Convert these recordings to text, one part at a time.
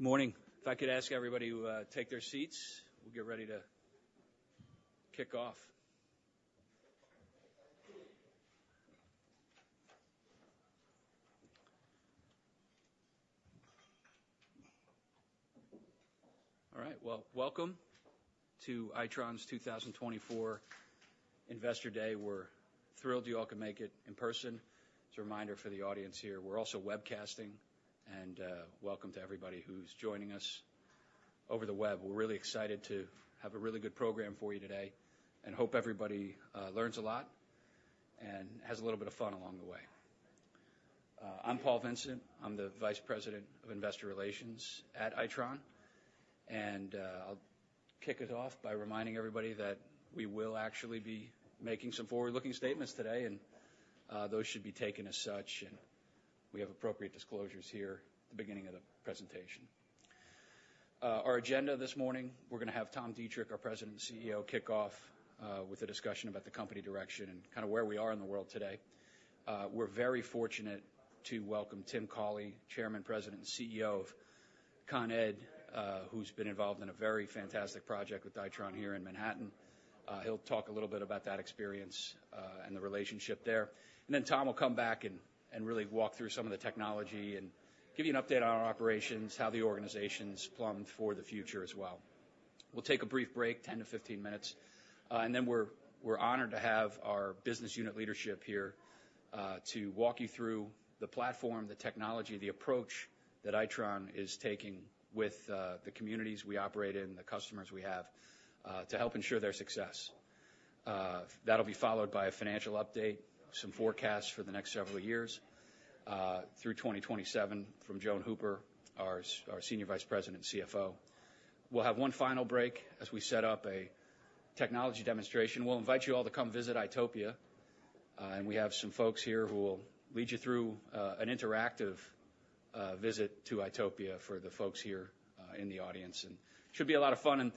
Morning! If I could ask everybody to take their seats, we'll get ready to kick off. All right, well, welcome to Itron's 2024 Investor Day. We're thrilled you all could make it in person. As a reminder for the audience here, we're also webcasting, and welcome to everybody who's joining us over the web. We're really excited to have a really good program for you today, and hope everybody learns a lot, and has a little bit of fun along the way. I'm Paul Vincent. I'm the Vice President of Investor Relations at Itron, and I'll kick it off by reminding everybody that we will actually be making some forward-looking statements today, and those should be taken as such, and we have appropriate disclosures here at the beginning of the presentation. Our agenda this morning, we're gonna have Tom Deitrich, our President and CEO, kick off with a discussion about the company direction and kinda where we are in the world today. We're very fortunate to welcome Tim Cawley, Chairman, President, and CEO of Con Ed, who's been involved in a very fantastic project with Itron here in Manhattan. He'll talk a little bit about that experience and the relationship there. And then Tom will come back and really walk through some of the technology and give you an update on our operations, how the organization's plumbed for the future as well. We'll take a brief break, 10-15 minutes, and then we're honored to have our business unit leadership here to walk you through the platform, the technology, the approach that Itron is taking with the communities we operate in, the customers we have to help ensure their success. That'll be followed by a financial update, some forecasts for the next several years through 2027 from Joan Hooper, our Senior Vice President and CFO. We'll have one final break as we set up a technology demonstration. We'll invite you all to come visit itopia, and we have some folks here who will lead you through an interactive visit to itopia for the folks here in the audience, and should be a lot of fun.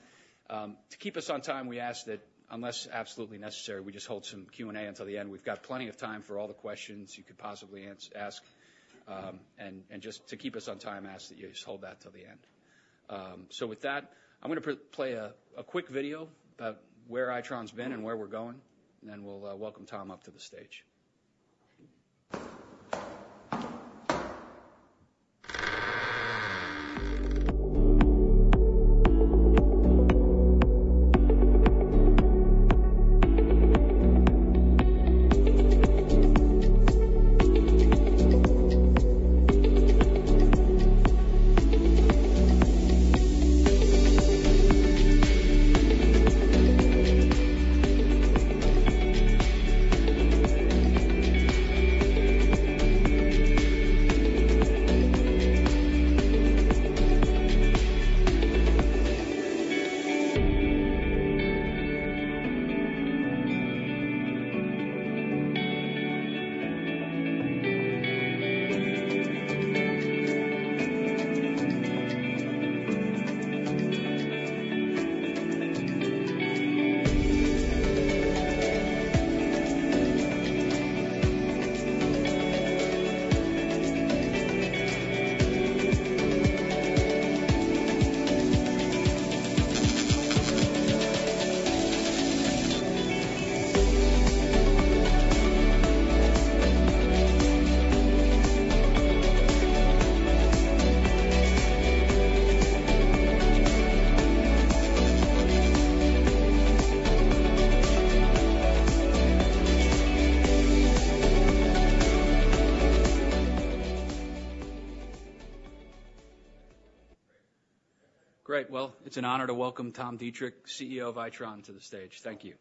To keep us on time, we ask that, unless absolutely necessary, we just hold some Q&A until the end. We've got plenty of time for all the questions you could possibly ask, and just to keep us on time, I ask that you just hold that till the end. So with that, I'm gonna play a quick video about where Itron's been and where we're going, and then we'll welcome Tom up to the stage. Great! Well, it's an honor to welcome Tom Deitrich, CEO of Itron, to the stage. Thank you.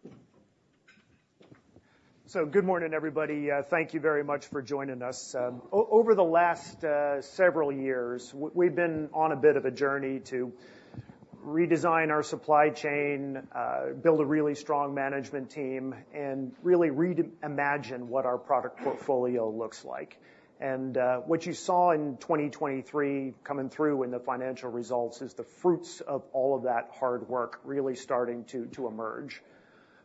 Good morning, everybody. Thank you very much for joining us. Over the last several years, we've been on a bit of a journey to redesign our supply chain, build a really strong management team, and really re-imagine what our product portfolio looks like. And what you saw in 2023 coming through in the financial results is the fruits of all of that hard work really starting to emerge.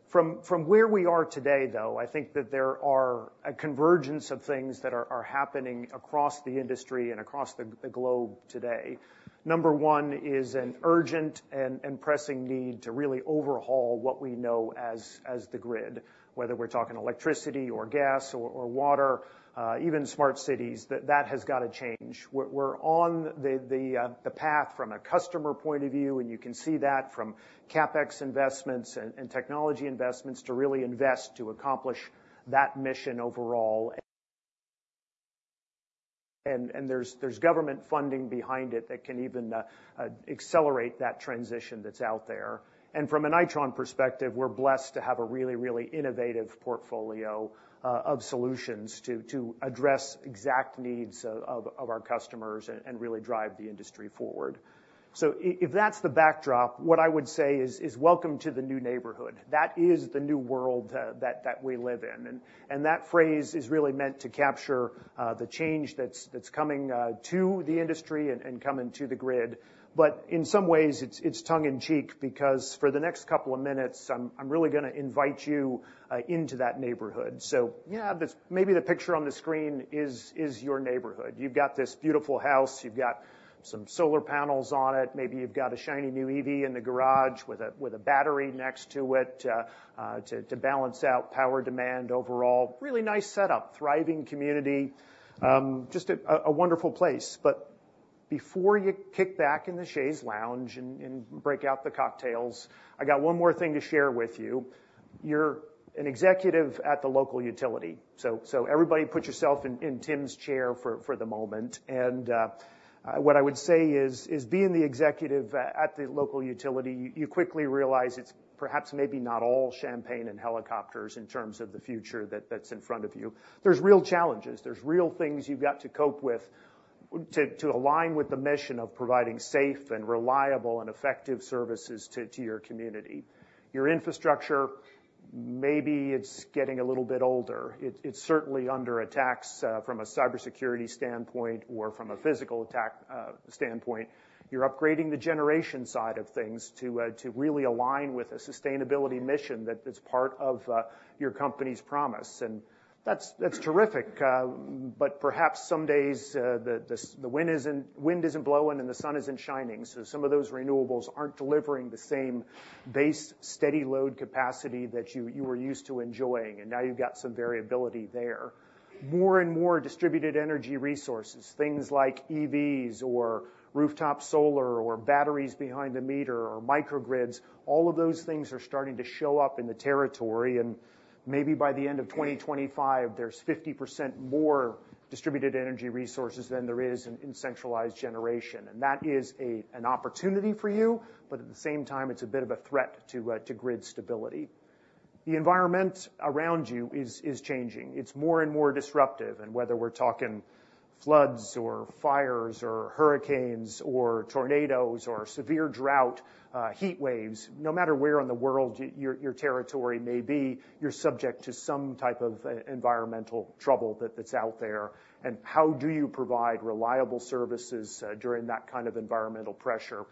From where we are today, though, I think that there are a convergence of things that are happening across the industry and across the globe today. Number one is an urgent and pressing need to really overhaul what we know as the grid, whether we're talking electricity or gas or water, even smart cities, that has gotta change. We're on the path from a customer point of view, and you can see that from CapEx investments and technology investments to really invest to accomplish that mission overall. And there's government funding behind it that can even accelerate that transition that's out there. And from an Itron perspective, we're blessed to have a really innovative portfolio of solutions to address exact needs of our customers and really drive the industry forward. So if that's the backdrop, what I would say is welcome to the new neighborhood. That is the new world that we live in, and that phrase is really meant to capture the change that's coming to the industry and coming to the grid. But in some ways, it's tongue in cheek, because for the next couple of minutes, I'm really gonna invite you into that neighborhood. So yeah, this maybe the picture on the screen is your neighborhood. You've got this beautiful house. You've got some solar panels on it. Maybe you've got a shiny new EV in the garage with a battery next to it to balance out power demand overall. Really nice setup, thriving community, just a wonderful place. But before you kick back in the chaise lounge and break out the cocktails, I got one more thing to share with you. You're an executive at the local utility, so everybody put yourself in Tim's chair for the moment. What I would say is, being the executive at the local utility, you quickly realize it's perhaps maybe not all champagne and helicopters in terms of the future that's in front of you. There's real challenges, there's real things you've got to cope with, to align with the mission of providing safe and reliable and effective services to your community. Your infrastructure, maybe it's getting a little bit older. It's certainly under attacks from a cybersecurity standpoint or from a physical attack standpoint. You're upgrading the generation side of things to really align with the sustainability mission that is part of your company's promise. And that's terrific, but perhaps some days, the wind isn't blowing and the sun isn't shining, so some of those renewables aren't delivering the same base, steady load capacity that you were used to enjoying, and now you've got some variability there. More and more distributed energy resources, things like EVs or rooftop solar or batteries behind the meter or microgrids, all of those things are starting to show up in the territory, and maybe by the end of 2025, there's 50% more distributed energy resources than there is in centralized generation. And that is an opportunity for you, but at the same time, it's a bit of a threat to grid stability. The environment around you is changing. It's more and more disruptive, and whether we're talking floods or fires or hurricanes or tornadoes or severe drought, heat waves, no matter where in the world your territory may be, you're subject to some type of environmental trouble that's out there. And how do you provide reliable services during that kind of environmental pressure?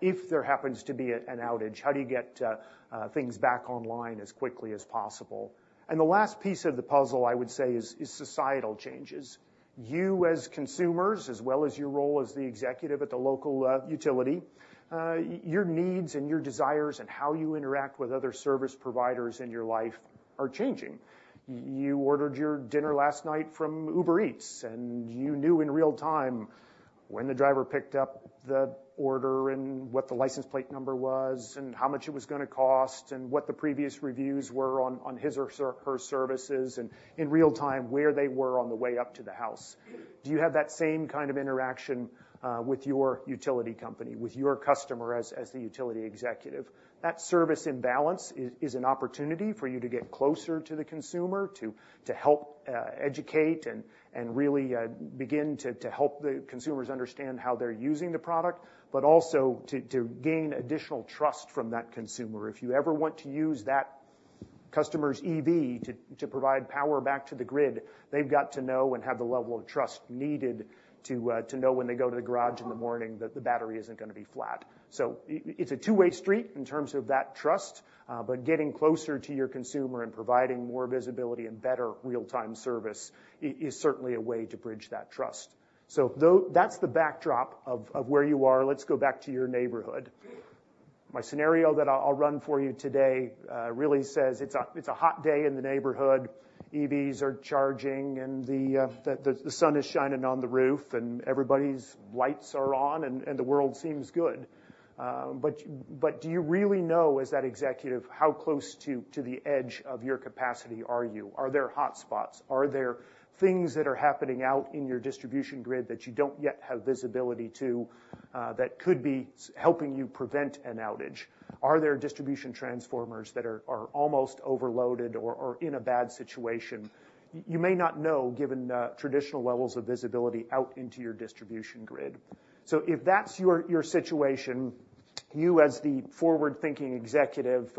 If there happens to be an outage, how do you get things back online as quickly as possible? And the last piece of the puzzle, I would say, is societal changes. You, as consumers, as well as your role as the executive at the local utility, your needs and your desires and how you interact with other service providers in your life are changing. You ordered your dinner last night from Uber Eats, and you knew in real time when the driver picked up the order and what the license plate number was, and how much it was gonna cost, and what the previous reviews were on his or her services, and in real time, where they were on the way up to the house. Do you have that same kind of interaction with your utility company, with your customer as the utility executive? That service imbalance is an opportunity for you to get closer to the consumer, to help educate and really begin to help the consumers understand how they're using the product, but also to gain additional trust from that consumer. If you ever want to use that customer's EV to provide power back to the grid, they've got to know and have the level of trust needed to know when they go to the garage in the morning, that the battery isn't gonna be flat. So it's a two-way street in terms of that trust, but getting closer to your consumer and providing more visibility and better real-time service is certainly a way to bridge that trust. So that's the backdrop of where you are. Let's go back to your neighborhood. My scenario that I'll run for you today really says it's a hot day in the neighborhood. EVs are charging, and the sun is shining on the roof, and everybody's lights are on and the world seems good. But do you really know, as that executive, how close to the edge of your capacity are you? Are there hotspots? Are there things that are happening out in your distribution grid that you don't yet have visibility to that could be helping you prevent an outage? Are there distribution transformers that are almost overloaded or in a bad situation? You may not know, given the traditional levels of visibility out into your distribution grid. So if that's your situation, you, as the forward-thinking executive,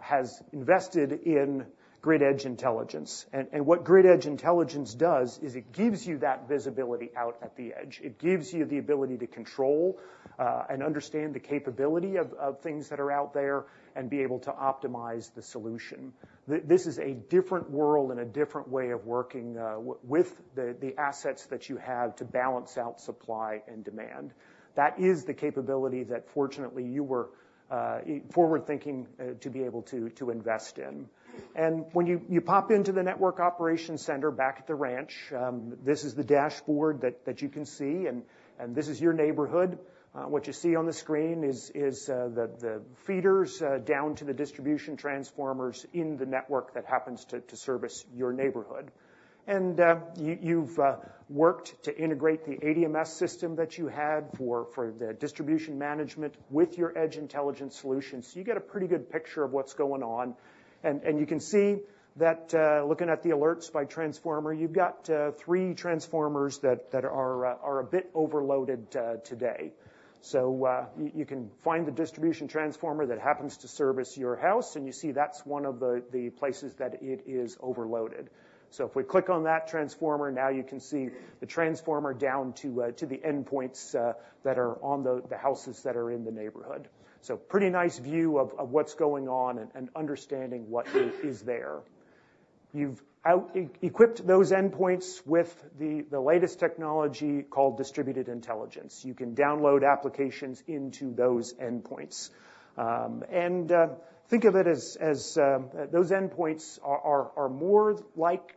has invested in grid edge intelligence. And what grid edge intelligence does is it gives you that visibility out at the edge. It gives you the ability to control and understand the capability of things that are out there and be able to optimize the solution. This is a different world and a different way of working with the assets that you have to balance out supply and demand. That is the capability that, fortunately, you were forward-thinking to be able to invest in. And when you pop into the network operations center back at the ranch, this is the dashboard that you can see, and this is your neighborhood. What you see on the screen is the feeders down to the distribution transformers in the network that happens to service your neighborhood. You've worked to integrate the ADMS system that you had for the distribution management with your edge intelligence solutions. So you get a pretty good picture of what's going on, and you can see that, looking at the alerts by transformer, you've got three transformers that are a bit overloaded today. So you can find the distribution transformer that happens to service your house, and you see that's one of the places that it is overloaded. So if we click on that transformer, now you can see the transformer down to the endpoints that are on the houses that are in the neighborhood. So pretty nice view of what's going on and understanding what is there. You've equipped those endpoints with the latest technology called distributed intelligence. You can download applications into those endpoints. And think of it as... Those endpoints are more like-...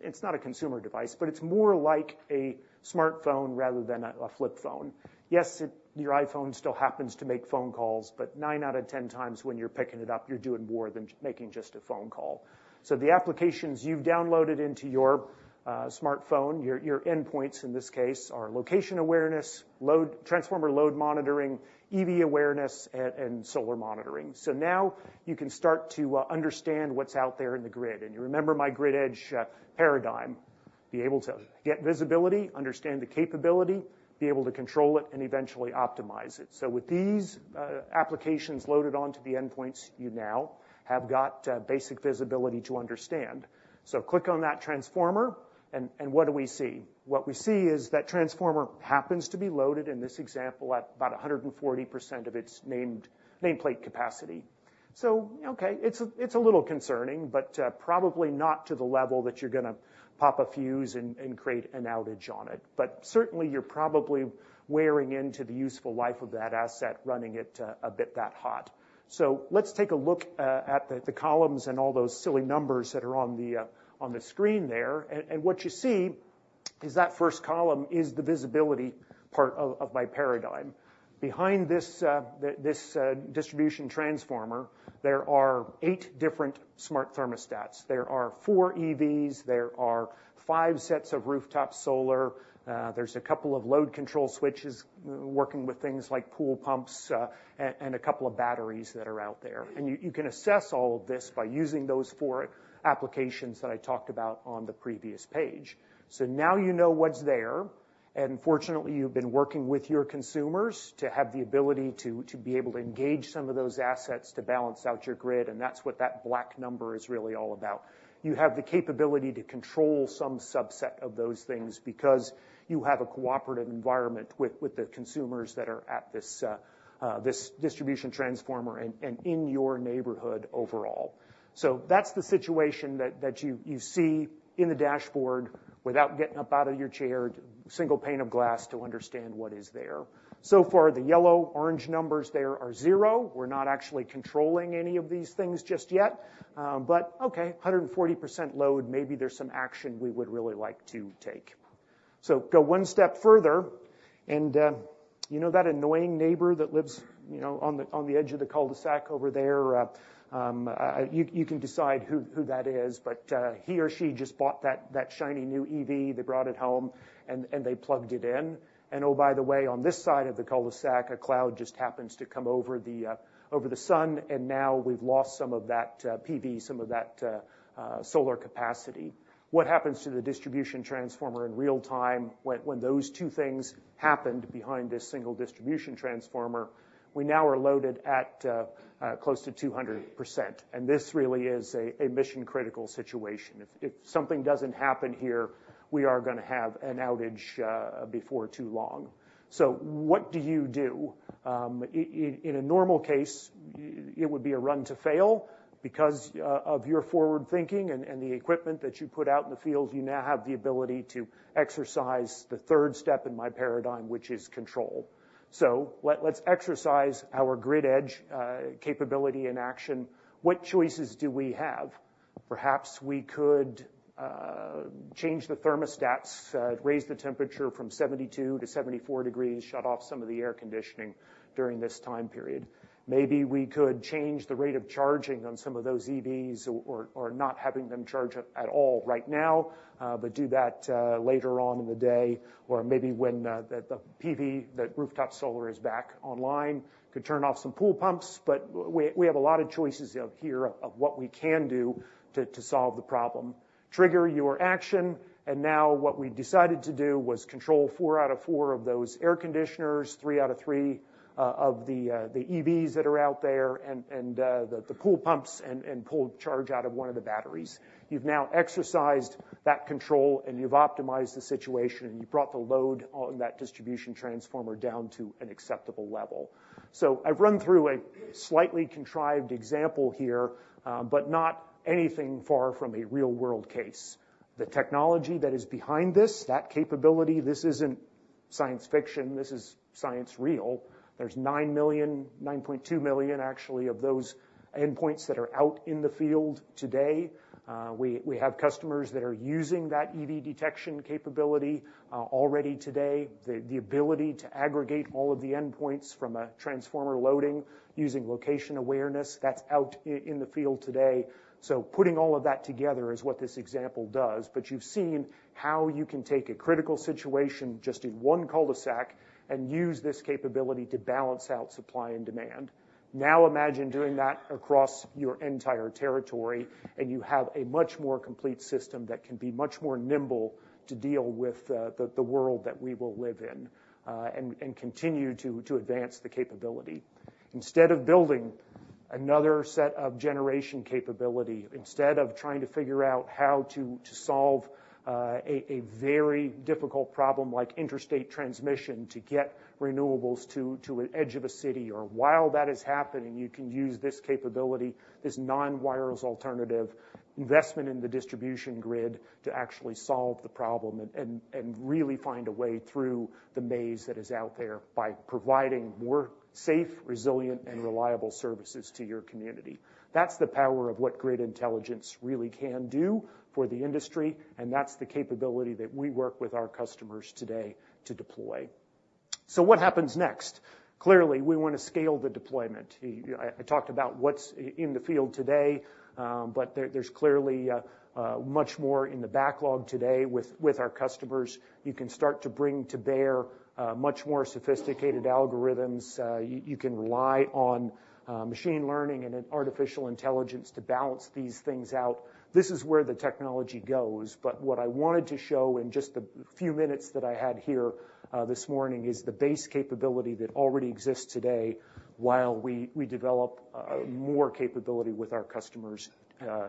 It's not a consumer device, but it's more like a smartphone rather than a flip phone. Yes, your iPhone still happens to make phone calls, but nine out of ten times when you're picking it up, you're doing more than making just a phone call. So the applications you've downloaded into your smartphone, your endpoints in this case, are location awareness, transformer load monitoring, EV awareness, and solar monitoring. So now you can start to understand what's out there in the grid. And you remember my grid edge paradigm: be able to get visibility, understand the capability, be able to control it, and eventually optimize it. So with these applications loaded onto the endpoints, you now have got basic visibility to understand. So click on that transformer, and what do we see? What we see is that transformer happens to be loaded, in this example, at about 140% of its nameplate capacity. So okay, it's a little concerning, but probably not to the level that you're gonna pop a fuse and create an outage on it. But certainly, you're probably wearing into the useful life of that asset, running it a bit that hot. So let's take a look at the columns and all those silly numbers that are on the screen there. What you see is that first column is the visibility part of my paradigm. Behind this distribution transformer, there are eight different smart thermostats. There are 4 EVs, there are five sets of rooftop solar, there's a couple of load control switches working with things like pool pumps, and, and a couple of batteries that are out there. And you, you can assess all of this by using those four applications that I talked about on the previous page. So now you know what's there, and fortunately, you've been working with your consumers to have the ability to, to be able to engage some of those assets to balance out your grid, and that's what that black number is really all about. You have the capability to control some subset of those things because you have a cooperative environment with, with the consumers that are at this, this distribution transformer and, and in your neighborhood overall. So that's the situation that you see in the dashboard without getting up out of your chair, single pane of glass to understand what is there. So far, the yellow, orange numbers there are zero. We're not actually controlling any of these things just yet. But okay, 140% load, maybe there's some action we would really like to take. So go one step further, and you know that annoying neighbor that lives, you know, on the edge of the cul-de-sac over there? You can decide who that is, but he or she just bought that shiny new EV, they brought it home, and they plugged it in. And oh, by the way, on this side of the cul-de-sac, a cloud just happens to come over the over the sun, and now we've lost some of that PV, some of that solar capacity. What happens to the distribution transformer in real time when those two things happened behind this single distribution transformer? We now are loaded at close to 200%, and this really is a mission-critical situation. If something doesn't happen here, we are gonna have an outage before too long. So what do you do? In a normal case, it would be a run to fail. Because of your forward thinking and the equipment that you put out in the field, you now have the ability to exercise the third step in my paradigm, which is control. So let's exercise our grid edge capability in action. What choices do we have? Perhaps we could change the thermostats, raise the temperature from 72 to 74 degrees, shut off some of the air conditioning during this time period. Maybe we could change the rate of charging on some of those EVs or not having them charge at all right now, but do that later on in the day, or maybe when the PV, the rooftop solar is back online. Could turn off some pool pumps, but we have a lot of choices out here of what we can do to solve the problem. Trigger your action, and now what we decided to do was control four out of four of those air conditioners, three out of three of the EVs that are out there, and the pool pumps, and pull charge out of one of the batteries. You've now exercised that control, and you've optimized the situation, and you brought the load on that distribution transformer down to an acceptable level. So I've run through a slightly contrived example here, but not anything far from a real-world case. The technology that is behind this, that capability, this isn't science fiction, this is science real. There's 9 million, 9.2 million, actually, of those endpoints that are out in the field today. We have customers that are using that EV detection capability already today. The ability to aggregate all of the endpoints from a transformer loading using location awareness, that's out in the field today. So putting all of that together is what this example does, but you've seen how you can take a critical situation, just in one cul-de-sac, and use this capability to balance out supply and demand. Now, imagine doing that across your entire territory, and you have a much more complete system that can be much more nimble to deal with the world that we will live in, and continue to advance the capability. Instead of building another set of generation capability, instead of trying to figure out how to solve a very difficult problem like interstate transmission to get renewables to an edge of a city, or while that is happening, you can use this capability, this non-wires alternative investment in the distribution grid to actually solve the problem and really find a way through the maze that is out there by providing more safe, resilient, and reliable services to your community. That's the power of what grid intelligence really can do for the industry, and that's the capability that we work with our customers today to deploy.... So what happens next? Clearly, we want to scale the deployment. I talked about what's in the field today, but there's clearly much more in the backlog today with our customers. You can start to bring to bear much more sophisticated algorithms. You can rely on machine learning and an artificial intelligence to balance these things out. This is where the technology goes, but what I wanted to show in just the few minutes that I had here this morning is the base capability that already exists today, while we develop more capability with our customers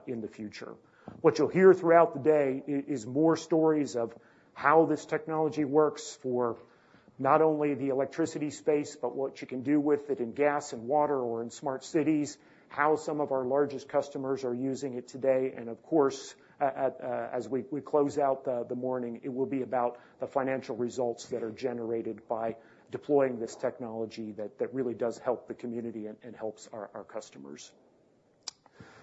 in the future. What you'll hear throughout the day is more stories of how this technology works for not only the electricity space, but what you can do with it in gas and water or in smart cities, how some of our largest customers are using it today, and of course, as we close out the morning, it will be about the financial results that are generated by deploying this technology that really does help the community and helps our customers.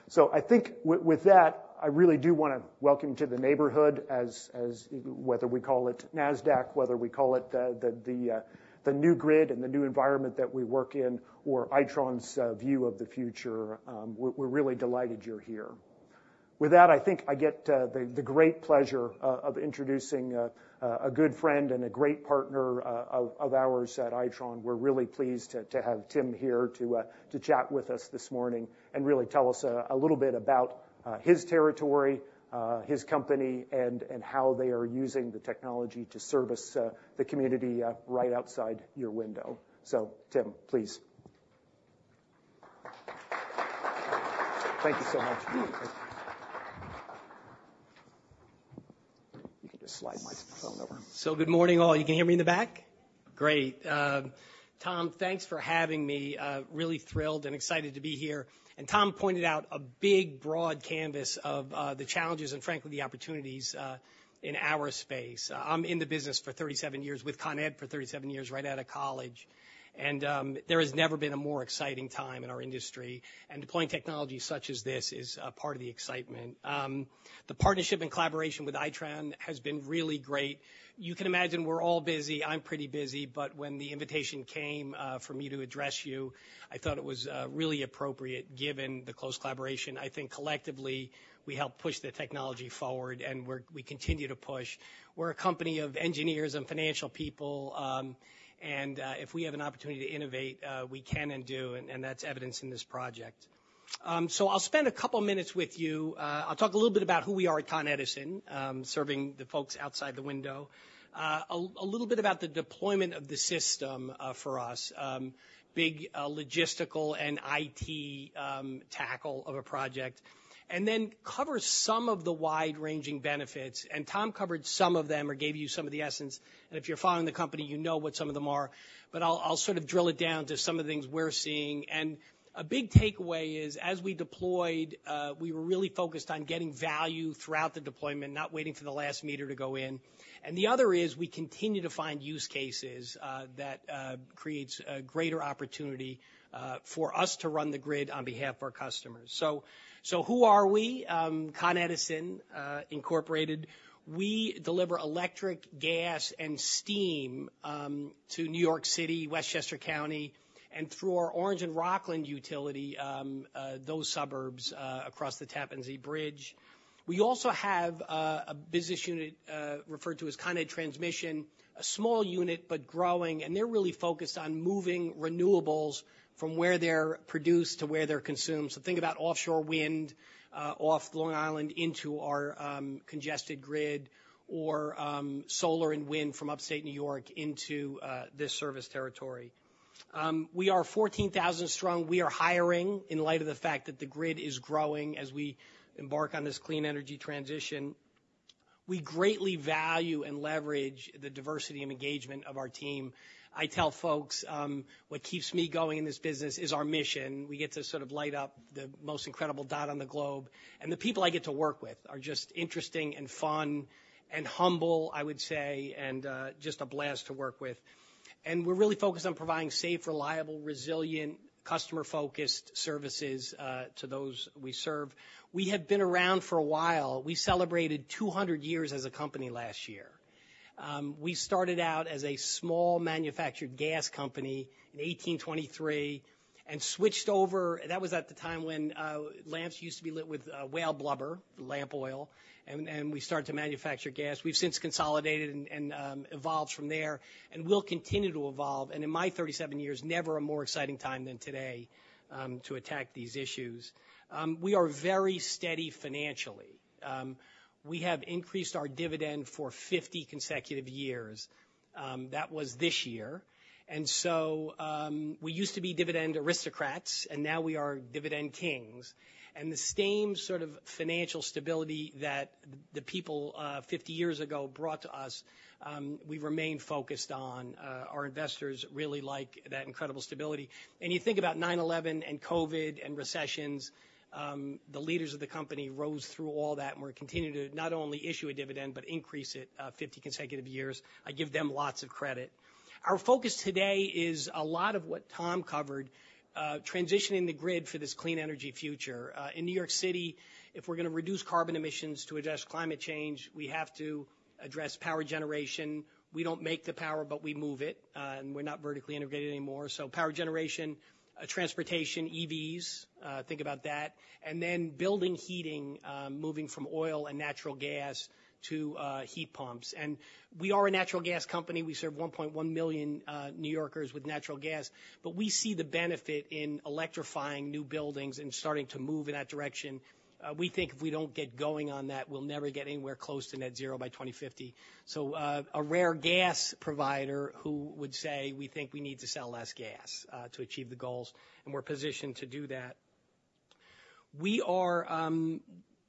So I think with that, I really do wanna welcome you to the neighborhood as whether we call it Nasdaq, whether we call it the new grid and the new environment that we work in, or Itron's view of the future, we're really delighted you're here. With that, I think I get the great pleasure of introducing a good friend and a great partner of ours at Itron. We're really pleased to have Tim here to chat with us this morning, and really tell us a little bit about his territory, his company, and how they are using the technology to service the community right outside your window. So Tim, please. Thank you so much. You can just slide my phone over. So good morning, all. You can hear me in the back? Great. Tom, thanks for having me. Really thrilled and excited to be here. Tom pointed out a big, broad canvas of the challenges and frankly, the opportunities in our space. I'm in the business for 37 years, with Con Ed for 37 years, right out of college, and there has never been a more exciting time in our industry. Deploying technology such as this is part of the excitement. The partnership and collaboration with Itron has been really great. You can imagine we're all busy. I'm pretty busy, but when the invitation came for me to address you, I thought it was really appropriate, given the close collaboration. I think collectively, we help push the technology forward, and we continue to push. We're a company of engineers and financial people, and, if we have an opportunity to innovate, we can and do, and that's evidenced in this project. So I'll spend a couple minutes with you. I'll talk a little bit about who we are at Con Edison, serving the folks outside the window. A little bit about the deployment of the system, for us, big, logistical and IT, tackle of a project, and then cover some of the wide-ranging benefits. And Tom covered some of them or gave you some of the essence, and if you're following the company, you know what some of them are, but I'll, I'll sort of drill it down to some of the things we're seeing. A big takeaway is, as we deployed, we were really focused on getting value throughout the deployment, not waiting for the last meter to go in. The other is, we continue to find use cases that creates a greater opportunity for us to run the grid on behalf of our customers. So, who are we? Con Edison Incorporated, we deliver electric, gas, and steam to New York City, Westchester County, and through our Orange and Rockland utility, those suburbs across the Tappan Zee Bridge. We also have a business unit referred to as Con Ed Transmission, a small unit, but growing, and they're really focused on moving renewables from where they're produced to where they're consumed. So think about offshore wind off Long Island into our congested grid, or solar and wind from Upstate New York into this service territory. We are 14,000 strong. We are hiring in light of the fact that the grid is growing as we embark on this clean energy transition. We greatly value and leverage the diversity and engagement of our team. I tell folks what keeps me going in this business is our mission. We get to sort of light up the most incredible dot on the globe, and the people I get to work with are just interesting and fun and humble, I would say, and just a blast to work with. And we're really focused on providing safe, reliable, resilient, customer-focused services to those we serve. We have been around for a while. We celebrated 200 years as a company last year. We started out as a small manufactured gas company in 1823 and switched over. That was at the time when lamps used to be lit with whale blubber, lamp oil, and we started to manufacture gas. We've since consolidated and evolved from there and will continue to evolve. In my 37 years, never a more exciting time than today to attack these issues. We are very steady financially. We have increased our dividend for 50 consecutive years. That was this year. And so, we used to be Dividend Aristocrats, and now we are Dividend Kings. And the same sort of financial stability that the people 50 years ago brought to us, we remain focused on. Our investors really like that incredible stability. You think about 9/11 and COVID and recessions, the leaders of the company rose through all that, and we're continuing to not only issue a dividend but increase it, 50 consecutive years. I give them lots of credit. Our focus today is a lot of what Tom covered, transitioning the grid for this clean energy future. In New York City, if we're gonna reduce carbon emissions to address climate change, we have to address power generation. We don't make the power, but we move it. We're not vertically integrated anymore. So power generation, transportation, EVs, think about that. Then building heating, moving from oil and natural gas to heat pumps. We are a natural gas company. We serve 1.1 million New Yorkers with natural gas, but we see the benefit in electrifying new buildings and starting to move in that direction. We think if we don't get going on that, we'll never get anywhere close to net zero by 2050. So, a rare gas provider who would say, we think we need to sell less gas to achieve the goals, and we're positioned to do that. We are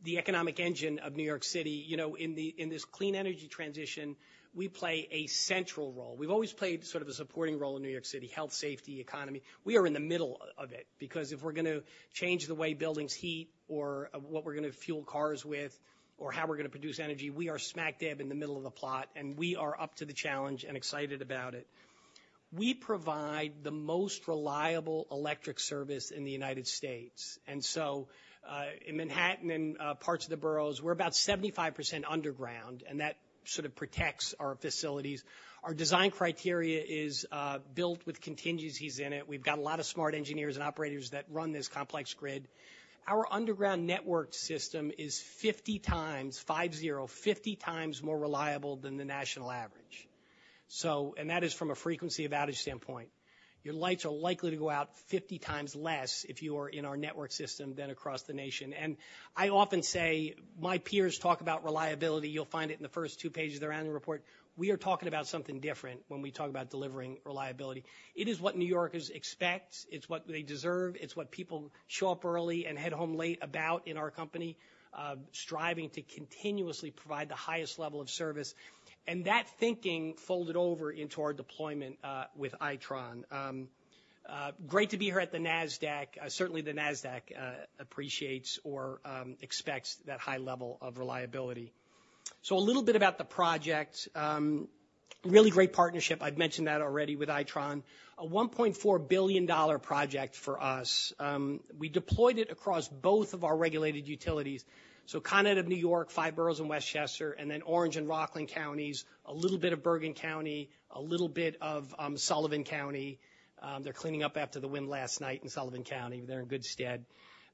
the economic engine of New York City. You know, in this clean energy transition, we play a central role. We've always played sort of a supporting role in New York City, health, safety, economy. We are in the middle of it, because if we're gonna change the way buildings heat or what we're gonna fuel cars with or how we're gonna produce energy, we are smack dab in the middle of the plot, and we are up to the challenge and excited about it. We provide the most reliable electric service in the United States. So, in Manhattan and parts of the boroughs, we're about 75% underground, and that sort of protects our facilities. Our design criteria is built with contingencies in it. We've got a lot of smart engineers and operators that run this complex grid. Our underground network system is 50 times more reliable than the national average. And that is from a frequency of outage standpoint. Your lights are likely to go out 50 times less if you are in our network system than across the nation. I often say, my peers talk about reliability. You'll find it in the first two pages of the annual report. We are talking about something different when we talk about delivering reliability. It is what New Yorkers expect. It's what they deserve. It's what people show up early and head home late about in our company, striving to continuously provide the highest level of service. That thinking folded over into our deployment with Itron. Great to be here at the Nasdaq. Certainly, the Nasdaq expects that high level of reliability. So a little bit about the project. Really great partnership. I've mentioned that already with Itron. A $1.4 billion project for us. We deployed it across both of our regulated utilities. So Con Ed of New York, five boroughs in Westchester, and then Orange and Rockland counties, a little bit of Bergen County, a little bit of Sullivan County. They're cleaning up after the wind last night in Sullivan County. They're in good stead.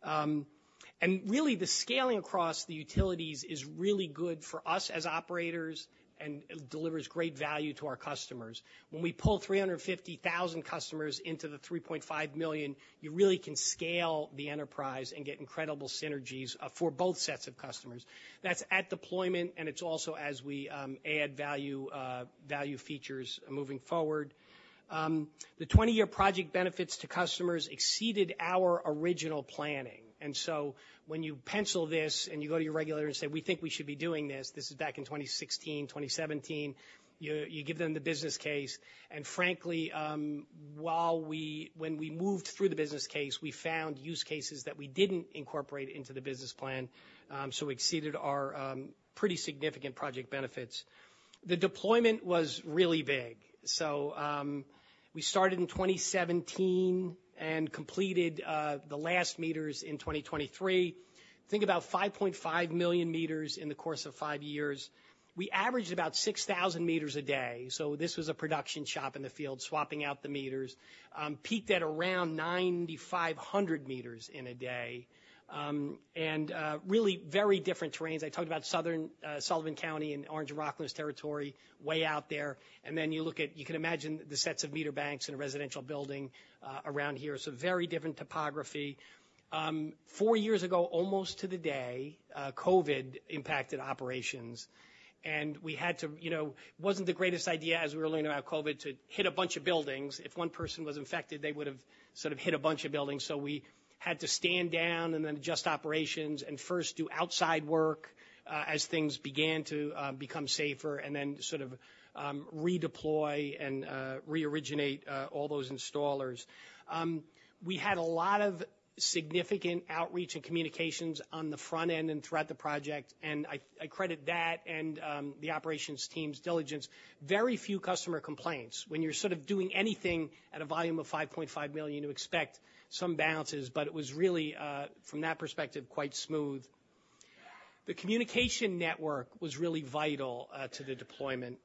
And really, the scaling across the utilities is really good for us as operators and delivers great value to our customers. When we pull 350,000 customers into the 3.5 million, you really can scale the enterprise and get incredible synergies for both sets of customers. That's at deployment, and it's also as we add value, value features moving forward. The 20-year project benefits to customers exceeded our original planning. And so when you pencil this and you go to your regulator and say, "We think we should be doing this," this is back in 2016, 2017, you give them the business case. And frankly, while we when we moved through the business case, we found use cases that we didn't incorporate into the business plan, so we exceeded our pretty significant project benefits. The deployment was really big. So, we started in 2017 and completed the last meters in 2023. Think about 5.5 million meters in the course of five years. We averaged about 6,000 meters a day, so this was a production shop in the field, swapping out the meters. Peaked at around 9,500 meters in a day, and really very different terrains. I talked about southern Sullivan County and Orange and Rockland's territory, way out there. And then you look at... You can imagine the sets of meter banks in a residential building around here. So very different topography. Four years ago, almost to the day, COVID impacted operations, and we had to—you know, wasn't the greatest idea, as we were learning about COVID, to hit a bunch of buildings. If one person was infected, they would have sort of hit a bunch of buildings. So we had to stand down and then adjust operations and first do outside work as things began to become safer, and then sort of redeploy and reoriginate all those installers. We had a lot of significant outreach and communications on the front end and throughout the project, and I credit that and the operations team's diligence. Very few customer complaints. When you're sort of doing anything at a volume of 5.5 million, you expect some bounces, but it was really from that perspective, quite smooth. The communication network was really vital to the deployment.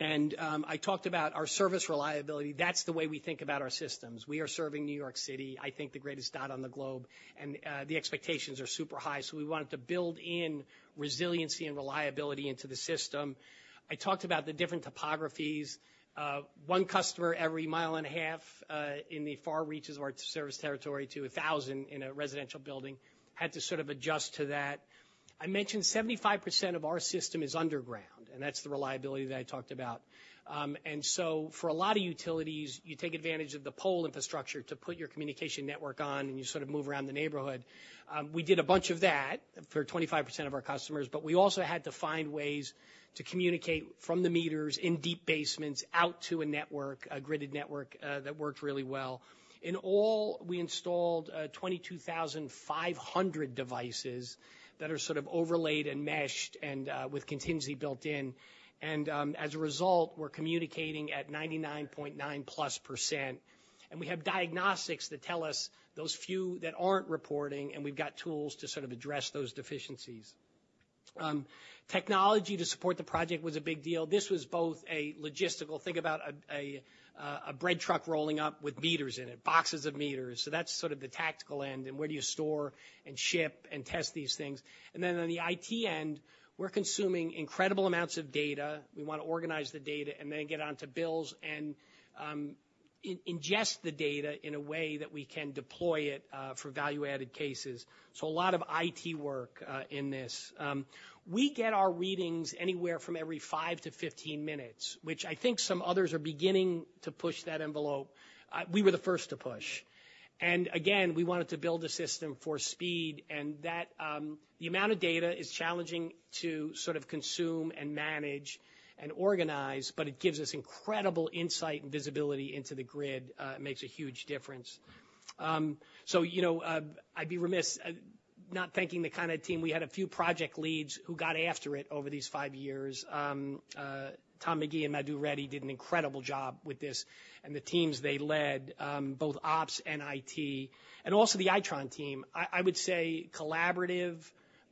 I talked about our service reliability. That's the way we think about our systems. We are serving New York City, I think the greatest dot on the globe, and the expectations are super high, so we wanted to build in resiliency and reliability into the system. I talked about the different topographies. One customer every 1.5 miles.... in the far reaches of our service territory to a thousand in a residential building, had to sort of adjust to that. I mentioned 75% of our system is underground, and that's the reliability that I talked about. And so for a lot of utilities, you take advantage of the pole infrastructure to put your communication network on, and you sort of move around the neighborhood. We did a bunch of that for 25% of our customers, but we also had to find ways to communicate from the meters in deep basements out to a network, a gridded network, that worked really well. In all, we installed 22,500 devices that are sort of overlaid and meshed and, with contingency built in. As a result, we're communicating at 99.9%+. We have diagnostics that tell us those few that aren't reporting, and we've got tools to sort of address those deficiencies. Technology to support the project was a big deal. This was both a logistical, think about a bread truck rolling up with meters in it, boxes of meters. So that's sort of the tactical end, and where do you store and ship and test these things? And then on the IT end, we're consuming incredible amounts of data. We want to organize the data and then get on to bills and ingest the data in a way that we can deploy it for value-added cases. So a lot of IT work in this. We get our readings anywhere from every 5-15 minutes, which I think some others are beginning to push that envelope. We were the first to push. And again, we wanted to build a system for speed, and that, the amount of data is challenging to sort of consume and manage and organize, but it gives us incredible insight and visibility into the grid, makes a huge difference. So, you know, I'd be remiss, not thanking the kind of team. We had a few project leads who got after it over these five years. Tom Magee and Madhu Reddy did an incredible job with this, and the teams they led, both ops and IT, and also the Itron team. I would say collaborative,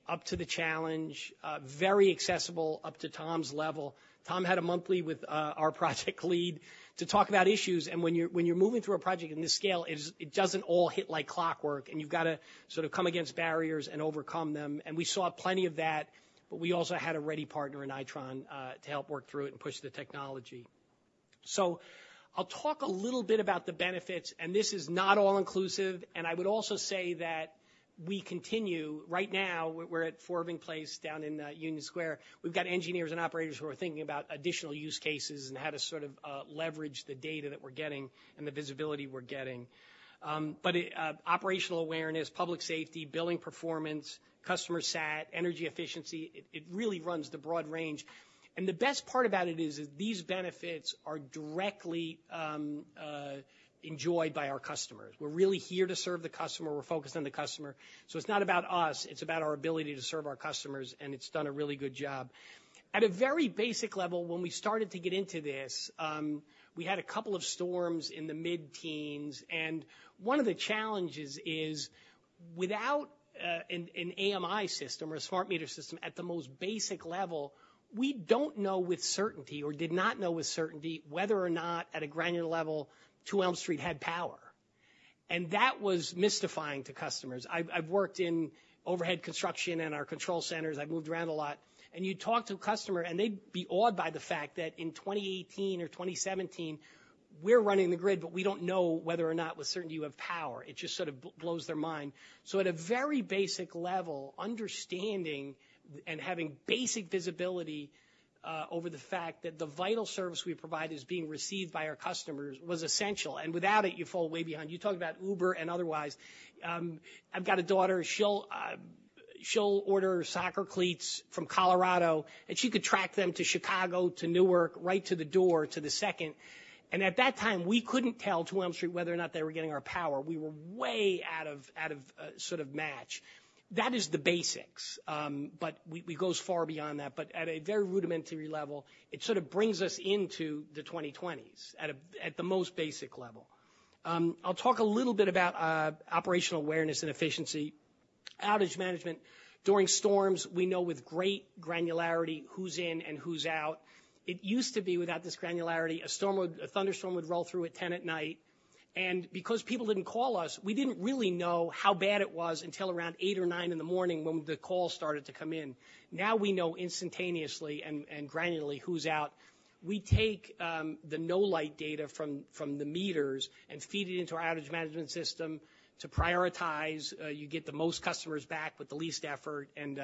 up to the challenge, very accessible, up to Tom's level. Tom had a monthly with our project lead to talk about issues, and when you're moving through a project in this scale, it doesn't all hit like clockwork, and you've got to sort of come against barriers and overcome them. We saw plenty of that, but we also had a ready partner in Itron to help work through it and push the technology. So I'll talk a little bit about the benefits, and this is not all inclusive, and I would also say that we continue. Right now, we're at 4 Irving Place down in Union Square. We've got engineers and operators who are thinking about additional use cases and how to sort of leverage the data that we're getting and the visibility we're getting. But it operational awareness, public safety, billing performance, customer sat, energy efficiency, it really runs the broad range. And the best part about it is these benefits are directly enjoyed by our customers. We're really here to serve the customer. We're focused on the customer. So it's not about us, it's about our ability to serve our customers, and it's done a really good job. At a very basiC-level, when we started to get into this, we had a couple of storms in the mid-teens, and one of the challenges is, without an AMI system or a smart meter system, at the most basiC-level, we don't know with certainty or did not know with certainty whether or not, at a granular level, Two Elm Street had power. And that was mystifying to customers. I've worked in overhead construction and our control centers. I've moved around a lot, and you'd talk to a customer, and they'd be awed by the fact that in 2018 or 2017, we're running the grid, but we don't know whether or not with certainty you have power. It just sort of blows their mind. So at a very basiC-level, understanding and having basic visibility over the fact that the vital service we provide is being received by our customers was essential, and without it, you fall way behind. You talk about Uber and otherwise, I've got a daughter, she'll order soccer cleats from Colorado, and she could track them to Chicago, to Newark, right to the door, to the second. And at that time, we couldn't tell 2 Elm Street whether or not they were getting our power. We were way out of sort of match. That is the basics, but we goes far beyond that. But at a very rudimentary level, it sort of brings us into the 2020s at the most basiC-level. I'll talk a little bit about operational awareness and efficiency. Outage management. During storms, we know with great granularity who's in and who's out. It used to be, without this granularity, a thunderstorm would roll through at 10 P.M., and because people didn't call us, we didn't really know how bad it was until around 8 or 9 A.M. when the calls started to come in. Now, we know instantaneously and granularly who's out. We take the no-light data from the meters and feed it into our outage management system to prioritize you get the most customers back with the least effort and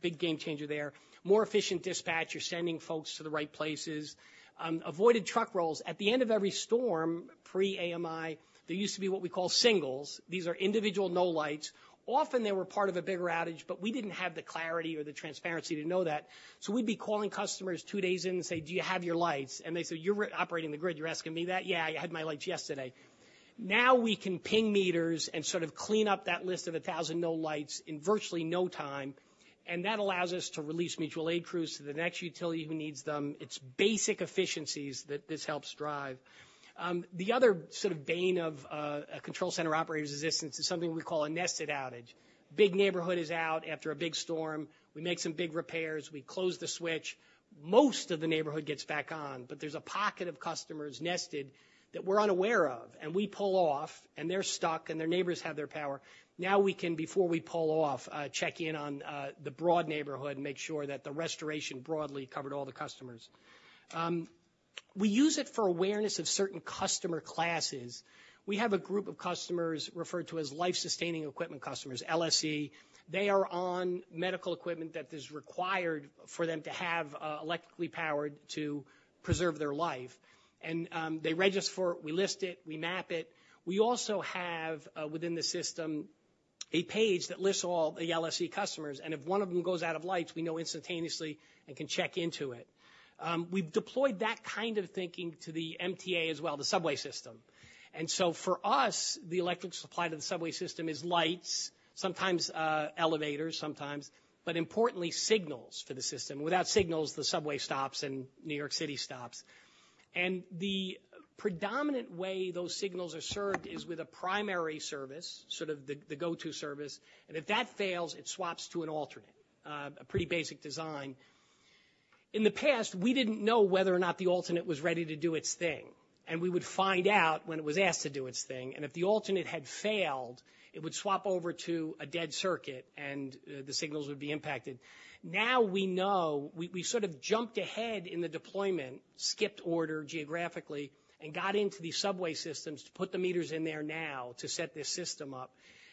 big game changer there. More efficient dispatch, you're sending folks to the right places. Avoided truck rolls. At the end of every storm, pre-AMI, there used to be what we call singles. These are individual no-lights. Often, they were part of a bigger outage, but we didn't have the clarity or the transparency to know that. So we'd be calling customers two days in and say: Do you have your lights? And they'd say, "You're operating the grid. You're asking me that? Yeah, I had my lights yesterday." Now, we can ping meters and sort of clean up that list of 1,000 no-lights in virtually no time, and that allows us to release mutual aid crews to the next utility who needs them. It's basic efficiencies that this helps drive. The other sort of bane of a control center operator's existence is something we call a nested outage. Big neighborhood is out after a big storm. We make some big repairs. We close the switch. Most of the neighborhood gets back on, but there's a pocket of customers nested that we're unaware of, and we pull off, and they're stuck, and their neighbors have their power. Now we can, before we pull off, check in on the broad neighborhood and make sure that the restoration broadly covered all the customers. We use it for awareness of certain customer classes. We have a group of customers referred to as life-sustaining equipment customers, LSE. They are on medical equipment that is required for them to have electrically powered to preserve their life. They register for it, we list it, we map it. We also have within the system a page that lists all the LSE customers, and if one of them goes out of lights, we know instantaneously and can check into it. We've deployed that kind of thinking to the MTA as well, the subway system. And so for us, the electric supply to the subway system is lights, sometimes elevators, sometimes, but importantly, signals for the system. Without signals, the subway stops and New York City stops. The predominant way those signals are served is with a primary service, sort of the, the go-to service, and if that fails, it swaps to an alternate, a pretty basic design. In the past, we didn't know whether or not the alternate was ready to do its thing, and we would find out when it was asked to do its thing, and if the alternate had failed, it would swap over to a dead circuit, and, the signals would be impacted. Now we know. We sort of jumped ahead in the deployment, skipped order geographically, and got into the subway systems to put the meters in there now to set this system up.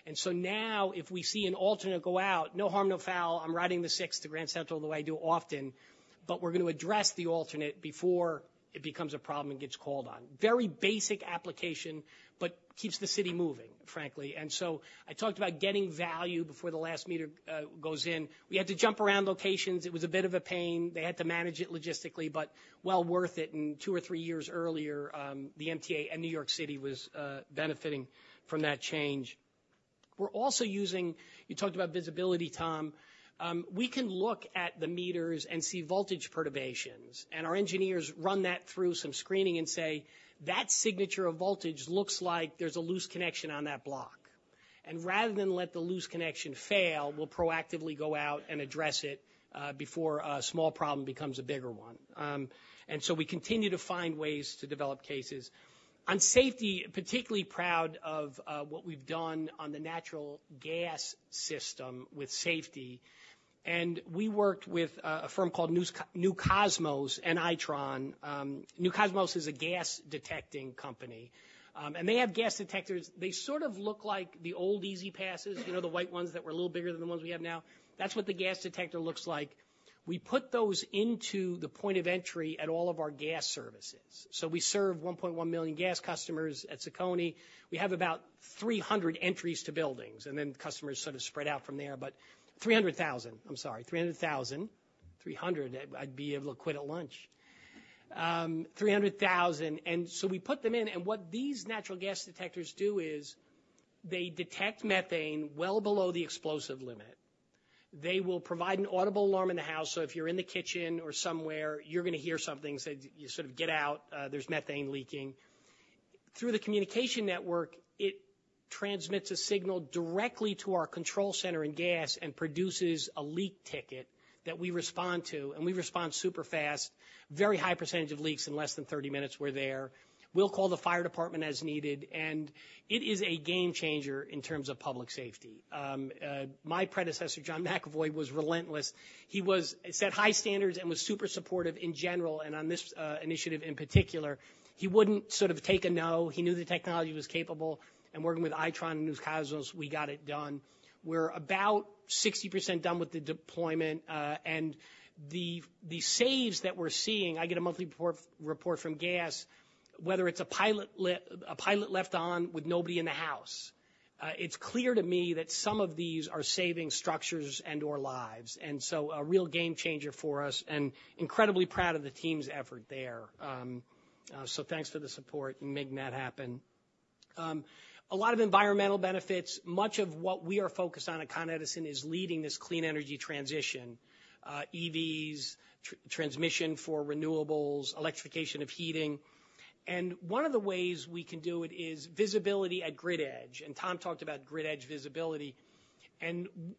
And so now, if we see an alternate go out, no harm, no foul, I'm riding the six to Grand Central the way I do often, but we're going to address the alternate before it becomes a problem and gets called on. Very basic application, but keeps the city moving, frankly. And so I talked about getting value before the last meter goes in. We had to jump around locations. It was a bit of a pain. They had to manage it logistically, but well worth it, and two or three years earlier, the MTA and New York City was benefiting from that change. We're also using-- You talked about visibility, Tom. We can look at the meters and see voltage perturbations, and our engineers run that through some screening and say, "That signature of voltage looks like there's a loose connection on that block." And rather than let the loose connection fail, we'll proactively go out and address it before a small problem becomes a bigger one. And so we continue to find ways to develop cases. On safety, particularly proud of what we've done on the natural gas system with safety. And we worked with a firm called New Cosmos and Itron. New Cosmos is a gas detecting company, and they have gas detectors. They sort of look like the old E-ZPass, you know, the white ones that were a little bigger than the ones we have now. That's what the gas detector looks like. We put those into the point of entry at all of our gas services. So we serve 1.1 million gas customers at Tacony. We have about 300 entries to buildings, and then customers sort of spread out from there, but 300,000, I'm sorry, 300,000. 300, I'd be able to quit at lunch. 300,000, and so we put them in, and what these natural gas detectors do is, they detect methane well below the explosive limit. They will provide an audible alarm in the house. So if you're in the kitchen or somewhere, you're gonna hear something, say, you sort of get out, there's methane leaking. Through the communication network, it transmits a signal directly to our control center in gas and produces a leak ticket that we respond to, and we respond super fast. Very high percentage of leaks in less than 30 minutes, we're there. We'll call the fire department as needed, and it is a game changer in terms of public safety. My predecessor, John McAvoy, was relentless. He was set high standards and was super supportive in general, and on this initiative in particular, he wouldn't sort of take a no. He knew the technology was capable, and working with Itron and New Cosmos, we got it done. We're about 60% done with the deployment, and the saves that we're seeing, I get a monthly report from gas, whether it's a pilot left on with nobody in the house. It's clear to me that some of these are saving structures and/or lives, and so a real game changer for us, and incredibly proud of the team's effort there. Thanks for the support in making that happen. A lot of environmental benefits. Much of what we are focused on at Con Edison is leading this clean energy transition, EVs, transmission for renewables, electrification of heating. One of the ways we can do it is visibility at grid edge, and Tom talked about grid edge visibility.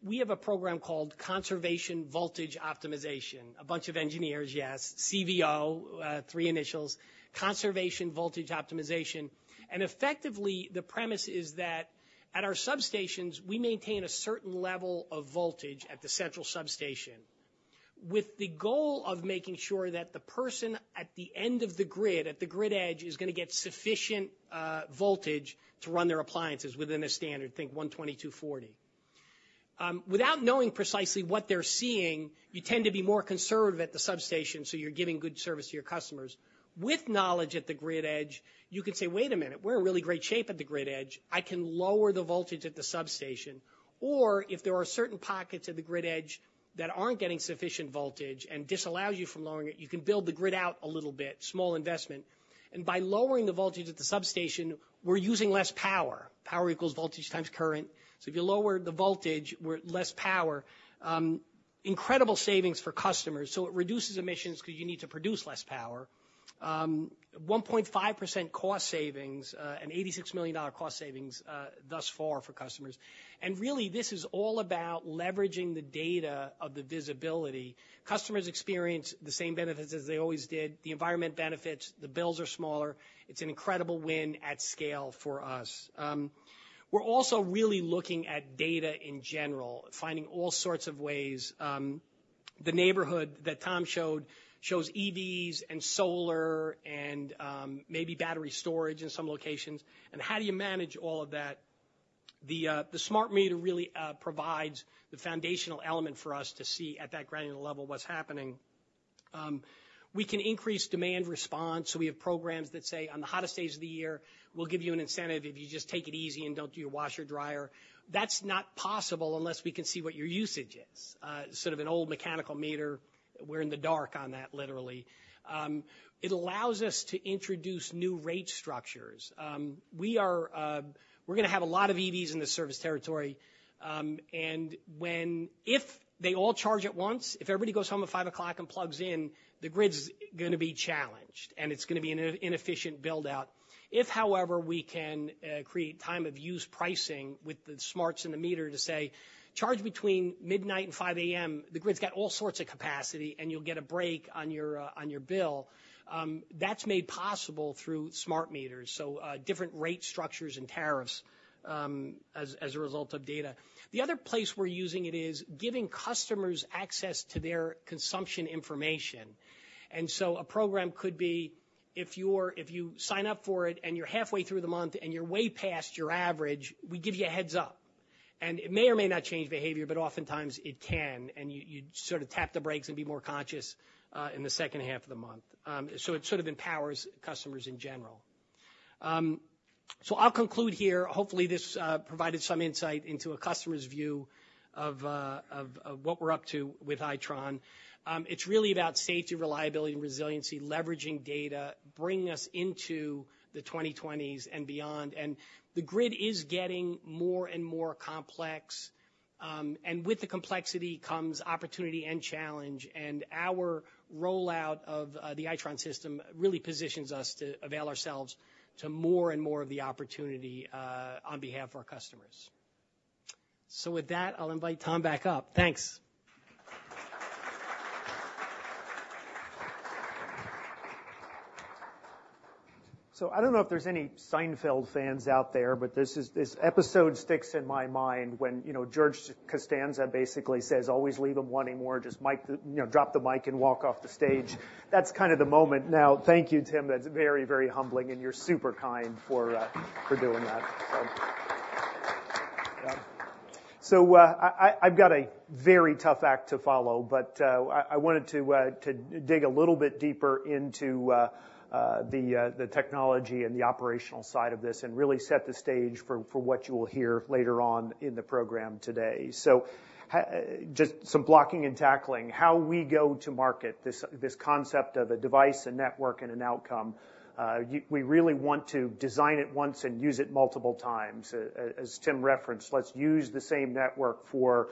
We have a program called Conservation Voltage Optimization. A bunch of engineers, yes, CVO, three initials, Conservation Voltage Optimization. Effectively, the premise is that at our substations, we maintain a certain level of voltage at the central substation, with the goal of making sure that the person at the end of the grid, at the grid edge, is gonna get sufficient voltage to run their appliances within a standard, think 120, 240. Without knowing precisely what they're seeing, you tend to be more conservative at the substation, so you're giving good service to your customers. With knowledge at the grid edge, you can say, "Wait a minute, we're in really great shape at the grid edge. I can lower the voltage at the substation," or if there are certain pockets at the grid edge that aren't getting sufficient voltage and disallows you from lowering it, you can build the grid out a little bit, small investment. And by lowering the voltage at the substation, we're using less power. Power equals voltage times current. So if you lower the voltage, we're less power. Incredible savings for customers, so it reduces emissions because you need to produce less power. 1.5% cost savings, and $86 million cost savings, thus far for customers. Really, this is all about leveraging the data of the visibility. Customers experience the same benefits as they always did, the environment benefits, the bills are smaller. It's an incredible win at scale for us. We're also really looking at data in general, finding all sorts of ways... the neighborhood that Tom showed shows EVs and solar and maybe battery storage in some locations, and how do you manage all of that? The smart meter really provides the foundational element for us to see at that granular level, what's happening. We can increase demand response. So we have programs that say, on the hottest days of the year, we'll give you an incentive if you just take it easy and don't do your washer-dryer. That's not possible unless we can see what your usage is. Sort of an old mechanical meter, we're in the dark on that, literally. It allows us to introduce new rate structures. We're gonna have a lot of EVs in the service territory, and if they all charge at once, if everybody goes home at 5:00 P.M. and plugs in, the grid's gonna be challenged, and it's gonna be an inefficient build-out. If, however, we can create Time-of-use pricing with the smarts in the meter to say, "Charge between 12:00 A.M. and 5:00 A.M.," the grid's got all sorts of capacity, and you'll get a break on your bill. That's made possible through smart meters, so different rate structures and tariffs, as a result of data. The other place we're using it is giving customers access to their consumption information. A program could be, if you're -- if you sign up for it, and you're halfway through the month, and you're way past your average, we give you a heads-up. It may or may not change behavior, but oftentimes it can, and you, you sort of tap the brakes and be more conscious in the second half of the month. So it sort of empowers customers in general. So I'll conclude here. Hopefully, this provided some insight into a customer's view of, of, of what we're up to with Itron. It's really about safety, reliability, and resiliency, leveraging data, bringing us into the 2020s and beyond. The grid is getting more and more complex, and with the complexity comes opportunity and challenge, and our rollout of the Itron system really positions us to avail ourselves to more and more of the opportunity on behalf of our customers. So with that, I'll invite Tom back up. Thanks. So I don't know if there's any Seinfeld fans out there, but this episode sticks in my mind when, you know, George Costanza basically says, "Always leave them wanting more, just mic the -- you know, drop the mic and walk off the stage." That's kind of the moment now. Thank you, Tim. That's very, very humbling, and you're super kind for doing that. So, I've got a very tough act to follow, but, I wanted to dig a little bit deeper into the technology and the operational side of this and really set the stage for what you will hear later on in the program today. So, just some blocking and tackling. How we go to market, this concept of a device, a network, and an outcome. We really want to design it once and use it multiple times. As Tim referenced, let's use the same network for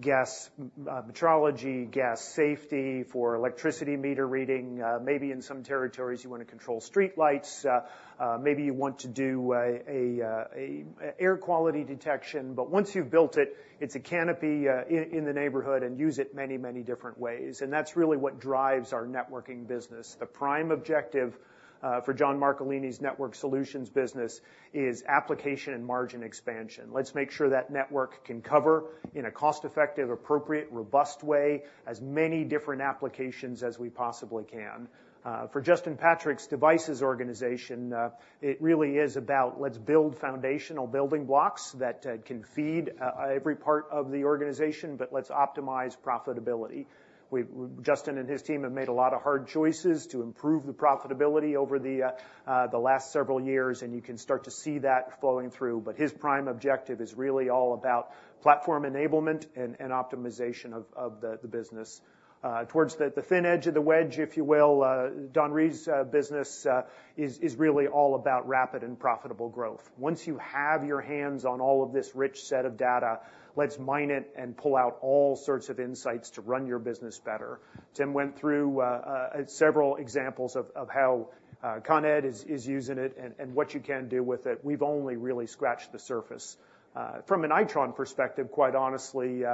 gas metrology, gas safety, for electricity meter reading, maybe in some territories, you want to control streetlights, maybe you want to do air quality detection. But once you've built it, it's a canopy in the neighborhood and use it many, many different ways, and that's really what drives our networking business. The prime objective for John Marcolini's Networked Solutions business is application and margin expansion. Let's make sure that network can cover in a cost-effective, appropriate, robust way, as many different applications as we possibly can. For Justin Patrick's devices organization, it really is about let's build foundational building blocks that can feed every part of the organization, but let's optimize profitability. Justin and his team have made a lot of hard choices to improve the profitability over the last several years, and you can start to see that flowing through. But his prime objective is really all about platform enablement and optimization of the business. Towards the thin edge of the wedge, if you will, Don Reeves's business is really all about rapid and profitable growth. Once you have your hands on all of this rich set of data, let's mine it and pull out all sorts of insights to run your business better. Tim went through several examples of how Con Ed is using it and what you can do with it. We've only really scratched the surface. From an Itron perspective, quite honestly,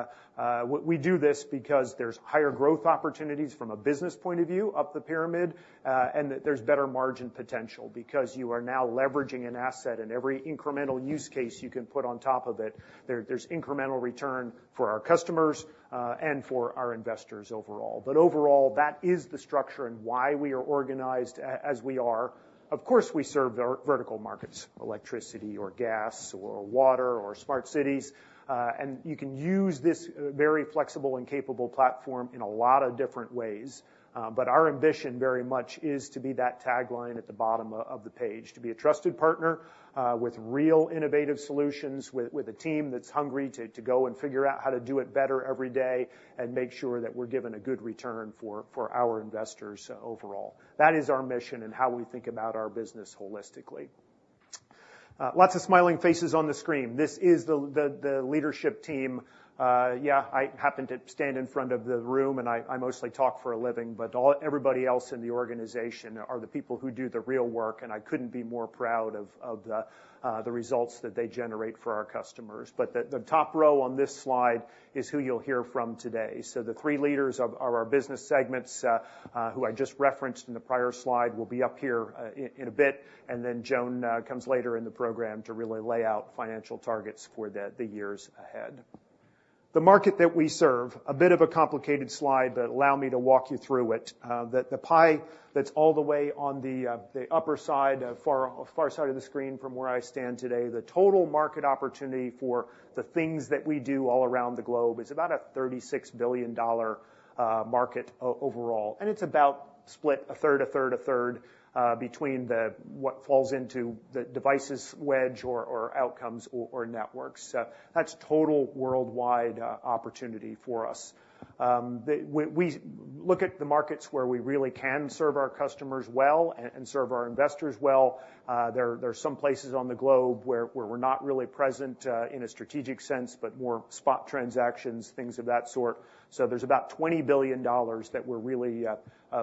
we do this because there's higher growth opportunities from a business point of view up the pyramid, and that there's better margin potential because you are now leveraging an asset in every incremental use case you can put on top of it. There's incremental return for our customers and for our investors overall. But overall, that is the structure and why we are organized as we are. Of course, we serve vertical markets, electricity or gas or water or smart cities, and you can use this very flexible and capable platform in a lot of different ways. But our ambition very much is to be that tagline at the bottom of the page, to be a trusted partner, with real innovative solutions, with a team that's hungry to go and figure out how to do it better every day and make sure that we're given a good return for our investors overall. That is our mission and how we think about our business holistically. Lots of smiling faces on the screen. This is the leadership team. Yeah, I happen to stand in front of the room, and I mostly talk for a living, but everybody else in the organization are the people who do the real work, and I couldn't be more proud of the results that they generate for our customers. But the top row on this slide is who you'll hear from today. So the three leaders of our business segments, who I just referenced in the prior slide, will be up here in a bit, and then Joan comes later in the program to really lay out financial targets for the years ahead.... The market that we serve, a bit of a complicated slide, but allow me to walk you through it. The pie that's all the way on the upper side, far, far side of the screen from where I stand today, the total market opportunity for the things that we do all around the globe is about a $36 billion market overall, and it's about split a third, a third, a third between the what falls into the devices wedge or Outcomes or Networks. So that's total worldwide opportunity for us. We look at the markets where we really can serve our customers well and serve our investors well. There are some places on the globe where we're not really present in a strategic sense, but more spot transactions, things of that sort. So there's about $20 billion that we're really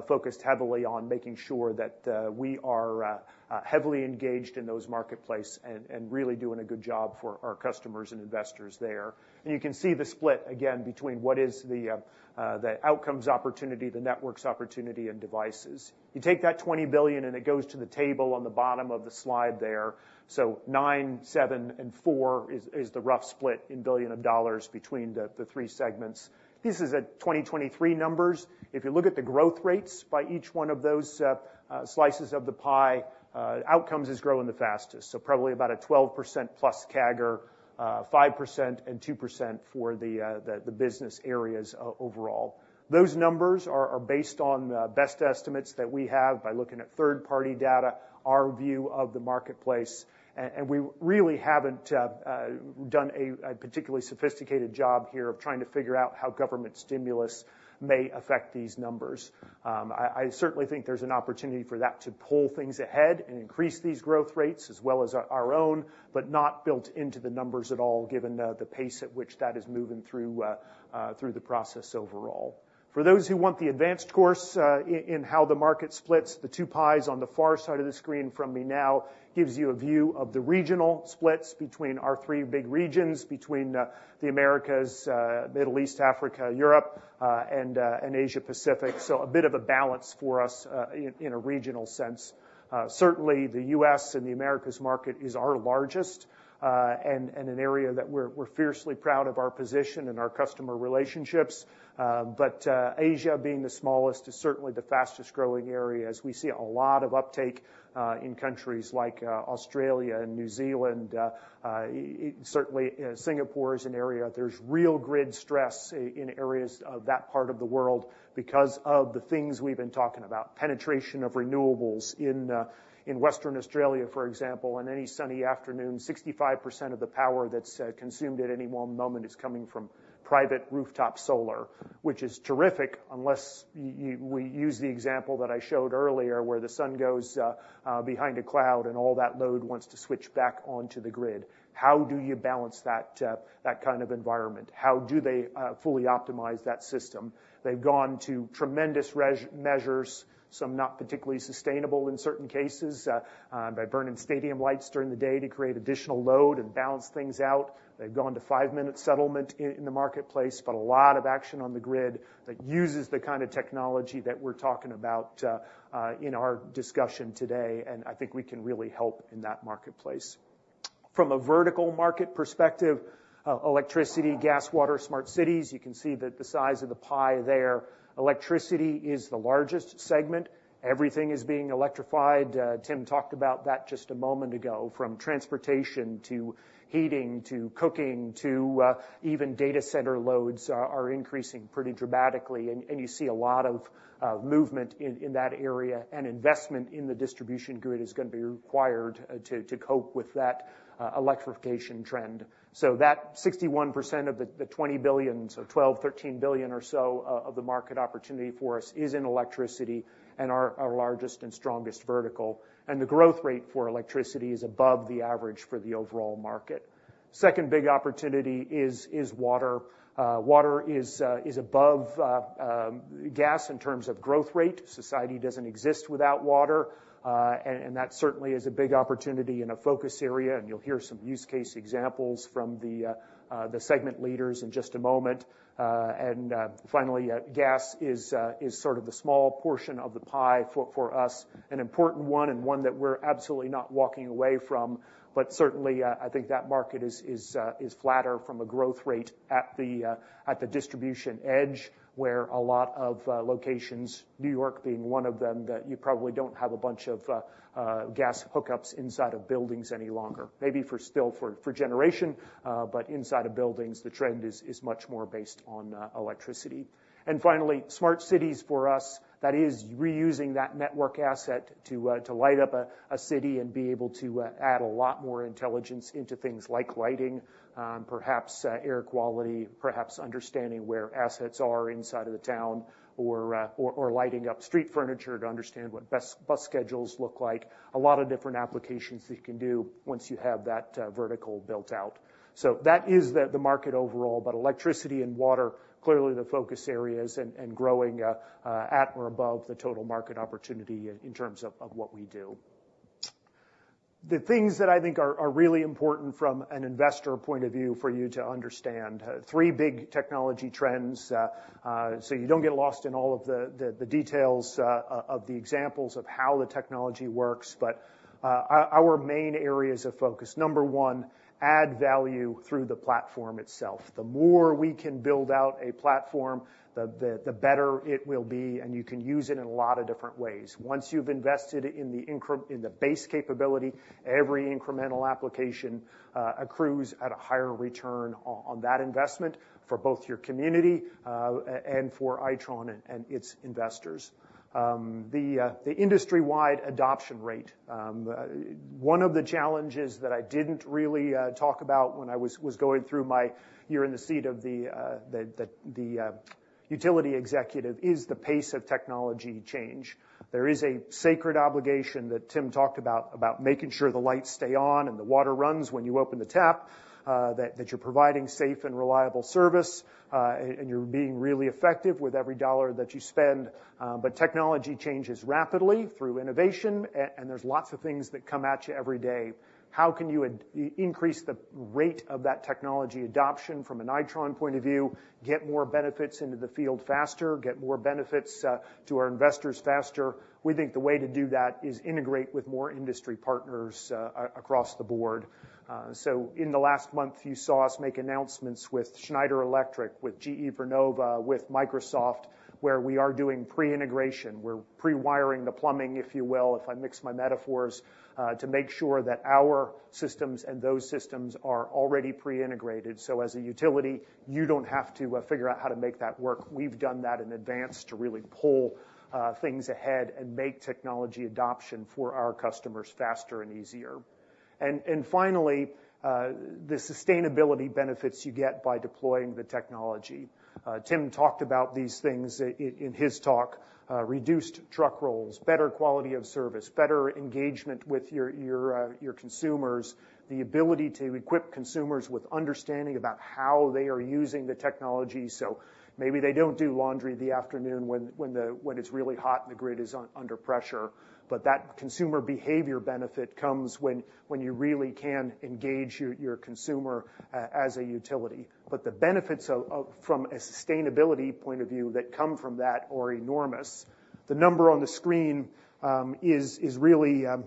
focused heavily on making sure that we are heavily engaged in those marketplace and really doing a good job for our customers and investors there. You can see the split, again, between what is the outcomes opportunity, the Networks opportunity, and devices. You take that $20 billion, and it goes to the table on the bottom of the slide there. So 9, 7, and 4 is the rough split in billions of dollars between the three segments. This is 2023 numbers. If you look at the growth rates by each one of those slices of the pie, Outcomes is growing the fastest, so probably about a 12%+ CAGR, 5% and 2% for the business areas overall. Those numbers are based on best estimates that we have by looking at third-party data, our view of the marketplace, and we really haven't done a particularly sophisticated job here of trying to figure out how government stimulus may affect these numbers. I certainly think there's an opportunity for that to pull things ahead and increase these growth rates as well as our own, but not built into the numbers at all, given the pace at which that is moving through the process overall. For those who want the advanced course, in how the market splits, the two pies on the far side of the screen from me now gives you a view of the regional splits between our three big regions, between the Americas, Middle East, Africa, Europe, and Asia Pacific. So a bit of a balance for us, in a regional sense. Certainly, the U.S. and the Americas market is our largest, and an area that we're fiercely proud of our position and our customer relationships. But Asia, being the smallest, is certainly the fastest-growing area, as we see a lot of uptake, in countries like Australia and New Zealand. Certainly, Singapore is an area. There's real grid stress in areas of that part of the world because of the things we've been talking about. Penetration of renewables in Western Australia, for example, on any sunny afternoon, 65% of the power that's consumed at any one moment is coming from private rooftop solar. Which is terrific, unless we use the example that I showed earlier, where the sun goes behind a cloud and all that load wants to switch back onto the grid. How do you balance that kind of environment? How do they fully optimize that system? They've gone to tremendous measures, some not particularly sustainable in certain cases, by burning stadium lights during the day to create additional load and balance things out. They've gone to five-minute settlement in the marketplace, but a lot of action on the grid that uses the kind of technology that we're talking about in our discussion today, and I think we can really help in that marketplace. From a vertical market perspective, electricity, gas, water, smart cities, you can see that the size of the pie there. Electricity is the largest segment. Everything is being electrified. Tim talked about that just a moment ago, from transportation to heating to cooking to even data center loads are increasing pretty dramatically, and you see a lot of movement in that area. And investment in the distribution grid is gonna be required to cope with that electrification trend. So that 61% of the $20 billion, so $12-$13 billion or so of the market opportunity for us is in electricity and are our largest and strongest vertical. The growth rate for electricity is above the average for the overall market. Second big opportunity is water. Water is above gas in terms of growth rate. Society doesn't exist without water, and that certainly is a big opportunity and a focus area, and you'll hear some use case examples from the segment leaders in just a moment. Finally, gas is sort of the small portion of the pie for us, an important one, and one that we're absolutely not walking away from. But certainly, I think that market is flatter from a growth rate at the distribution edge, where a lot of locations, New York being one of them, that you probably don't have a bunch of gas hookups inside of buildings any longer. Maybe still for generation, but inside of buildings, the trend is much more based on electricity. And finally, smart cities for us, that is reusing that network asset to light up a city and be able to add a lot more intelligence into things like lighting, perhaps air quality, perhaps understanding where assets are inside of the town, or lighting up street furniture to understand what Best-Bus schedules look like. A lot of different applications that you can do once you have that vertical built out. So that is the market overall, but electricity and water, clearly the focus areas and growing at or above the total market opportunity in terms of what we do. The things that I think are really important from an investor point of view for you to understand. Three big technology trends, so you don't get lost in all of the details of the examples of how the technology works. But our main areas of focus, number one, add value through the platform itself. The more we can build out a platform, the better it will be, and you can use it in a lot of different ways. Once you've invested in the base capability, every incremental application accrues at a higher return on that investment for both your community and for Itron and its investors. The industry-wide adoption rate. One of the challenges that I didn't really talk about when I was going through— you're in the seat of the utility executive is the pace of technology change. There is a sacred obligation that Tim talked about about making sure the lights stay on and the water runs when you open the tap that you're providing safe and reliable service and you're being really effective with every dollar that you spend, but technology changes rapidly through innovation and there's lots of things that come at you every day. How can you increase the rate of that technology adoption from an Itron point of view, get more benefits into the field faster, get more benefits to our investors faster? We think the way to do that is integrate with more industry partners across the board. So in the last month, you saw us make announcements with Schneider Electric, with GE Vernova, with Microsoft, where we are doing pre-integration. We're pre-wiring the plumbing, if you will, if I mix my metaphors, to make sure that our systems and those systems are already pre-integrated. So as a utility, you don't have to figure out how to make that work. We've done that in advance to really pull things ahead and make technology adoption for our customers faster and easier. And finally, the sustainability benefits you get by deploying the technology. Tim talked about these things in his talk. Reduced truck rolls, better quality of service, better engagement with your consumers, the ability to equip consumers with understanding about how they are using the technology. So maybe they don't do laundry in the afternoon when it's really hot and the grid is under pressure. But that consumer behavior benefit comes when you really can engage your consumer as a utility. But the benefits from a sustainability point of view that come from that are enormous. The number on the screen is really a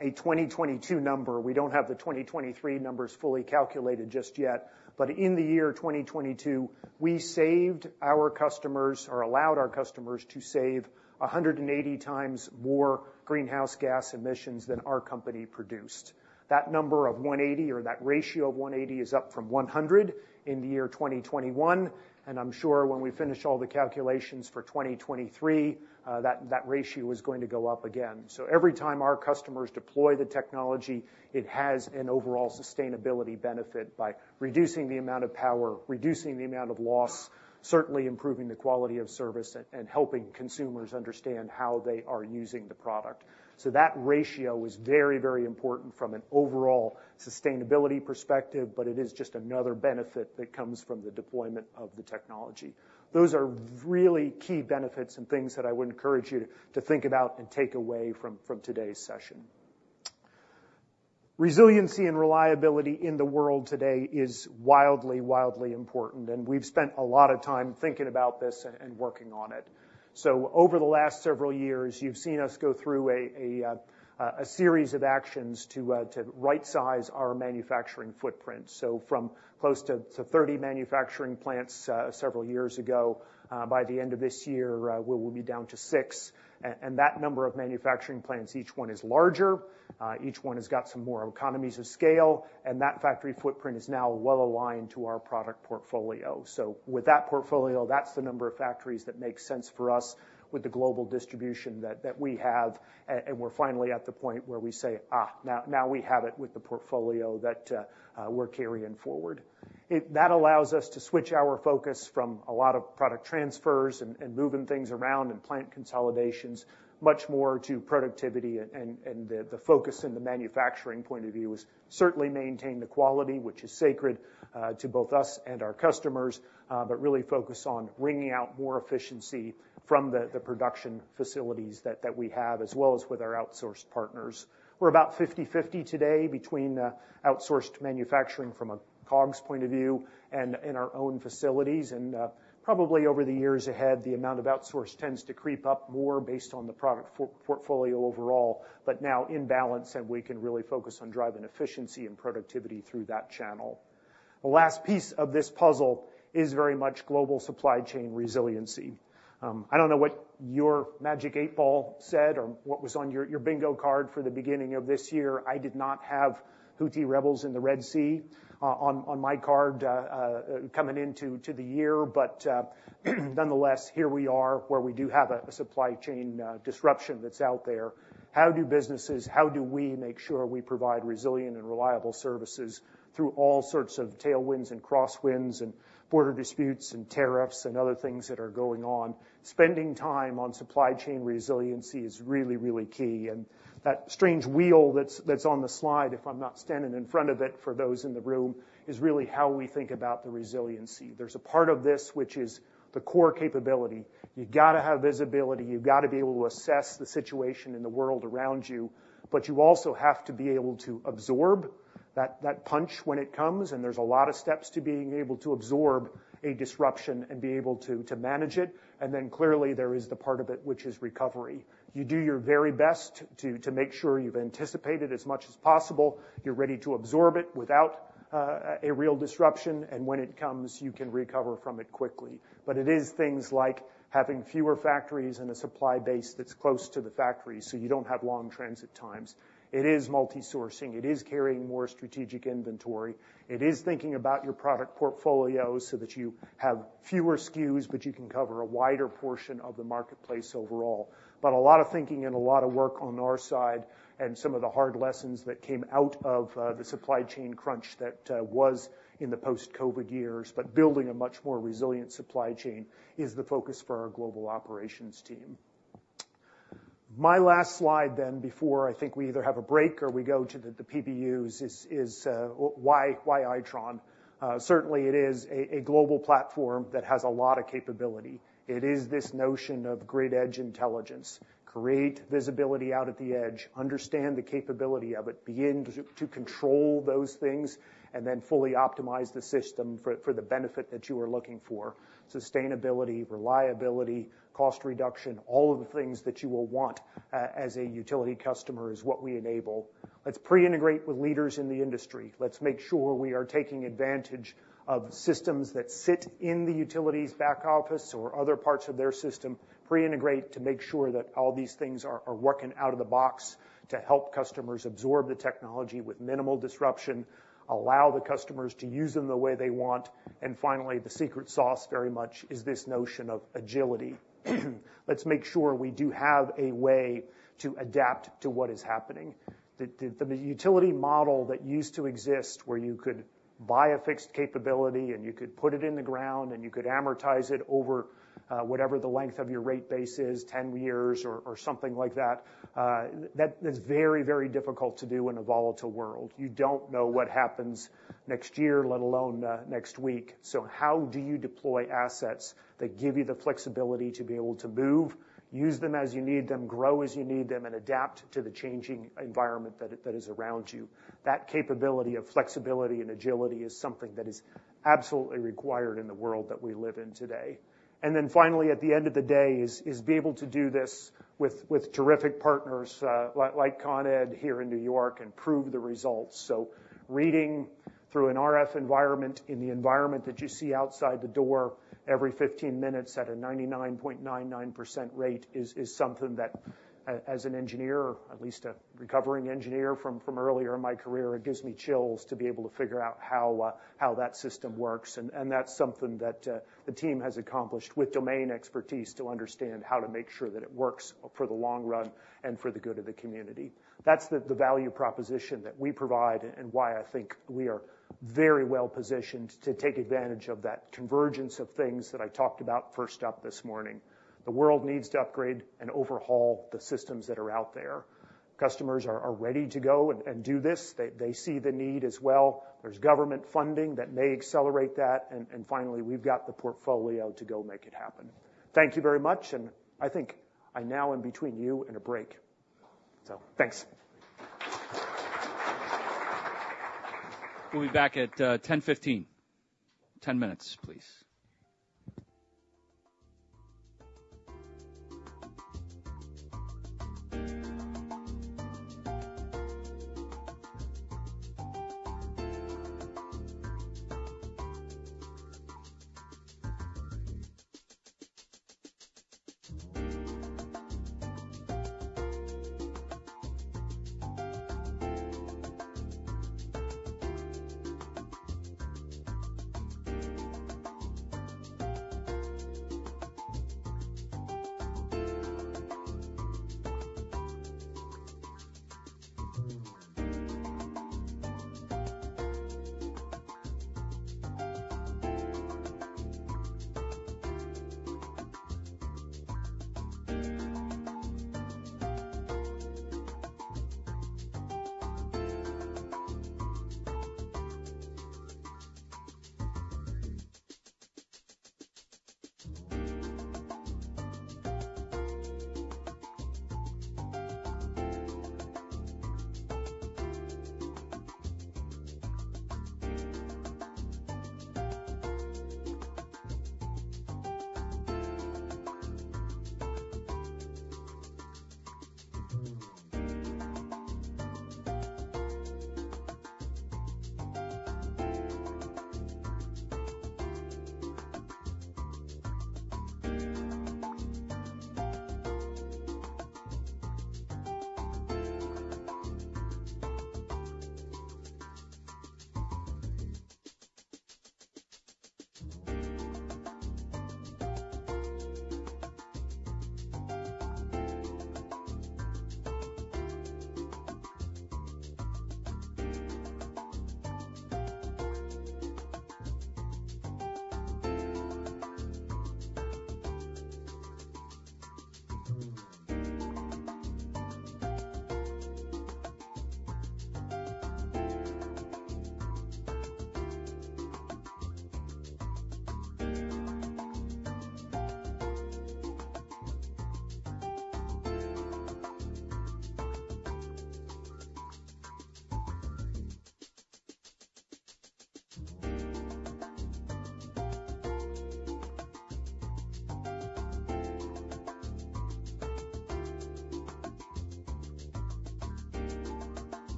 2022 number. We don't have the 2023 numbers fully calculated just yet. In 2022, we saved our customers, or allowed our customers, to save 180 times more greenhouse gas emissions than our company produced. That number of 180, or that ratio of 180, is up from 100 in 2021, and I'm sure when we finish all the calculations for 2023, that ratio is going to go up again. So every time our customers deploy the technology, it has an overall sustainability benefit by reducing the amount of power, reducing the amount of loss, certainly improving the quality of service, and helping consumers understand how they are using the product. So that ratio is very, very important from an overall sustainability perspective, but it is just another benefit that comes from the deployment of the technology. Those are really key benefits and things that I would encourage you to think about and take away from today's session. Resiliency and reliability in the world today is wildly, wildly important, and we've spent a lot of time thinking about this and working on it. So over the last several years, you've seen us go through a series of actions to rightsize our manufacturing footprint. So from close to 30 manufacturing plants several years ago, by the end of this year, we will be down to six. And that number of manufacturing plants, each one is larger, each one has got some more economies of scale, and that factory footprint is now well aligned to our product portfolio. So with that portfolio, that's the number of factories that makes sense for us with the global distribution that we have, and we're finally at the point where we say, "Ah, now, now we have it with the portfolio that we're carrying forward." That allows us to switch our focus from a lot of product transfers and moving things around and plant consolidations, much more to productivity and the focus in the manufacturing point of view is certainly maintain the quality, which is sacred to both us and our customers, but really focus on wringing out more efficiency from the production facilities that we have, as well as with our outsourced partners. We're about 50/50 today between outsourced manufacturing from a COGS point of view and in our own facilities, and probably over the years ahead, the amount of outsource tends to creep up more based on the product portfolio overall, but now in balance, and we can really focus on driving efficiency and productivity through that channel. The last piece of this puzzle is very much global supply chain resiliency. I don't know what your magic eight ball said or what was on your bingo card for the beginning of this year. I did not have Houthi rebels in the Red Sea on my card coming into the year. But nonetheless, here we are, where we do have a supply chain disruption that's out there. How do businesses, how do we make sure we provide resilient and reliable services through all sorts of tailwinds and crosswinds and border disputes and tariffs and other things that are going on? Spending time on supply chain resiliency is really, really key. And that strange wheel that's, that's on the slide, if I'm not standing in front of it, for those in the room, is really how we think about the resiliency. There's a part of this, which is the core capability. You've gotta have visibility. You've gotta be able to assess the situation in the world around you, but you also have to be able to absorb that, that punch when it comes, and there's a lot of steps to being able to absorb a disruption and be able to, to manage it. And then, clearly, there is the part of it, which is recovery. You do your very best to make sure you've anticipated as much as possible, you're ready to absorb it without a real disruption, and when it comes, you can recover from it quickly. But it is things like having fewer factories and a supply base that's close to the factories, so you don't have long transit times. It is multi-sourcing. It is carrying more strategic inventory. It is thinking about your product portfolio so that you have fewer SKUs, but you can cover a wider portion of the marketplace overall. But a lot of thinking and a lot of work on our side and some of the hard lessons that came out of the supply chain crunch that was in the post-COVID years, but building a much more resilient supply chain is the focus for our global operations team. My last slide then before I think we either have a break or we go to the PPUs is why Itron. Certainly it is a global platform that has a lot of capability. It is this notion of great edge intelligence. Create visibility out at the edge, understand the capability of it, begin to control those things, and then fully optimize the system for the benefit that you are looking for. Sustainability, reliability, cost reduction, all of the things that you will want, as a utility customer is what we enable. Let's pre-integrate with leaders in the industry. Let's make sure we are taking advantage of systems that sit in the utilities back office or other parts of their system, pre-integrate to make sure that all these things are working out of the box to help customers absorb the technology with minimal disruption, allow the customers to use them the way they want. And finally, the secret sauce very much is this notion of agility. Let's make sure we do have a way to adapt to what is happening. The utility model that used to exist, where you could buy a fixed capability, and you could put it in the ground, and you could amortize it over whatever the length of your rate base is, 10 years or something like that, that is very, very difficult to do in a volatile world. You don't know what happens next year, let alone next week. So how do you deploy assets that give you the flexibility to be able to move, use them as you need them, grow as you need them, and adapt to the changing environment that is around you? That capability of flexibility and agility is something that is absolutely required in the world that we live in today. And then finally, at the end of the day, is to be able to do this with terrific partners, like Con Ed here in New York, and prove the results. So reading through an RF environment, in the environment that you see outside the door every 15 minutes at a 99.99% rate, is something that, as an engineer, at least a recovering engineer from earlier in my career, it gives me chills to be able to figure out how that system works. And that's something that the team has accomplished with domain expertise to understand how to make sure that it works for the long run and for the good of the community. That's the value proposition that we provide and why I think we are very well positioned to take advantage of that convergence of things that I talked about first up this morning. The world needs to upgrade and overhaul the systems that are out there. Customers are ready to go and do this. They see the need as well. There's government funding that may accelerate that, and finally, we've got the portfolio to go make it happen. Thank you very much, and I think I'm now in between you and a break. So thanks. We'll be back at 10:15. 10 minutes, please.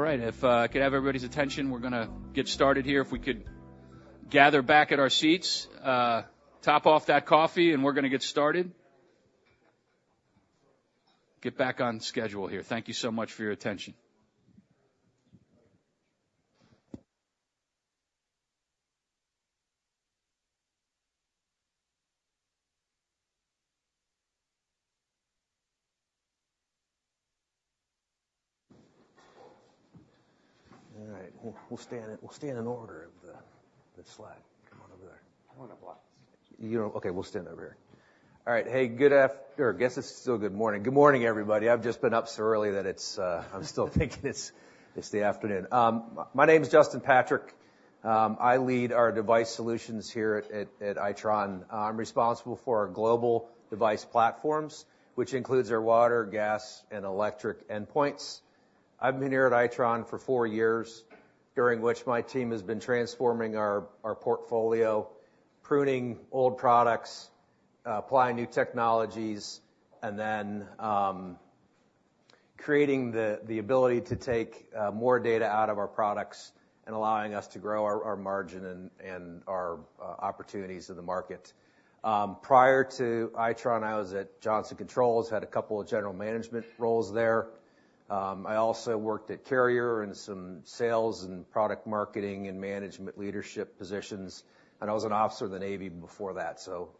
All right, if I could have everybody's attention, we're gonna get started here. If we could gather back at our seats, top off that coffee, and we're gonna get started. Get back on schedule here. Thank you so much for your attention. All right, we'll stand in order of the slide. Come on over there. I want to block. You don't... Okay, we'll stand over here. All right. Hey, good after-- I guess it's still good morning. Good morning, everybody. I've just been up so early that it's, I'm still thinking it's, it's the afternoon. My name is Justin Patrick. I lead our Device Solutions here at Itron. I'm responsible for our global device platforms, which includes our water, gas, and electric endpoints. I've been here at Itron for four years, during which my team has been transforming our portfolio, pruning old products, applying new technologies, and then creating the ability to take more data out of our products and allowing us to grow our margin and our opportunities in the market. Prior to Itron, I was at Johnson Controls, had a couple of general management roles there. I also worked at Carrier in some sales and product marketing and management leadership positions, and I was an officer in the Navy before that. So,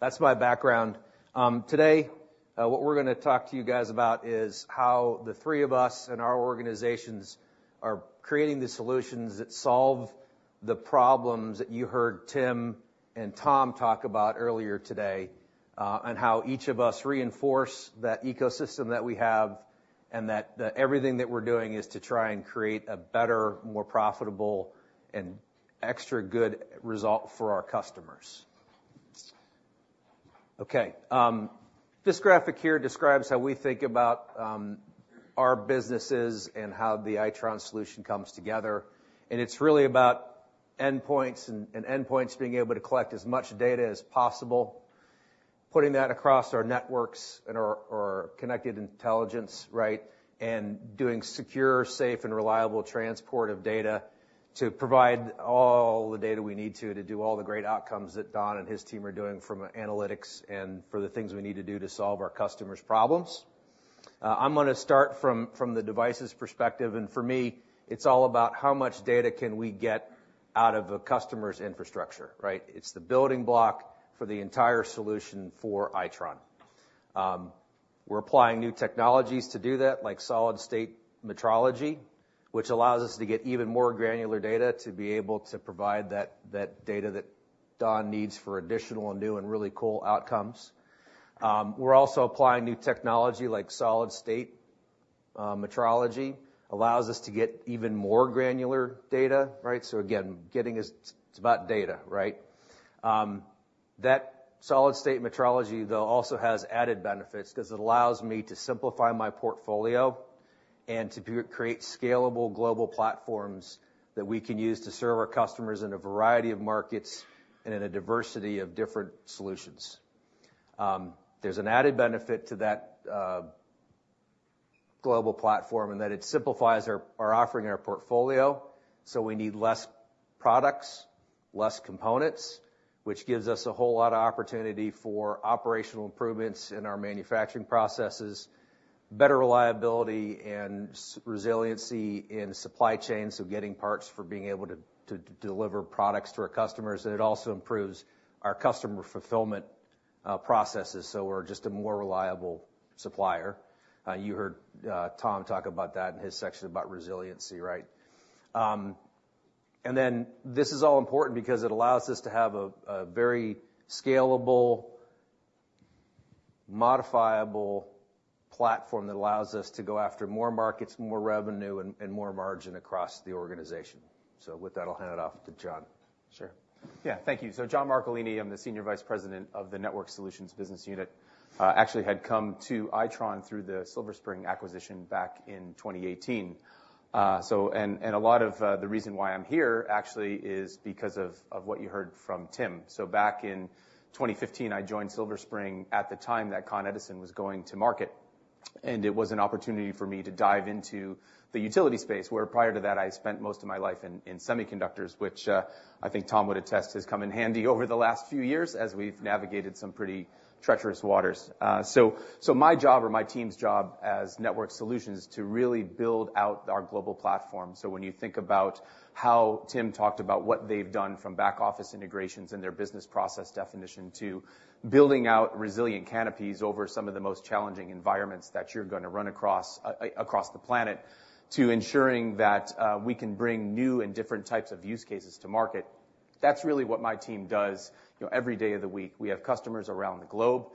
that's my background. Today, what we're gonna talk to you guys about is how the three of us and our organizations are creating the solutions that solve the problems that you heard Tim and Tom talk about earlier today. And how each of us reinforce that ecosystem that we have, and that everything that we're doing is to try and create a better, more profitable and extra good result for our customers. Okay, this graphic here describes how we think about our businesses and how the Itron solution comes together, and it's really about endpoints and, and endpoints being able to collect as much data as possible, putting that across our networks and our, our connected intelligence, right? And doing secure, safe, and reliable transport of data to provide all the data we need to, to do all the great outcomes that Don and his team are doing from an analytics and for the things we need to do to solve our customers' problems. I'm gonna start from, from the devices perspective, and for me, it's all about how much data can we get out of a customer's infrastructure, right? It's the building block for the entire solution for Itron. We're applying new technologies to do that, like solid-state metrology, which allows us to get even more granular data to be able to provide that, that data that Don needs for additional and new and really cool outcomes. We're also applying new technology, like solid-state metrology, allows us to get even more granular data, right? So again, getting, it's about data, right? That solid-state metrology, though, also has added benefits because it allows me to simplify my portfolio and to create scalable global platforms that we can use to serve our customers in a variety of markets and in a diversity of different solutions. There's an added benefit to that global platform, in that it simplifies our offering and our portfolio, so we need less products, less components, which gives us a whole lot of opportunity for operational improvements in our manufacturing processes, better reliability and supply chain resiliency, so getting parts for being able to deliver products to our customers, and it also improves our customer fulfillment processes, so we're just a more reliable supplier. You heard Tom talk about that in his section about resiliency, right? And then this is all important because it allows us to have a very scalable, modifiable platform that allows us to go after more markets, more revenue, and more margin across the organization. So with that, I'll hand it off to John. Sure. Yeah, thank you. So John Marcolini, I'm the Senior Vice President of the Networked Solutions business unit. Actually had come to Itron through the Silver Spring acquisition back in 2018. So, a lot of the reason why I'm here actually is because of what you heard from Tim. So back in 2015, I joined Silver Spring at the time that Con Edison was going to market, and it was an opportunity for me to dive into the utility space, where prior to that, I spent most of my life in semiconductors, which I think Tom would attest has come in handy over the last few years as we've navigated some pretty treacherous waters. So my job, or my team's job, as Networked Solutions is to really build out our global platform. So when you think about how Tim talked about what they've done from back office integrations and their business process definition, to building out resilient canopies over some of the most challenging environments that you're gonna run across across the planet, to ensuring that we can bring new and different types of use cases to market, that's really what my team does, you know, every day of the week. We have customers around the globe.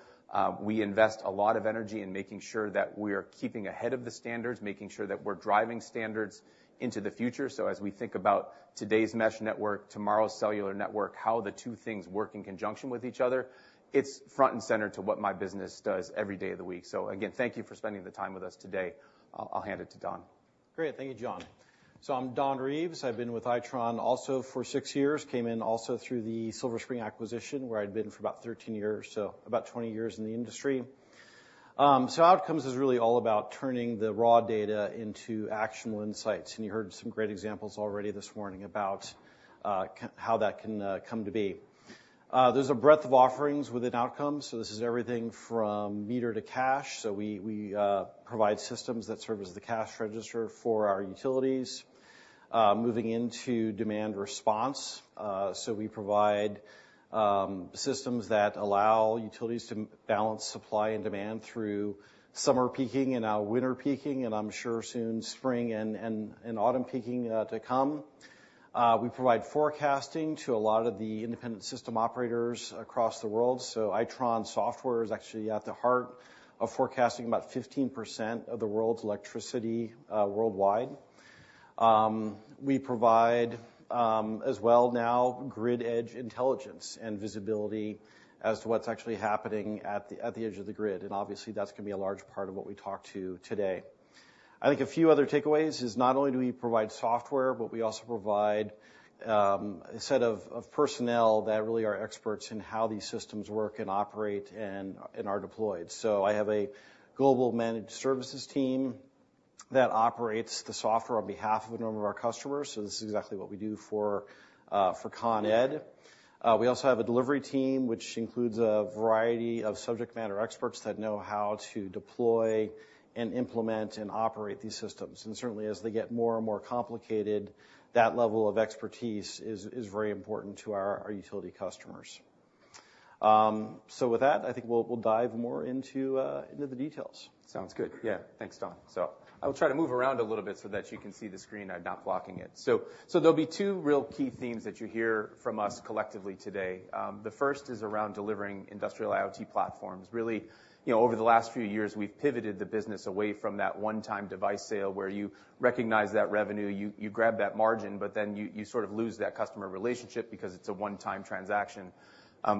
We invest a lot of energy in making sure that we are keeping ahead of the standards, making sure that we're driving standards into the future. So as we think about today's mesh network, tomorrow's cellular network, how the two things work in conjunction with each other, it's front and center to what my business does every day of the week. So again, thank you for spending the time with us today. I'll hand it to Don. Great. Thank you, John. So I'm Don Reeves. I've been with Itron also for six years. Came in also through the Silver Spring acquisition, where I'd been for about 13 years, so about 20 years in the industry. So Outcomes is really all about turning the raw data into actionable insights, and you heard some great examples already this morning about how that can come to be. There's a breadth of offerings within Outcomes, so this is everything from meter to cash. So we provide systems that serve as the cash register for our utilities. Moving into demand response, so we provide systems that allow utilities to balance supply and demand through summer peaking and now winter peaking, and I'm sure soon, spring and autumn peaking to come. We provide forecasting to a lot of the independent system operators across the world, so Itron software is actually at the heart of forecasting about 15% of the world's electricity worldwide. We provide, as well now, grid edge intelligence and visibility as to what's actually happening at the, at the edge of the grid, and obviously, that's gonna be a large part of what we talk to today.... I think a few other takeaways is not only do we provide software, but we also provide a set of, of personnel that really are experts in how these systems work and operate and, and are deployed. So I have a global managed services team that operates the software on behalf of a number of our customers. So this is exactly what we do for Con Ed. We also have a delivery team, which includes a variety of subject matter experts that know how to deploy and implement, and operate these systems. Certainly, as they get more and more complicated, that level of expertise is very important to our utility customers. With that, I think we'll dive more into the details. Sounds good. Yeah, thanks, Tom. So I will try to move around a little bit so that you can see the screen. I'm not blocking it. So, so there'll be two real key themes that you hear from us collectively today. The first is around delivering industrial IoT platforms. Really, you know, over the last few years, we've pivoted the business away from that one-time device sale, where you recognize that revenue, you, you grab that margin, but then you, you sort of lose that customer relationship because it's a one-time transaction.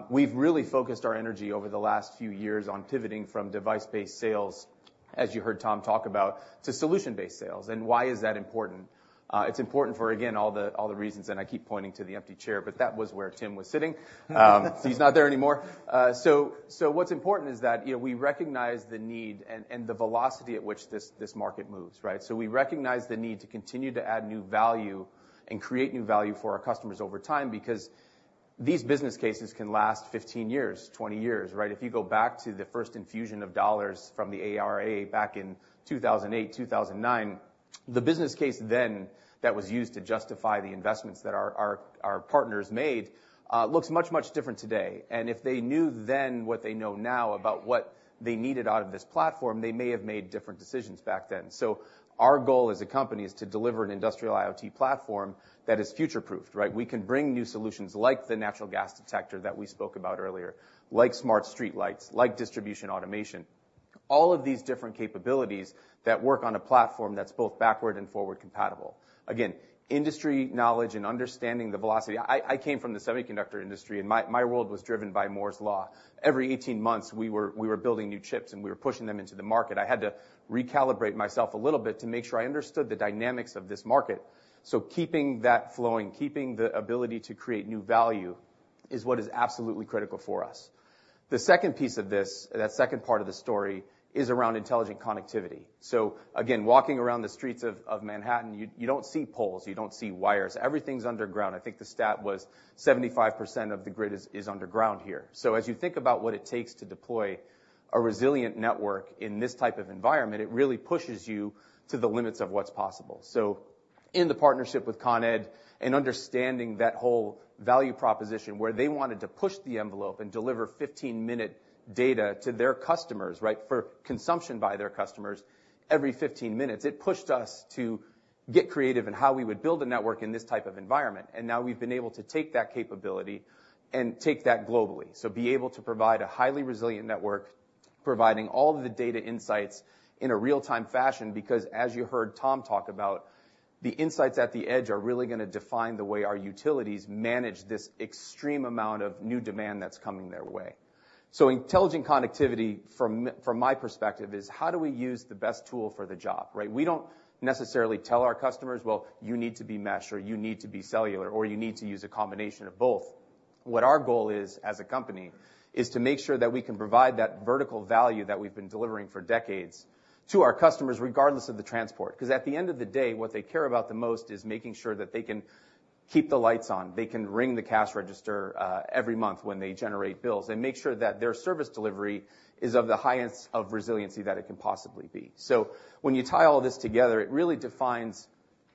We've really focused our energy over the last few years on pivoting from device-based sales, as you heard Tom talk about, to solution-based sales. And why is that important? It's important for, again, all the, all the reasons, and I keep pointing to the empty chair, but that was where Tim was sitting. He's not there anymore. So, so what's important is that, you know, we recognize the need and, and the velocity at which this, this market moves, right? So we recognize the need to continue to add new value and create new value for our customers over time, because these business cases can last 15 years, 20 years, right? If you go back to the first infusion of dollars from the ARRA, back in 2008, 2009, the business case then that was used to justify the investments that our, our, our partners made, looks much, much different today. And if they knew then what they know now about what they needed out of this platform, they may have made different decisions back then. So our goal as a company is to deliver an industrial IoT platform that is future-proofed, right? We can bring new solutions like the natural gas detector that we spoke about earlier, like smart streetlights, like distribution automation, all of these different capabilities that work on a platform that's both backward and forward compatible. Again, industry knowledge and understanding the velocity. I, I came from the semiconductor industry, and my, my world was driven by Moore's Law. Every 18 months, we were, we were building new chips, and we were pushing them into the market. I had to recalibrate myself a little bit to make sure I understood the dynamics of this market. So keeping that flowing, keeping the ability to create new value, is what is absolutely critical for us. The second piece of this, that second part of the story, is around intelligent connectivity. So again, walking around the streets of, of Manhattan, you, you don't see poles, you don't see wires. Everything's underground. I think the stat was 75% of the grid is underground here. So as you think about what it takes to deploy a resilient network in this type of environment, it really pushes you to the limits of what's possible. So in the partnership with Con Ed, and understanding that whole value proposition, where they wanted to push the envelope and deliver 15-minute data to their customers, right, for consumption by their customers every 15 minutes, it pushed us to get creative in how we would build a network in this type of environment. And now we've been able to take that capability and take that globally. So be able to provide a highly resilient network, providing all of the data insights in a real-time fashion, because, as you heard Tom talk about, the insights at the edge are really gonna define the way our utilities manage this extreme amount of new demand that's coming their way. So intelligent connectivity, from my perspective, is how do we use the best tool for the job, right? We don't necessarily tell our customers: Well, you need to be meshed, or you need to be cellular, or you need to use a combination of both. What our goal is, as a company, is to make sure that we can provide that vertical value that we've been delivering for decades to our customers, regardless of the transport. 'Cause at the end of the day, what they care about the most is making sure that they can keep the lights on, they can ring the cash register, every month when they generate bills, and make sure that their service delivery is of the highest of resiliency that it can possibly be. So when you tie all this together, it really defines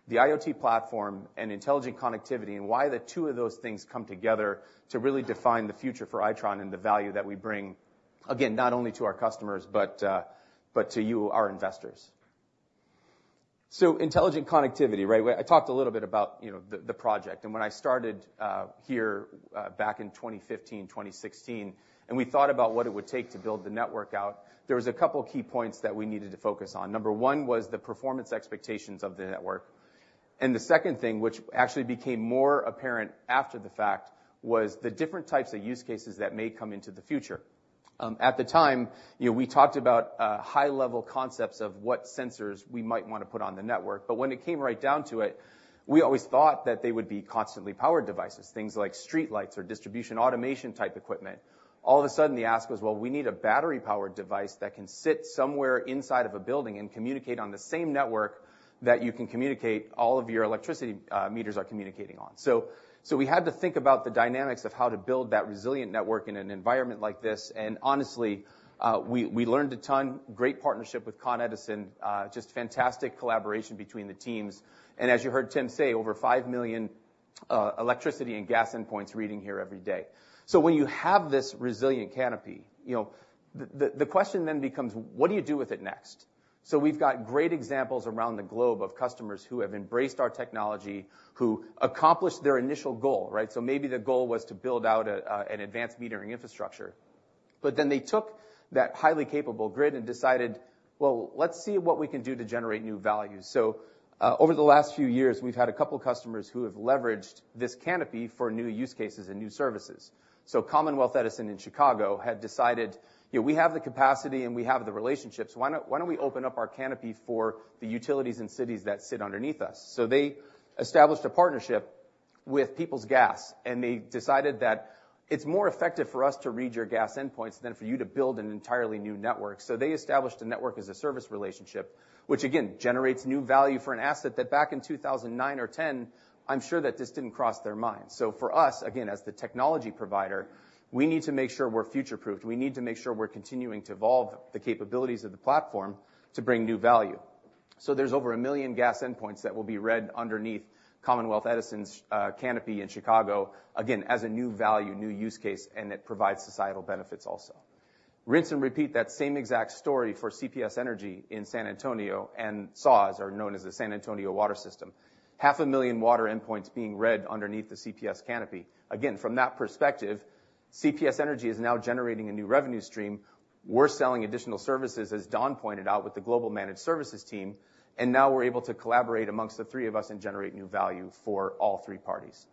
the IoT platform and intelligent connectivity, and why the two of those things come together to really define the future for Itron and the value that we bring, again, not only to our customers, but, but to you, our investors. So intelligent connectivity, right? Well, I talked a little bit about, you know, the project, and when I started here back in 2015, 2016, and we thought about what it would take to build the network out, there was a couple key points that we needed to focus on. Number one was the performance expectations of the network. And the second thing, which actually became more apparent after the fact, was the different types of use cases that may come into the future. At the time, you know, we talked about high-level concepts of what sensors we might wanna put on the network, but when it came right down to it, we always thought that they would be constantly powered devices, things like streetlights or distribution automation-type equipment. All of a sudden, the ask was, "Well, we need a battery-powered device that can sit somewhere inside of a building and communicate on the same network that you can communicate—all of your electricity meters are communicating on." So we had to think about the dynamics of how to build that resilient network in an environment like this. And honestly, we learned a ton. Great partnership with Con Edison. Just fantastic collaboration between the teams. And as you heard Tim say, over 5 million electricity and gas endpoints reading here every day. So when you have this resilient canopy, you know, the question then becomes: What do you do with it next? So we've got great examples around the globe of customers who have embraced our technology, who accomplished their initial goal, right? So maybe the goal was to build out an advanced metering infrastructure, but then they took that highly capable grid and decided, "Well, let's see what we can do to generate new value." So over the last few years, we've had a couple customers who have leveraged this canopy for new use cases and new services. So Commonwealth Edison in Chicago had decided, "You know, we have the capacity, and we have the relationships. Why don't, why don't we open up our canopy for the utilities and cities that sit underneath us?" So they established a partnership with Peoples Gas, and they decided that it's more effective for us to read your gas endpoints than for you to build an entirely new network. So they established a network-as-a-service relationship, which, again, generates new value for an asset that back in 2009 or 10, I'm sure that this didn't cross their minds. So for us, again, as the technology provider, we need to make sure we're future-proofed. We need to make sure we're continuing to evolve the capabilities of the platform to bring new value. So there's over 1 million gas endpoints that will be read underneath Commonwealth Edison's canopy in Chicago, again, as a new value, new use case, and it provides societal benefits also. Rinse and repeat that same exact story for CPS Energy in San Antonio, and SAWS, or known as the San Antonio Water System. 500,000 water endpoints being read underneath the CPS canopy. Again, from that perspective, CPS Energy is now generating a new revenue stream. We're selling additional services, as Don pointed out, with the global managed services team, and now we're able to collaborate amongst the three of us and generate new value for all three parties.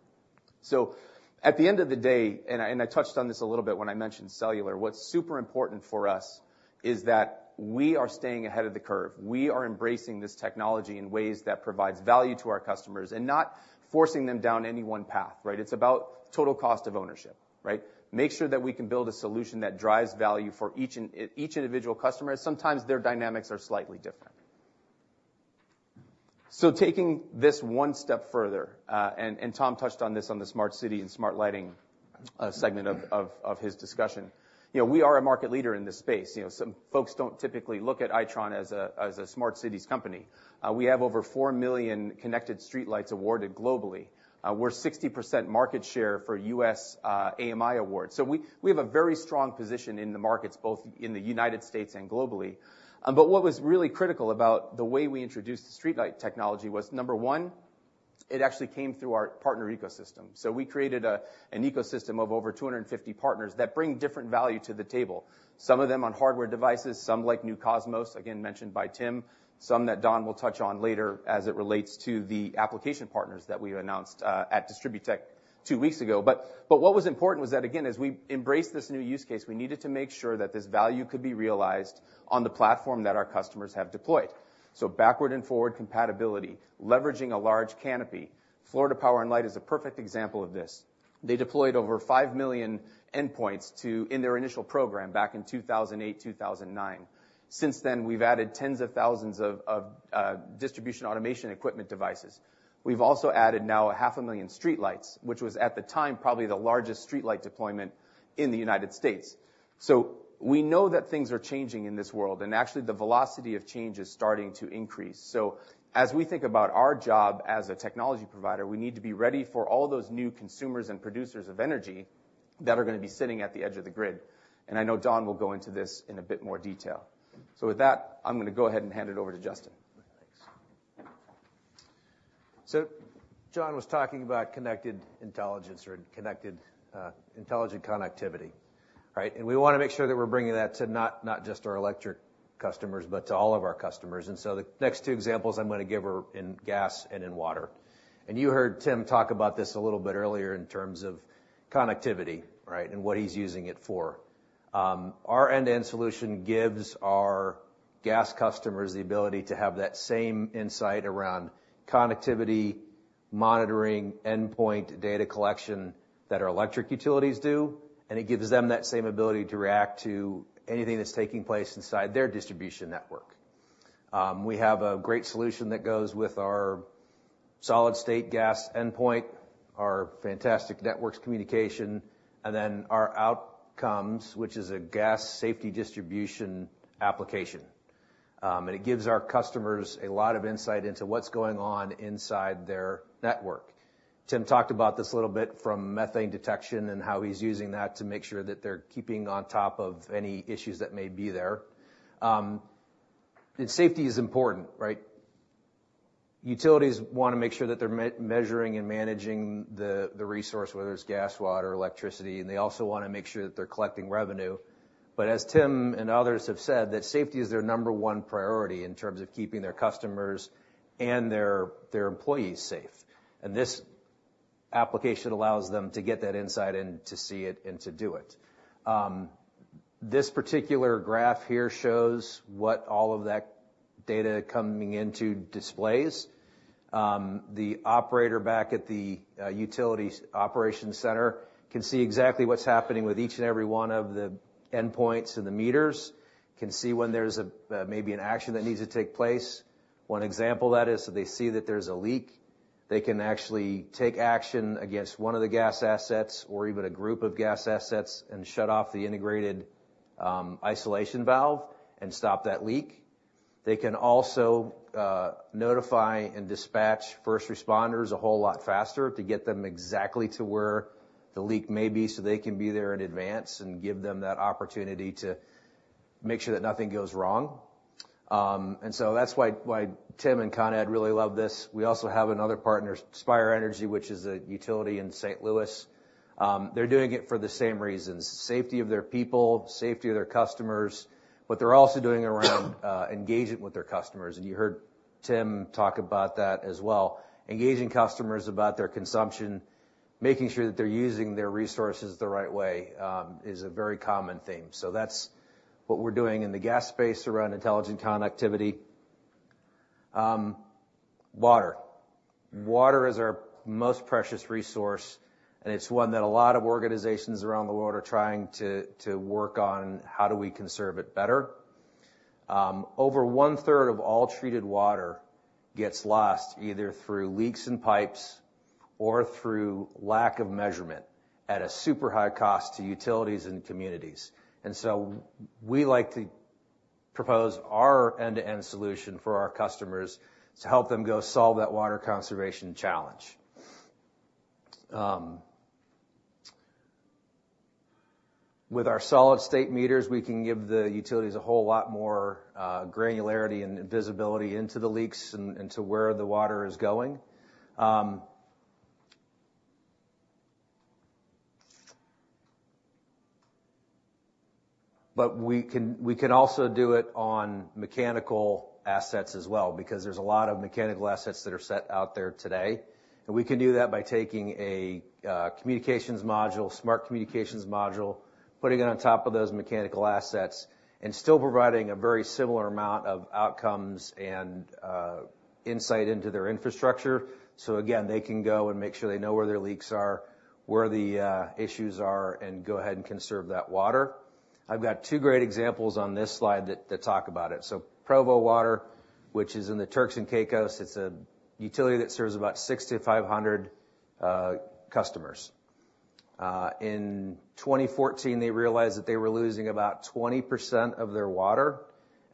So at the end of the day, and I, and I touched on this a little bit when I mentioned cellular, what's super important for us is that we are staying ahead of the curve. We are embracing this technology in ways that provides value to our customers and not forcing them down any one path, right? It's about total cost of ownership, right? Make sure that we can build a solution that drives value for each and each individual customer. Sometimes their dynamics are slightly different. So taking this one step further, and Tom touched on this on the smart city and smart lighting segment of his discussion. You know, we are a market leader in this space. You know, some folks don't typically look at Itron as a smart cities company. We have over 4 million connected streetlights awarded globally. We're 60% market share for U.S. AMI Awards. So we have a very strong position in the markets, both in the United States and globally. But what was really critical about the way we introduced the streetlight technology was, number one, it actually came through our partner ecosystem. So we created an ecosystem of over 250 partners that bring different value to the table, some of them on hardware devices, some, like New Cosmos, again, mentioned by Tim, some that Don will touch on later as it relates to the application partners that we announced at DistribuTECH two weeks ago. But what was important was that, again, as we embraced this new use case, we needed to make sure that this value could be realized on the platform that our customers have deployed. So backward and forward compatibility, leveraging a large canopy. Florida Power & Light is a perfect example of this. They deployed over 5 million endpoints in their initial program back in 2008, 2009. Since then, we've added tens of thousands of distribution automation equipment devices. We've also added now 500,000 streetlights, which was, at the time, probably the largest streetlight deployment in the United States. So we know that things are changing in this world, and actually, the velocity of change is starting to increase. So as we think about our job as a technology provider, we need to be ready for all those new consumers and producers of energy that are gonna be sitting at the edge of the grid, and I know Don will go into this in a bit more detail. So with that, I'm gonna go ahead and hand it over to Justin. Thanks. So John was talking about connected intelligence or connected, intelligent connectivity, right? And we wanna make sure that we're bringing that to not, not just our electric customers, but to all of our customers. And so the next two examples I'm gonna give are in gas and in water. And you heard Tim talk about this a little bit earlier in terms of connectivity, right? And what he's using it for. Our end-to-end solution gives our gas customers the ability to have that same insight around connectivity, monitoring, endpoint data collection that our electric utilities do, and it gives them that same ability to react to anything that's taking place inside their distribution network. We have a great solution that goes with our solid-state gas endpoint, our fantastic networks communication, and then our Outcomes, which is a gas safety distribution application. And it gives our customers a lot of insight into what's going on inside their network. Tim talked about this a little bit from methane detection and how he's using that to make sure that they're keeping on top of any issues that may be there. Safety is important, right? Utilities wanna make sure that they're measuring and managing the resource, whether it's gas, water, electricity, and they also wanna make sure that they're collecting revenue. But as Tim and others have said, that safety is their number one priority in terms of keeping their customers and their employees safe. And this application allows them to get that insight and to see it and to do it. This particular graph here shows what all of that data coming into displays. The operator back at the utilities operations center can see exactly what's happening with each and every one of the endpoints, and the meters, can see when there's a maybe an action that needs to take place. One example of that is that they see that there's a leak, they can actually take action against one of the gas assets or even a group of gas assets and shut off the integrated isolation valve and stop that leak. They can also notify and dispatch first responders a whole lot faster to get them exactly to where the leak may be, so they can be there in advance and give them that opportunity to make sure that nothing goes wrong. And so that's why Tim and Con Ed really love this. We also have another partner, Spire Energy, which is a utility in St. Louis. They're doing it for the same reasons, safety of their people, safety of their customers, but they're also doing it around engagement with their customers, and you heard Tim talk about that as well. Engaging customers about their consumption, making sure that they're using their resources the right way, is a very common theme. So that's what we're doing in the gas space around intelligent connectivity. Water. Water is our most precious resource, and it's one that a lot of organizations around the world are trying to work on, how do we conserve it better? Over one-third of all treated water gets lost, either through leaks in pipes or through lack of measurement, at a super high cost to utilities and communities. And so we like to propose our end-to-end solution for our customers to help them go solve that water conservation challenge. With our solid-state meters, we can give the utilities a whole lot more granularity and visibility into the leaks and to where the water is going. But we can also do it on mechanical assets as well, because there's a lot of mechanical assets that are set out there today, and we can do that by taking a communications module, smart communications module, putting it on top of those mechanical assets, and still providing a very similar amount of outcomes and insight into their infrastructure. So again, they can go and make sure they know where their leaks are, where the issues are, and go ahead and conserve that water. I've got two great examples on this slide that talk about it. So Provo Water, which is in the Turks and Caicos, it's a utility that serves about 6,500 customers. In 2014, they realized that they were losing about 20% of their water,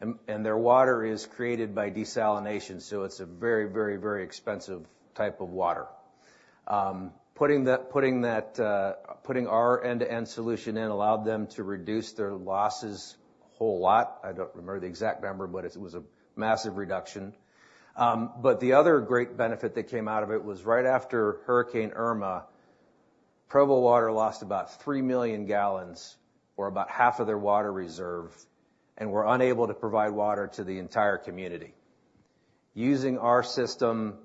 and their water is created by desalination, so it's a very, very, very expensive type of water. Putting our end-to-end solution in allowed them to reduce their losses a whole lot. I don't remember the exact number, but it was a massive reduction. But the other great benefit that came out of it was right after Hurricane Irma, Provo Water lost about 3 million gallons, or about half of their water reserve, and were unable to provide water to the entire community. Using our system,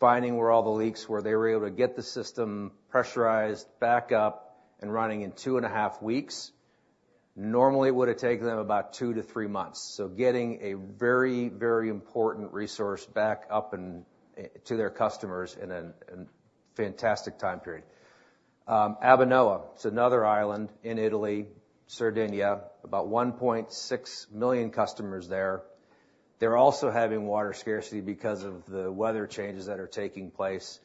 finding where all the leaks were, they were able to get the system pressurized, back up, and running in 2.5 weeks. Normally, it would've taken them about 2-3 months. So getting a very, very important resource back up and to their customers in an fantastic time period. Abbanoa, it's another island in Italy, Sardinia, about 1.6 million customers there. They're also having water scarcity because of the weather changes that are taking place,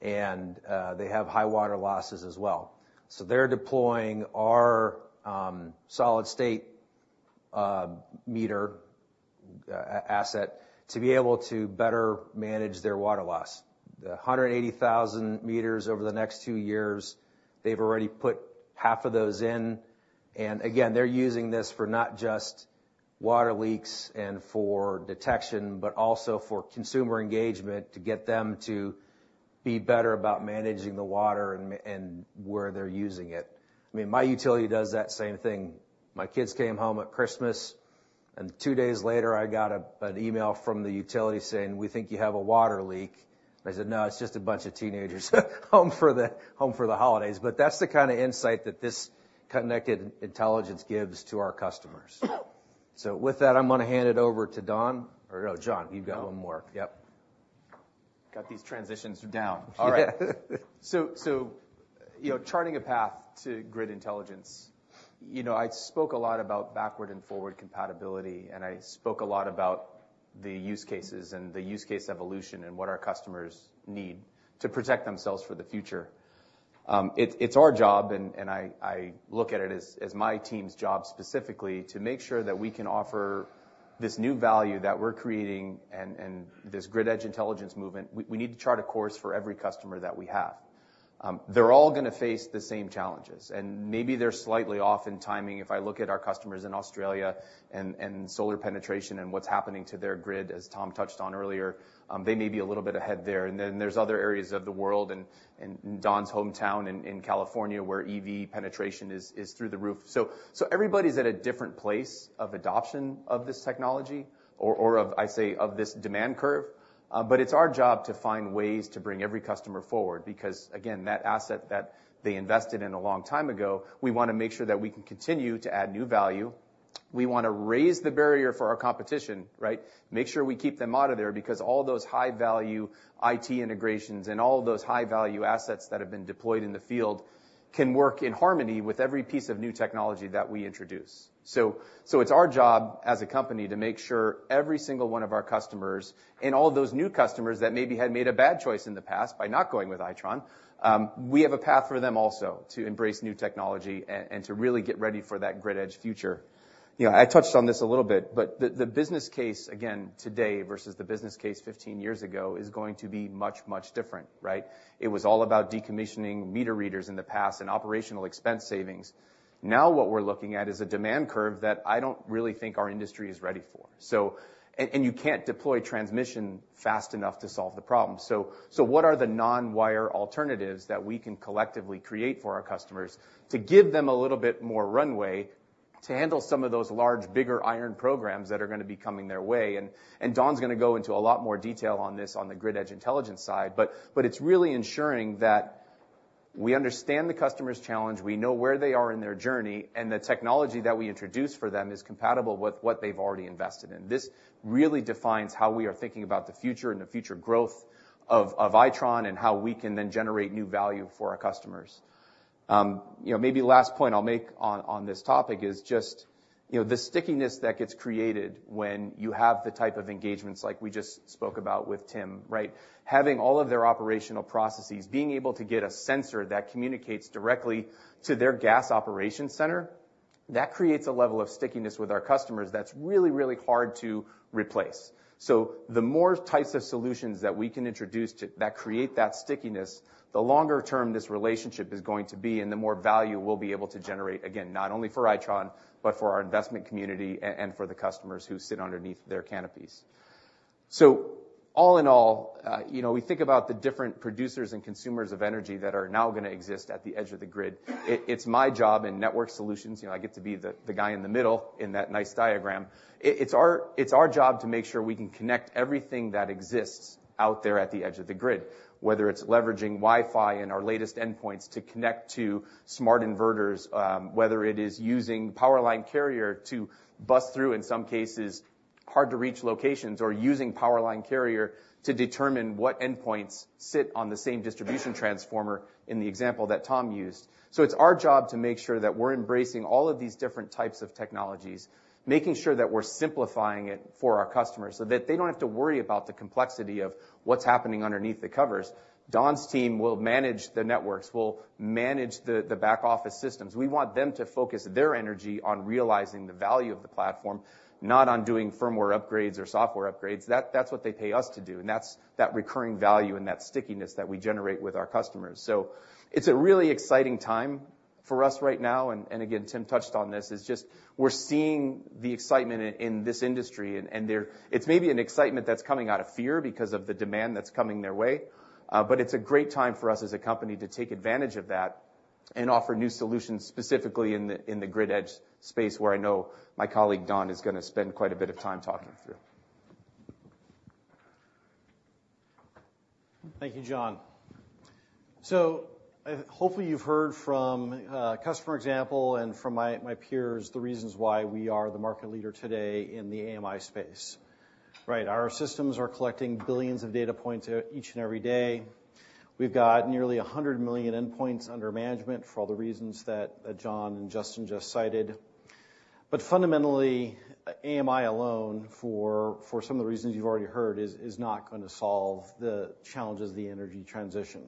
and they have high water losses as well. So they're deploying our solid-state meter asset to be able to better manage their water loss. The 180,000 meters over the next two years, they've already put half of those in, and again, they're using this for not just water leaks and for detection, but also for consumer engagement, to get them to be better about managing the water and where they're using it. I mean, my utility does that same thing. My kids came home at Christmas, and two days later, I got an email from the utility saying, "We think you have a water leak." I said, "No, it's just a bunch of teenagers, home for the holidays." But that's the kind of insight that this connected intelligence gives to our customers. So with that, I'm gonna hand it over to Don, or no, John, you've got one more. Yeah. Yep. Got these transitions down. All right. So, you know, charting a path to grid intelligence, you know, I spoke a lot about backward and forward compatibility, and I spoke a lot about the use cases and the use case evolution, and what our customers need to protect themselves for the future. It's our job, and I look at it as my team's job specifically, to make sure that we can offer this new value that we're creating and this grid edge intelligence movement. We need to chart a course for every customer that we have. They're all gonna face the same challenges, and maybe they're slightly off in timing. If I look at our customers in Australia and solar penetration and what's happening to their grid, as Tom touched on earlier, they may be a little bit ahead there. Then there's other areas of the world, in Don's hometown in California, where EV penetration is through the roof. So everybody's at a different place of adoption of this technology or of, I'd say, this demand curve. But it's our job to find ways to bring every customer forward, because, again, that asset that they invested in a long time ago, we wanna make sure that we can continue to add new value. We want to raise the barrier for our competition, right? Make sure we keep them out of there, because all those high-value IT integrations and all of those high-value assets that have been deployed in the field can work in harmony with every piece of new technology that we introduce. So, it's our job as a company to make sure every single one of our customers, and all those new customers that maybe had made a bad choice in the past by not going with Itron, we have a path for them also to embrace new technology and to really get ready for that grid edge future. You know, I touched on this a little bit, but the business case, again, today versus the business case 15 years ago, is going to be much, much different, right? It was all about decommissioning meter readers in the past and operational expense savings. Now, what we're looking at is a demand curve that I don't really think our industry is ready for. So, and you can't deploy transmission fast enough to solve the problem. So what are the non-wire alternatives that we can collectively create for our customers to give them a little bit more runway to handle some of those large, bigger iron programs that are gonna be coming their way? And Don's gonna go into a lot more detail on this on the grid edge intelligence side, but it's really ensuring that we understand the customer's challenge, we know where they are in their journey, and the technology that we introduce for them is compatible with what they've already invested in. This really defines how we are thinking about the future and the future growth of Itron, and how we can then generate new value for our customers. You know, maybe last point I'll make on this topic is just, you know, the stickiness that gets created when you have the type of engagements like we just spoke about with Tim, right? Having all of their operational processes, being able to get a sensor that communicates directly to their gas operations center, that creates a level of stickiness with our customers that's really, really hard to replace. So the more types of solutions that we can introduce that create that stickiness, the longer term this relationship is going to be, and the more value we'll be able to generate, again, not only for Itron, but for our investment community and for the customers who sit underneath their canopies. So all in all, you know, we think about the different producers and consumers of energy that are now gonna exist at the edge of the grid. It's my job in Networked Solutions, you know, I get to be the guy in the middle in that nice diagram. It's our job to make sure we can connect everything that exists out there at the edge of the grid, whether it's leveraging Wi-Fi and our latest endpoints to connect to smart inverters, whether it is using Power Line Carrier to bust through, in some cases, hard to reach locations, or using Power Line Carrier to determine what endpoints sit on the same distribution transformer in the example that Tom used. So it's our job to make sure that we're embracing all of these different types of technologies, making sure that we're simplifying it for our customers, so that they don't have to worry about the complexity of what's happening underneath the covers. Don's team will manage the networks, will manage the back office systems. We want them to focus their energy on realizing the value of the platform, not on doing firmware upgrades or software upgrades. That's what they pay us to do, and that's that recurring value and that stickiness that we generate with our customers. So it's a really exciting time for us right now, and again, Tim touched on this, is just we're seeing the excitement in this industry, and there... It's maybe an excitement that's coming out of fear because of the demand that's coming their way, but it's a great time for us as a company to take advantage of that and offer new solutions, specifically in the grid edge space, where I know my colleague, Don, is gonna spend quite a bit of time talking through. Thank you, John. So, hopefully you've heard from customer example and from my peers, the reasons why we are the market leader today in the AMI space. Right, our systems are collecting billions of data points each and every day. We've got nearly 100 million endpoints under management, for all the reasons that John and Justin just cited. But fundamentally, AMI alone, for some of the reasons you've already heard, is not going to solve the challenges of the energy transition,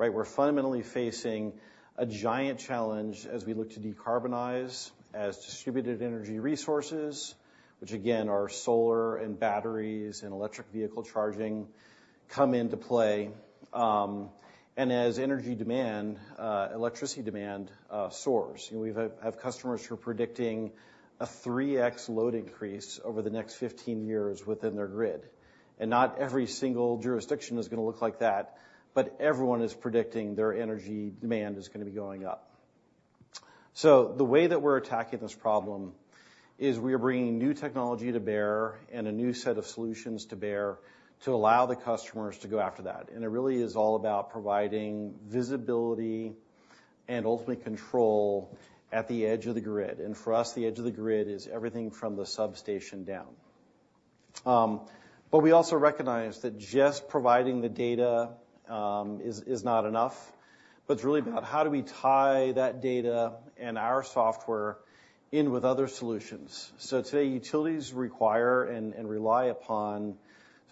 right? We're fundamentally facing a giant challenge as we look to decarbonize, as distributed energy resources, which again, are solar and batteries and electric vehicle charging, come into play, and as energy demand, electricity demand, soars. You know, we have customers who are predicting a 3x load increase over the next 15 years within their grid. Not every single jurisdiction is gonna look like that, but everyone is predicting their energy demand is gonna be going up. The way that we're attacking this problem is we are bringing new technology to bear and a new set of solutions to bear, to allow the customers to go after that. It really is all about providing visibility and ultimately control at the edge of the grid. For us, the edge of the grid is everything from the substation down. But we also recognize that just providing the data is not enough, but it's really about how do we tie that data and our software in with other solutions. Today, utilities require and rely upon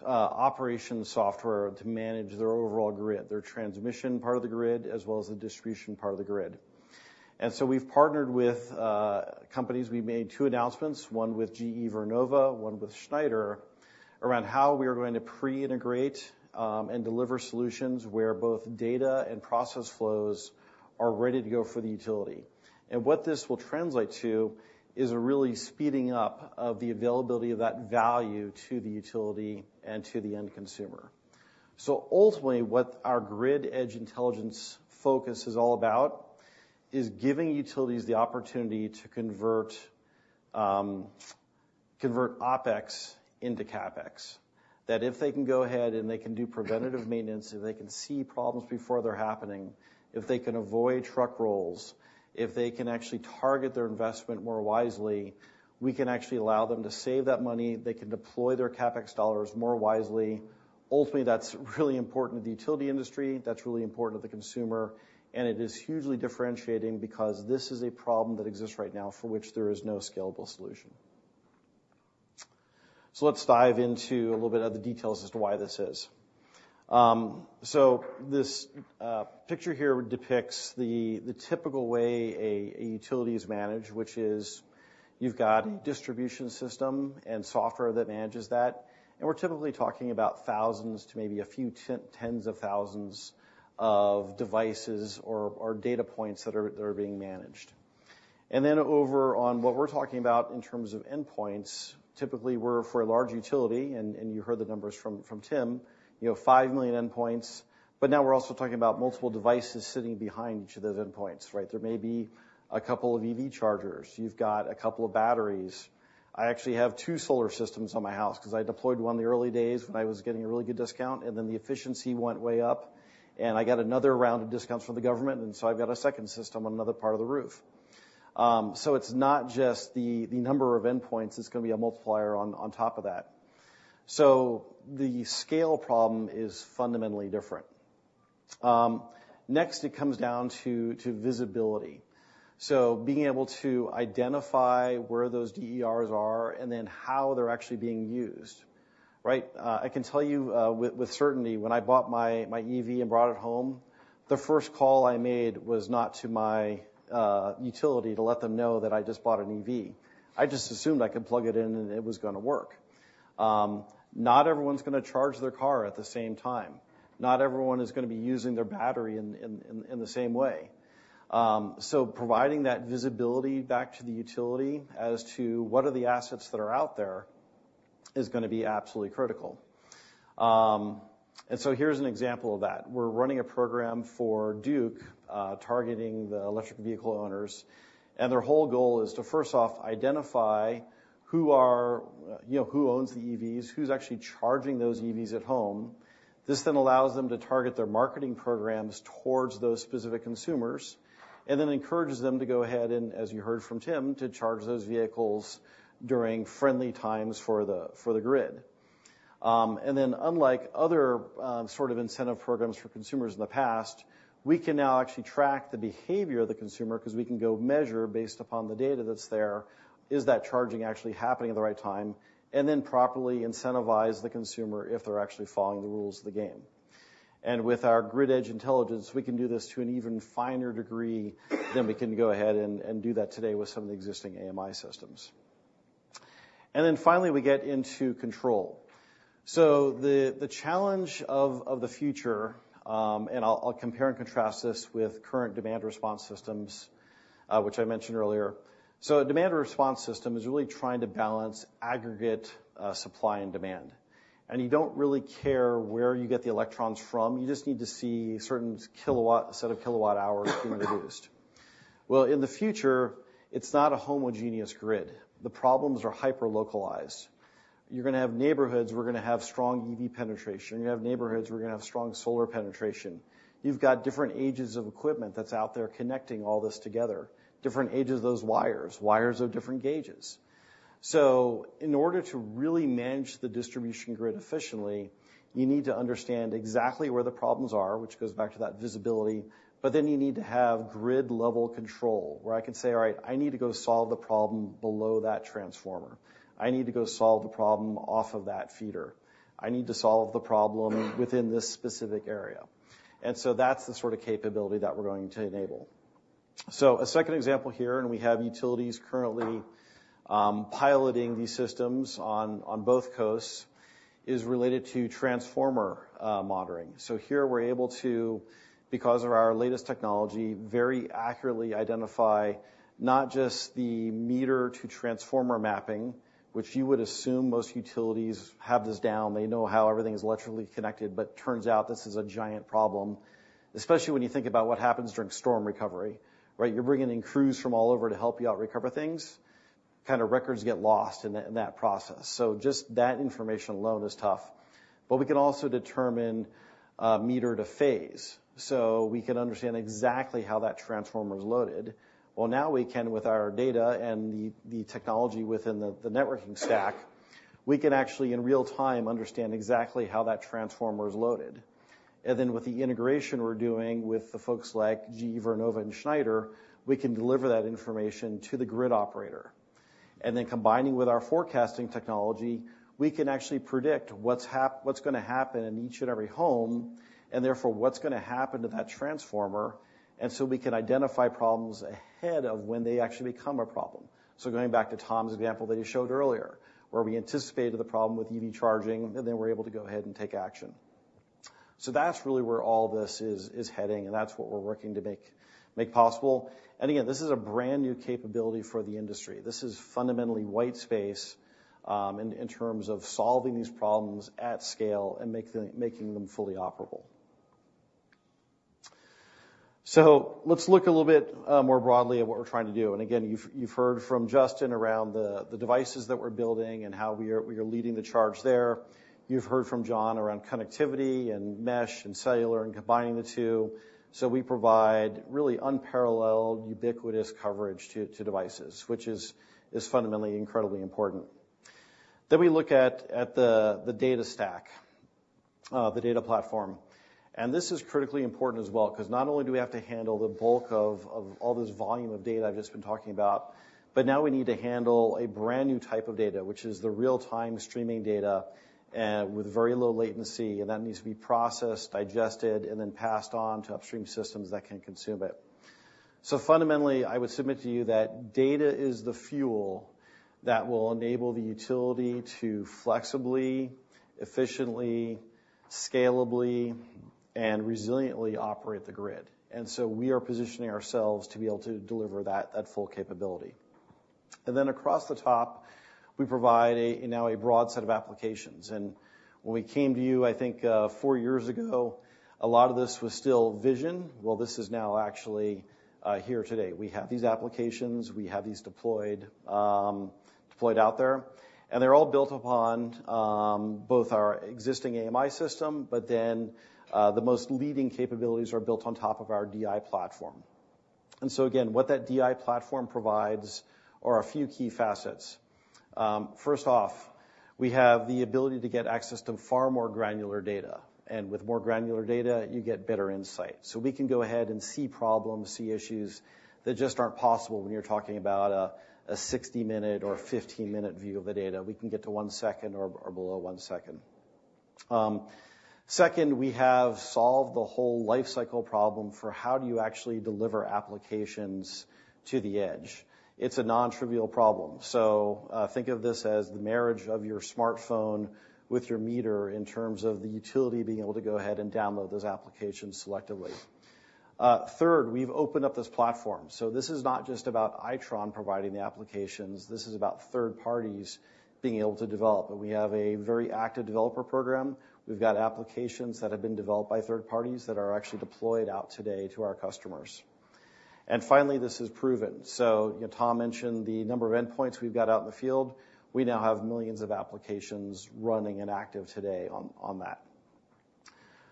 operation software to manage their overall grid, their transmission part of the grid, as well as the distribution part of the grid. We've partnered with companies. We've made two announcements, one with GE Vernova, one with Schneider, around how we are going to pre-integrate and deliver solutions where both data and process flows are ready to go for the utility. What this will translate to is a really speeding up of the availability of that value to the utility and to the end consumer. Ultimately, what our Grid Edge Intelligence focus is all about is giving utilities the opportunity to convert OpEx into CapEx. That, if they can go ahead and they can do preventative maintenance, and they can see problems before they're happening, if they can avoid truck rolls, if they can actually target their investment more wisely, we can actually allow them to save that money. They can deploy their CapEx dollars more wisely. Ultimately, that's really important to the utility industry, that's really important to the consumer, and it is hugely differentiating because this is a problem that exists right now for which there is no scalable solution. So let's dive into a little bit of the details as to why this is. So this picture here depicts the typical way a utility is managed, which is you've got a distribution system and software that manages that, and we're typically talking about thousands to maybe a few tens of thousands of devices or data points that are being managed. Then over on what we're talking about in terms of endpoints, typically, we're for a large utility, and you heard the numbers from Tim, you know, 5 million endpoints, but now we're also talking about multiple devices sitting behind each of those endpoints, right? There may be a couple of EV chargers. You've got a couple of batteries. I actually have two solar systems on my house because I deployed one in the early days when I was getting a really good discount, and then the efficiency went way up, and I got another round of discounts from the government, and so I've got a second system on another part of the roof. So it's not just the number of endpoints, it's gonna be a multiplier on top of that. So the scale problem is fundamentally different. Next, it comes down to visibility. So being able to identify where those DERs are and then how they're actually being used, right? I can tell you with certainty, when I bought my EV and brought it home, the first call I made was not to my utility to let them know that I just bought an EV. I just assumed I could plug it in and it was gonna work. Not everyone's gonna charge their car at the same time. Not everyone is gonna be using their battery in the same way. So providing that visibility back to the utility as to what are the assets that are out there is gonna be absolutely critical. So here's an example of that: We're running a program for Duke, targeting the electric vehicle owners, and their whole goal is to, first off, identify you know, who owns the EVs, who's actually charging those EVs at home. This then allows them to target their marketing programs towards those specific consumers, and then encourages them to go ahead, and as you heard from Tim, to charge those vehicles during friendly times for the, for the grid. And then, unlike other, sort of incentive programs for consumers in the past, we can now actually track the behavior of the consumer, 'cause we can go measure based upon the data that's there, is that charging actually happening at the right time? And then properly incentivize the consumer if they're actually following the rules of the game. With our Grid Edge Intelligence, we can do this to an even finer degree than we can go ahead and do that today with some of the existing AMI systems. Then, finally, we get into control. So the challenge of the future. And I'll compare and contrast this with current demand response systems, which I mentioned earlier. So a demand response system is really trying to balance aggregate supply and demand. And you don't really care where you get the electrons from, you just need to see a certain kilowatt, a set of kilowatt hours being reduced. Well, in the future, it's not a homogeneous grid. The problems are hyper-localized. You're gonna have neighborhoods where we're gonna have strong EV penetration. You're gonna have neighborhoods where we're gonna have strong solar penetration. You've got different ages of equipment that's out there connecting all this together, different ages of those wires, wires of different gauges. So in order to really manage the distribution grid efficiently, you need to understand exactly where the problems are, which goes back to that visibility, but then you need to have grid-level control, where I can say, "All right, I need to go solve the problem below that transformer. I need to go solve the problem off of that feeder. I need to solve the problem within this specific area." And so that's the sort of capability that we're going to enable. So a second example here, and we have utilities currently piloting these systems on both coasts, is related to transformer monitoring. So here we're able to, because of our latest technology, very accurately identify not just the meter-to-transformer mapping, which you would assume most utilities have this down, they know how everything is electrically connected, but turns out this is a giant problem, especially when you think about what happens during storm recovery, right? You're bringing in crews from all over to help you out recover things, kind of, records get lost in that, in that process. So just that information alone is tough. But we can also determine, meter to phase, so we can understand exactly how that transformer is loaded. Well, now we can, with our data and the technology within the networking stack, we can actually, in real time, understand exactly how that transformer is loaded. And then, with the integration we're doing with the folks like GE Vernova and Schneider, we can deliver that information to the grid operator. And then, combining with our forecasting technology, we can actually predict what's gonna happen in each and every home, and therefore, what's gonna happen to that transformer, and so we can identify problems ahead of when they actually become a problem. So going back to Tom's example that he showed earlier, where we anticipated the problem with EV charging, and then we're able to go ahead and take action. So that's really where all this is heading, and that's what we're working to make possible. And again, this is a brand-new capability for the industry. This is fundamentally white space in terms of solving these problems at scale and making them fully operable. So let's look a little bit more broadly at what we're trying to do. And again, you've heard from Justin around the devices that we're building and how we are leading the charge there. You've heard from John around connectivity and mesh and cellular and combining the two, so we provide really unparalleled, ubiquitous coverage to devices, which is fundamentally incredibly important. Then we look at the data stack, the data platform. This is critically important as well, 'cause not only do we have to handle the bulk of all this volume of data I've just been talking about, but now we need to handle a brand-new type of data, which is the real-time streaming data with very low latency, and that needs to be processed, digested, and then passed on to upstream systems that can consume it. So fundamentally, I would submit to you that data is the fuel that will enable the utility to flexibly, efficiently, scalably, and resiliently operate the grid. And so we are positioning ourselves to be able to deliver that full capability. And then across the top, we provide a, now, a broad set of applications. When we came to you, I think, four years ago, a lot of this was still vision. Well, this is now actually here today. We have these applications, we have these deployed, deployed out there, and they're all built upon both our existing AMI system, but then the most leading capabilities are built on top of our DI platform. And so again, what that DI platform provides are a few key facets. First off, we have the ability to get access to far more granular data, and with more granular data, you get better insight. So we can go ahead and see problems, see issues, that just aren't possible when you're talking about a 60-minute or a 15-minute view of the data. We can get to 1 second or below 1 second. Second, we have solved the whole life cycle problem for how do you actually deliver applications to the edge? It's a non-trivial problem. So, think of this as the marriage of your smartphone with your meter in terms of the utility being able to go ahead and download those applications selectively. Third, we've opened up this platform. So this is not just about Itron providing the applications, this is about third parties being able to develop, and we have a very active developer program. We've got applications that have been developed by third parties that are actually deployed out today to our customers. And finally, this is proven. So, you know, Tom mentioned the number of endpoints we've got out in the field. We now have millions of applications running and active today on that.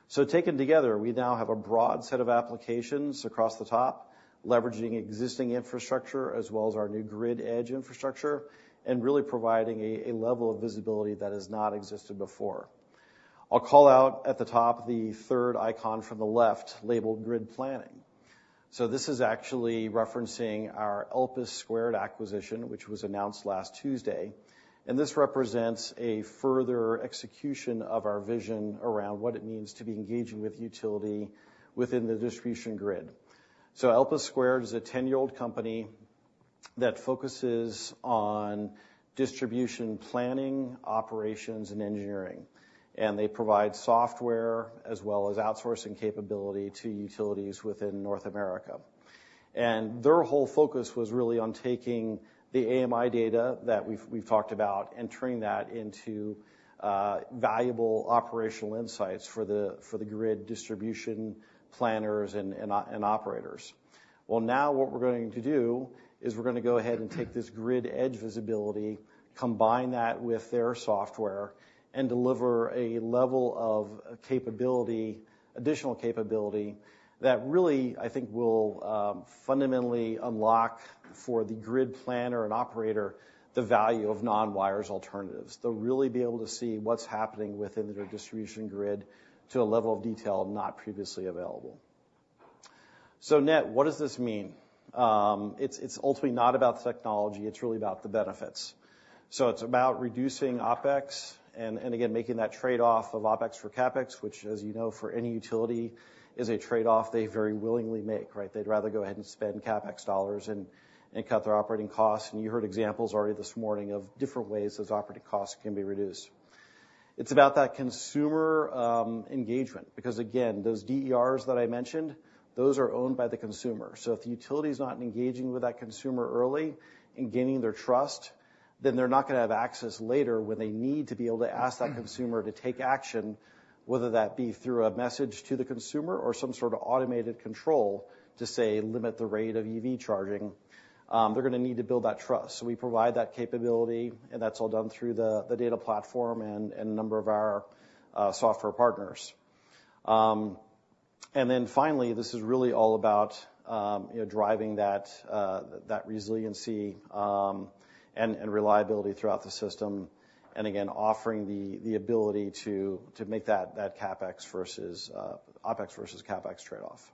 So taken together, we now have a broad set of applications across the top, leveraging existing infrastructure, as well as our new grid edge infrastructure, and really providing a level of visibility that has not existed before. I'll call out, at the top, the third icon from the left, labeled grid planning. So this is actually referencing our Elpis Squared acquisition, which was announced last Tuesday, and this represents a further execution of our vision around what it means to be engaging with utility within the distribution grid. So Elpis Squared is a ten-year-old company that focuses on distribution, planning, operations, and engineering, and they provide software as well as outsourcing capability to utilities within North America. And their whole focus was really on taking the AMI data that we've talked about, and turning that into valuable operational insights for the grid distribution planners and operators. Well, now what we're going to do is we're gonna go ahead and take this grid edge visibility, combine that with their software, and deliver a level of capability, additional capability, that really, I think, will fundamentally unlock for the grid planner and operator the value of non-wires alternatives. They'll really be able to see what's happening within their distribution grid to a level of detail not previously available. So net, what does this mean? It's ultimately not about the technology; it's really about the benefits. So it's about reducing OpEx and again, making that trade-off of OpEx for CapEx, which, as you know, for any utility, is a trade-off they very willingly make, right? They'd rather go ahead and spend CapEx dollars and cut their operating costs. And you heard examples already this morning of different ways those operating costs can be reduced. It's about that consumer engagement, because again, those DERs that I mentioned, those are owned by the consumer. So if the utility's not engaging with that consumer early and gaining their trust, then they're not gonna have access later when they need to be able to ask that consumer to take action, whether that be through a message to the consumer or some sort of automated control to, say, limit the rate of EV charging. They're gonna need to build that trust. So we provide that capability, and that's all done through the data platform and a number of our software partners. And then finally, this is really all about you know driving that resiliency and reliability throughout the system, and again, offering the ability to make that CapEx versus OpEx versus CapEx trade-off.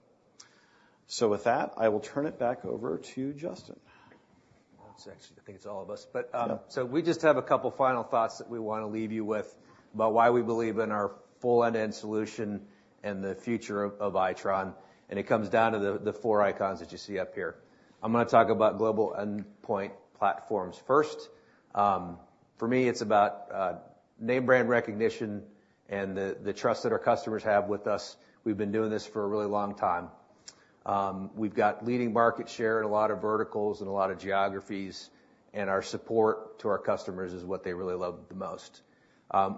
So with that, I will turn it back over to Justin. Actually, I think it's all of us. But- Yeah. So we just have a couple final thoughts that we wanna leave you with, about why we believe in our full end-to-end solution and the future of Itron, and it comes down to the four icons that you see up here. I'm gonna talk about global endpoint platforms first. For me, it's about name brand recognition and the trust that our customers have with us. We've been doing this for a really long time. We've got leading market share in a lot of verticals and a lot of geographies, and our support to our customers is what they really love the most.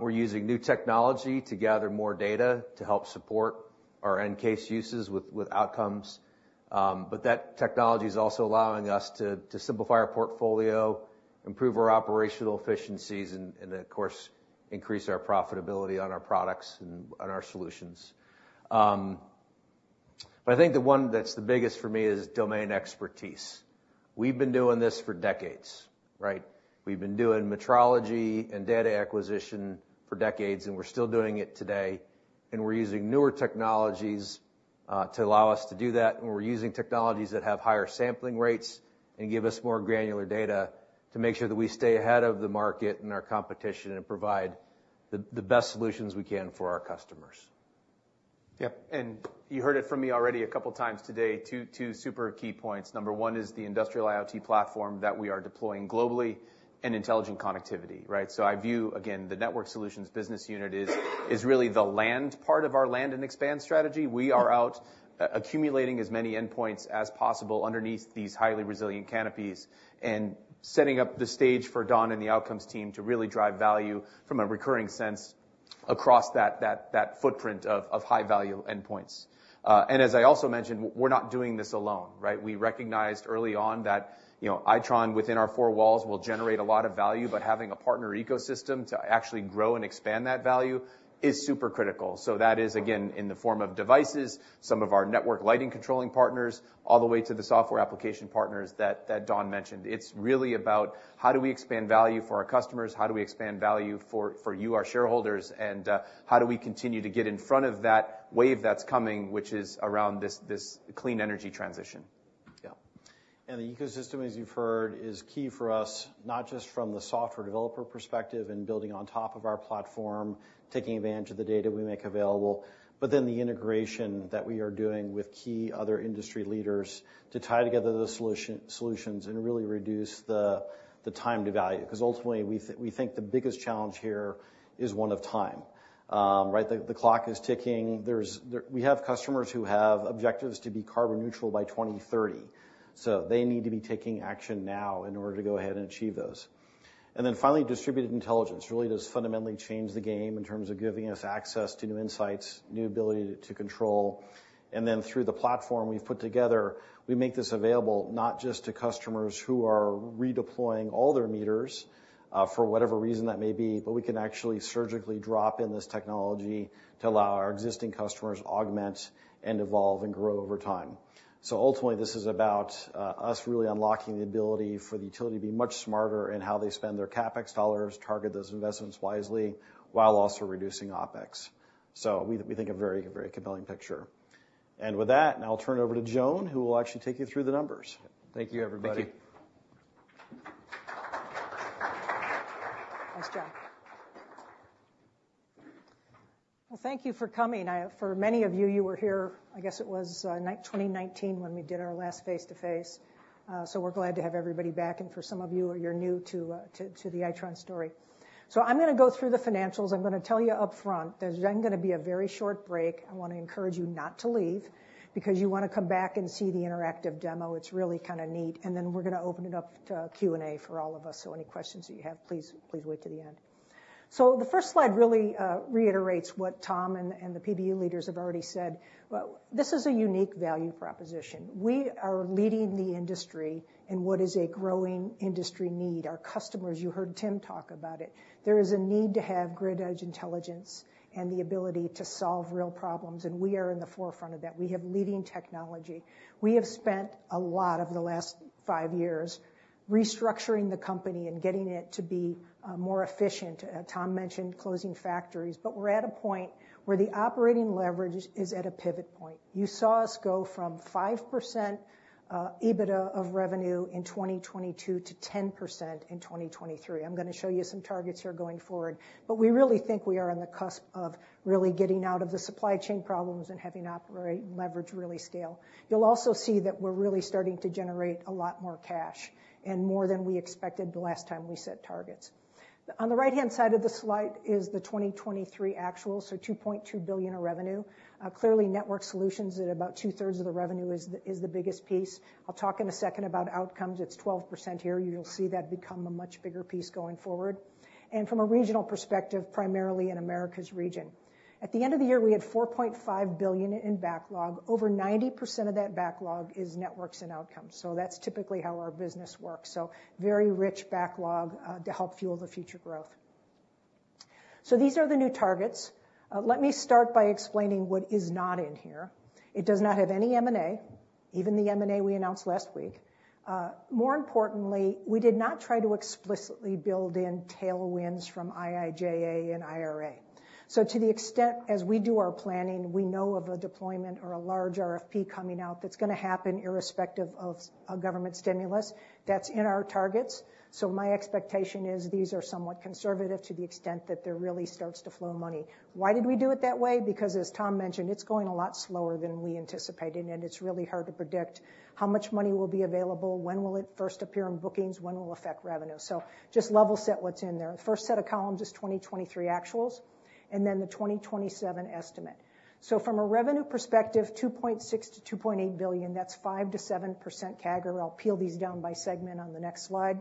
We're using new technology to gather more data to help support our end case uses with outcomes. But that technology is also allowing us to, to simplify our portfolio, improve our operational efficiencies, and, and of course, increase our profitability on our products and on our solutions. But I think the one that's the biggest for me is domain expertise. We've been doing this for decades, right? We've been doing metrology and data acquisition for decades, and we're still doing it today, and we're using newer technologies, to allow us to do that, and we're using technologies that have higher sampling rates and give us more granular data, to make sure that we stay ahead of the market and our competition, and provide the, the best solutions we can for our customers. Yep, and you heard it from me already a couple of times today, two, two super key points. Number one is the industrial IoT platform that we are deploying globally, and intelligent connectivity, right? So I view, again, the Networked Solutions business unit is really the land part of our land and expand strategy. We are out accumulating as many endpoints as possible underneath these highly resilient canopies, and setting up the stage for Don and the outcomes team to really drive value from a recurring sense.... across that footprint of high-value endpoints. And as I also mentioned, we're not doing this alone, right? We recognized early on that, you know, Itron within our four walls will generate a lot of value, but having a partner ecosystem to actually grow and expand that value is super critical. So that is, again, in the form of devices, some of our Networked Lighting Control partners, all the way to the software application partners that Don mentioned. It's really about: How do we expand value for our customers? How do we expand value for you, our shareholders? And, how do we continue to get in front of that wave that's coming, which is around this clean energy transition? Yeah. And the ecosystem, as you've heard, is key for us, not just from the software developer perspective and building on top of our platform, taking advantage of the data we make available, but then the integration that we are doing with key other industry leaders to tie together the solution, solutions and really reduce the, the time to value. Because ultimately, we think the biggest challenge here is one of time. Right, the clock is ticking. We have customers who have objectives to be carbon neutral by 2030, so they need to be taking action now in order to go ahead and achieve those. And then finally, distributed intelligence really does fundamentally change the game in terms of giving us access to new insights, new ability to control. And then through the platform we've put together, we make this available not just to customers who are redeploying all their meters, for whatever reason that may be, but we can actually surgically drop in this technology to allow our existing customers augment and evolve and grow over time. So ultimately, this is about, us really unlocking the ability for the utility to be much smarter in how they spend their CapEx dollars, target those investments wisely, while also reducing OpEx. So we, we think a very, very compelling picture. And with that, now I'll turn it over to Joan, who will actually take you through the numbers. Thank you, everybody. Thank you. Nice job. Well, thank you for coming. For many of you, you were here, I guess, it was 9/20/2019 when we did our last face-to-face, so we're glad to have everybody back, and for some of you, you're new to the Itron story. So I'm gonna go through the financials. I'm gonna tell you upfront, there's then gonna be a very short break. I wanna encourage you not to leave, because you wanna come back and see the interactive demo. It's really kind of neat. And then we're gonna open it up to Q&A for all of us, so any questions that you have, please, please wait till the end. So the first slide really reiterates what Tom and the PBU leaders have already said. Well, this is a unique value proposition. We are leading the industry in what is a growing industry need. Our customers, you heard Tim talk about it, there is a need to have grid edge intelligence and the ability to solve real problems, and we are in the forefront of that. We have leading technology. We have spent a lot of the last five years restructuring the company and getting it to be more efficient. Tom mentioned closing factories. But we're at a point where the operating leverage is at a pivot point. You saw us go from 5% EBITDA of revenue in 2022 to 10% in 2023. I'm gonna show you some targets here going forward. But we really think we are on the cusp of really getting out of the supply chain problems and having operating leverage really scale. You'll also see that we're really starting to generate a lot more cash and more than we expected the last time we set targets. On the right-hand side of the slide is the 2023 actual, so $2.2 billion in revenue. Clearly, Networked Solutions at about 2/3 of the revenue is the, is the biggest piece. I'll talk in a second about outcomes. It's 12% here. You'll see that become a much bigger piece going forward. And from a regional perspective, primarily in Americas region. At the end of the year, we had $4.5 billion in backlog. Over 90% of that backlog is networks and outcomes, so that's typically how our business works. So very rich backlog to help fuel the future growth. So these are the new targets. Let me start by explaining what is not in here. It does not have any M&A, even the M&A we announced last week. More importantly, we did not try to explicitly build in tailwinds from IIJA and IRA. So to the extent, as we do our planning, we know of a deployment or a large RFP coming out that's gonna happen irrespective of a government stimulus, that's in our targets. So my expectation is these are somewhat conservative to the extent that there really starts to flow money. Why did we do it that way? Because, as Tom mentioned, it's going a lot slower than we anticipated, and it's really hard to predict how much money will be available, when will it first appear in bookings, when will it affect revenue. So just level set what's in there. First set of columns is 2023 actuals, and then the 2027 estimate. So from a revenue perspective, $2.6 billion-$2.8 billion, that's 5%-7% CAGR. I'll peel these down by segment on the next slide.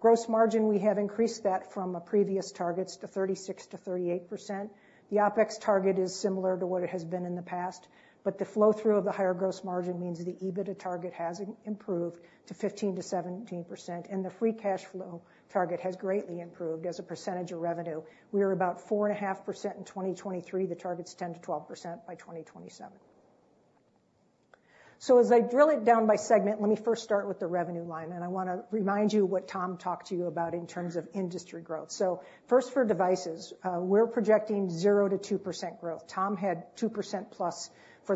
Gross margin, we have increased that from a previous targets to 36%-38%. The OpEx target is similar to what it has been in the past, but the flow-through of the higher gross margin means the EBITDA target has improved to 15%-17%, and the free cash flow target has greatly improved as a percentage of revenue. We are about 4.5% in 2023. The target's 10%-12% by 2027. So as I drill it down by segment, let me first start with the revenue line, and I wanna remind you what Tom talked to you about in terms of industry growth. So first, for devices, we're projecting 0%-2% growth. Tom had 2%+ for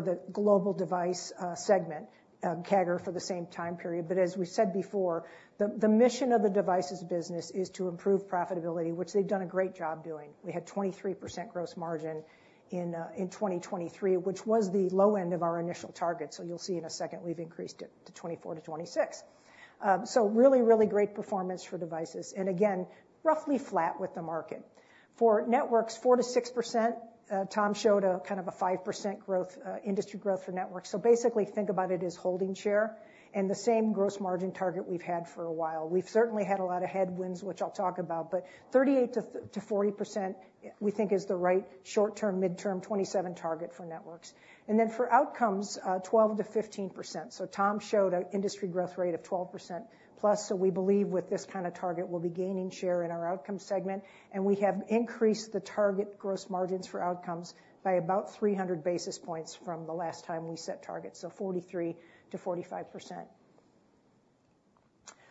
the global device segment CAGR for the same time period. But as we said before, the mission of the devices business is to improve profitability, which they've done a great job doing. We had 23% gross margin in 2023, which was the low end of our initial target. So you'll see in a second, we've increased it to 24%-26%. So really, really great performance for devices, and again, roughly flat with the market. For networks, 4%-6%. Tom showed a kind of a 5% growth, industry growth for networks. So basically, think about it as holding share, and the same gross margin target we've had for a while. We've certainly had a lot of headwinds, which I'll talk about, but 38%-40%, we think is the right short-term, midterm, 27 target for networks. And then for outcomes, 12%-15%. So Tom showed an industry growth rate of 12%+, so we believe with this kind of target, we'll be gaining share in our outcomes segment, and we have increased the target gross margins for outcomes by about 300 basis points from the last time we set targets, so 43%-45%....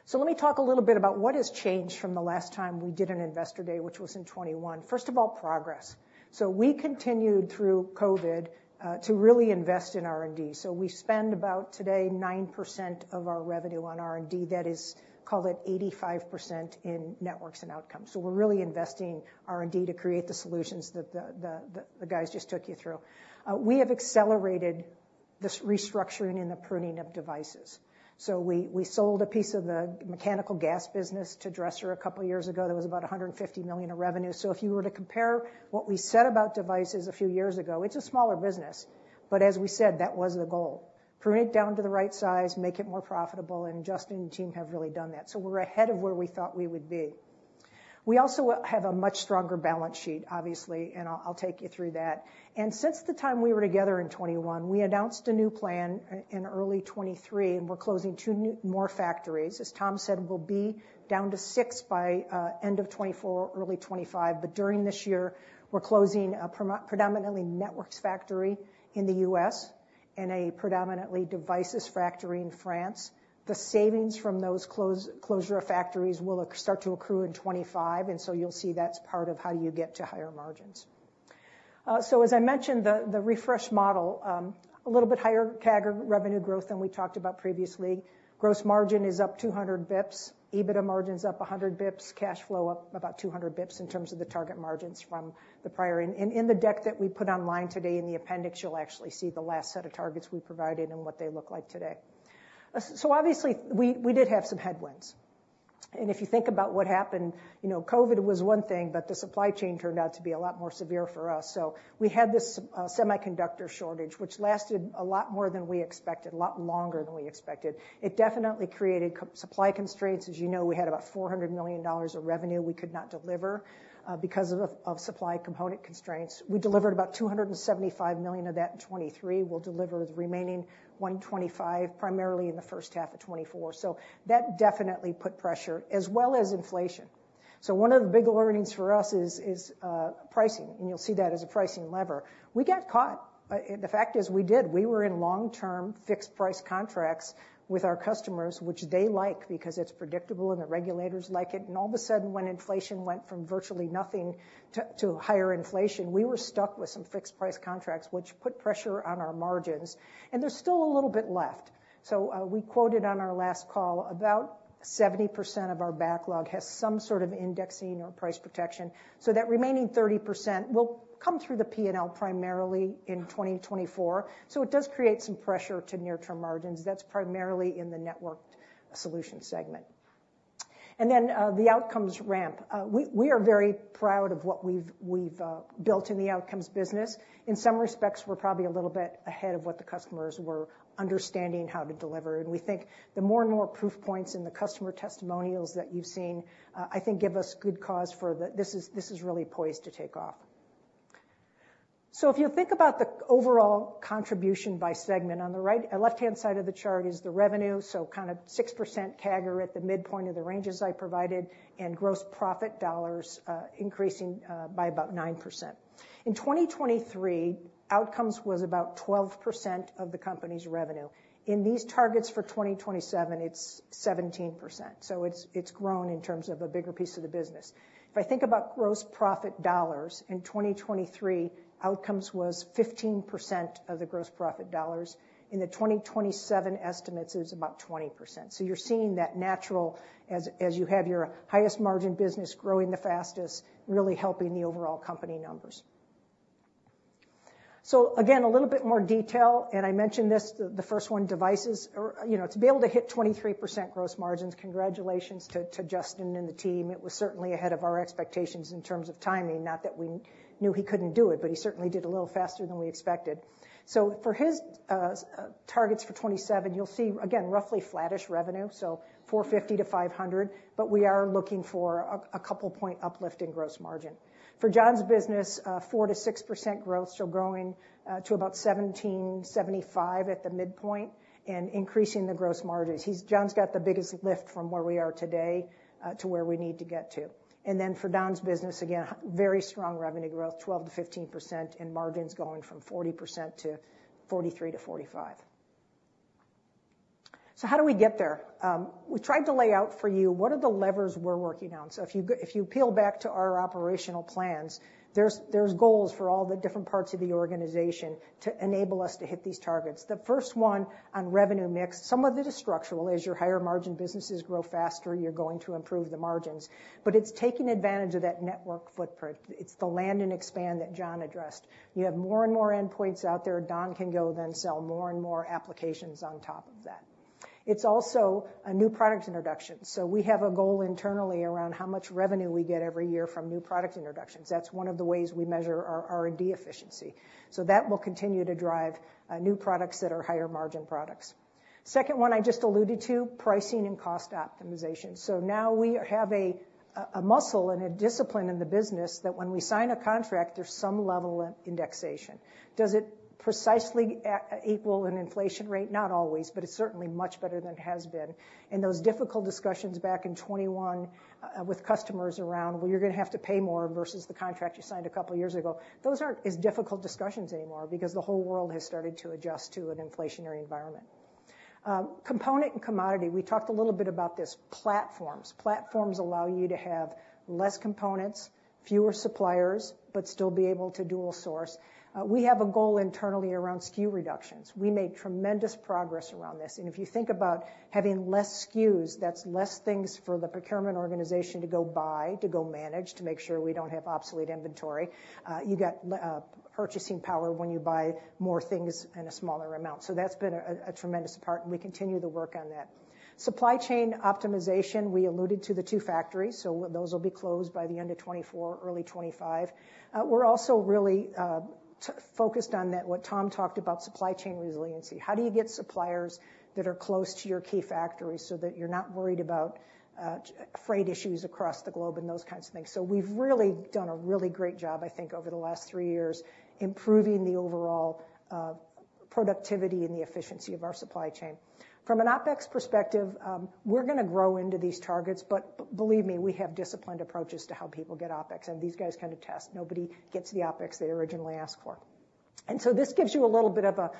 So let me talk a little bit about what has changed from the last time we did an Investor Day, which was in 2021. First of all, progress. So we continued through COVID to really invest in R&D. So we spend about, today, 9% of our revenue on R&D. That is, call it 85% in networks and outcomes. So we're really investing R&D to create the solutions that the guys just took you through. We have accelerated this restructuring and the pruning of devices. So we sold a piece of the mechanical gas business to Dresser a couple of years ago. That was about $150 million of revenue. So if you were to compare what we said about devices a few years ago, it's a smaller business, but as we said, that was the goal. Prune it down to the right size, make it more profitable, and Justin and the team have really done that. So we're ahead of where we thought we would be. We also have a much stronger balance sheet, obviously, and I'll take you through that. Since the time we were together in 2021, we announced a new plan in early 2023, and we're closing two more factories. As Tom said, we'll be down to six by end of 2024, early 2025. During this year, we're closing a predominantly networks factory in the U.S. and a predominantly devices factory in France. The savings from those closure of factories will start to accrue in 2025, and so you'll see that's part of how you get to higher margins. As I mentioned, the refresh model, a little bit higher CAGR revenue growth than we talked about previously. Gross margin is up 200 basis points, EBITDA margin's up 100 basis points, cash flow up about 200 basis points in terms of the target margins from the prior. And in the deck that we put online today, in the appendix, you'll actually see the last set of targets we provided and what they look like today. So obviously, we did have some headwinds. And if you think about what happened, you know, COVID was one thing, but the supply chain turned out to be a lot more severe for us. So we had this semiconductor shortage, which lasted a lot more than we expected, a lot longer than we expected. It definitely created supply constraints. As you know, we had about $400 million of revenue we could not deliver because of supply component constraints. We delivered about $275 million of that in 2023. We'll deliver the remaining $125 million, primarily in the first half of 2024. So that definitely put pressure, as well as inflation. One of the big learnings for us is pricing, and you'll see that as a pricing lever. We got caught. The fact is, we did. We were in long-term fixed price contracts with our customers, which they like because it's predictable and the regulators like it, and all of a sudden, when inflation went from virtually nothing to higher inflation, we were stuck with some fixed-price contracts, which put pressure on our margins, and there's still a little bit left. So, we quoted on our last call, about 70% of our backlog has some sort of indexing or price protection, so that remaining 30% will come through the P&L, primarily in 2024. So it does create some pressure to near-term margins. That's primarily in the Networked Solutions segment. And then, the outcomes ramp. We are very proud of what we've built in the Outcomes business. In some respects, we're probably a little bit ahead of what the customers were understanding how to deliver, and we think the more and more proof points in the customer testimonials that you've seen, I think give us good cause for the... This is really poised to take off. So if you think about the overall contribution by segment, on the right, left-hand side of the chart is the revenue, so kind of 6% CAGR at the midpoint of the ranges I provided, and gross profit dollars increasing by about 9%. In 2023, outcomes was about 12% of the company's revenue. In these targets for 2027, it's 17%, so it's grown in terms of a bigger piece of the business. If I think about gross profit dollars, in 2023, Outcomes was 15% of the gross profit dollars. In the 2027 estimates, it's about 20%. So you're seeing that natural, as you have your highest margin business growing the fastest, really helping the overall company numbers. So again, a little bit more detail, and I mentioned this, the first one, devices. Or, you know, to be able to hit 23% gross margins, congratulations to Justin and the team. It was certainly ahead of our expectations in terms of timing, not that we knew he couldn't do it, but he certainly did a little faster than we expected. So for his targets for 2027, you'll see, again, roughly flattish revenue, so $450-$500, but we are looking for a couple point uplift in gross margin. For John's business, 4%-6% growth, so growing to about $1,775 at the midpoint and increasing the gross margins. John's got the biggest lift from where we are today to where we need to get to. And then for Don's business, again, very strong revenue growth, 12%-15%, and margins going from 40% to 43%-45%. So how do we get there? We tried to lay out for you what are the levers we're working on. So if you peel back to our operational plans, there's goals for all the different parts of the organization to enable us to hit these targets. The first one on revenue mix, some of it is structural. As your higher-margin businesses grow faster, you're going to improve the margins, but it's taking advantage of that network footprint. It's the land and expand that John addressed. You have more and more endpoints out there. Don can go then sell more and more applications on top of that. It's also a new product introduction, so we have a goal internally around how much revenue we get every year from new product introductions. That's one of the ways we measure our R&D efficiency. So that will continue to drive new products that are higher-margin products. Second one, I just alluded to, pricing and cost optimization. So now we have a muscle and a discipline in the business that when we sign a contract, there's some level of indexation. Does it precisely equal an inflation rate? Not always, but it's certainly much better than it has been. Those difficult discussions back in 2021 with customers around, "Well, you're gonna have to pay more versus the contract you signed a couple of years ago," those aren't as difficult discussions anymore because the whole world has started to adjust to an inflationary environment. Component and commodity, we talked a little bit about this. Platforms. Platforms allow you to have less components, fewer suppliers, but still be able to dual source. We have a goal internally around SKU reductions. We made tremendous progress around this, and if you think about having less SKUs, that's less things for the procurement organization to go buy, to go manage, to make sure we don't have obsolete inventory. You get purchasing power when you buy more things in a smaller amount. So that's been a tremendous part, and we continue the work on that. Supply chain optimization, we alluded to the two factories, so those will be closed by the end of 2024, early 2025. We're also really focused on that, what Tom talked about, supply chain resiliency. How do you get suppliers that are close to your key factories so that you're not worried about freight issues across the globe and those kinds of things? So we've really done a really great job, I think, over the last three years, improving the overall productivity and the efficiency of our supply chain. From an OpEx perspective, we're gonna grow into these targets, but believe me, we have disciplined approaches to how people get OpEx, and these guys kinda test. Nobody gets the OpEx they originally ask for. And so this gives you a little bit of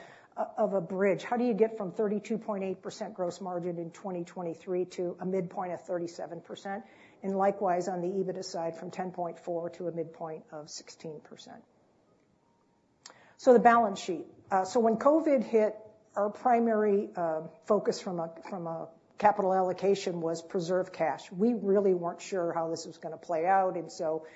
a bridge. How do you get from 32.8% gross margin in 2023 to a midpoint of 37%? And likewise, on the EBITDA side, from 10.4 to a midpoint of 16%. So the balance sheet. So when COVID hit, our primary focus from a capital allocation was preserve cash. We really weren't sure how this was gonna play out, and so,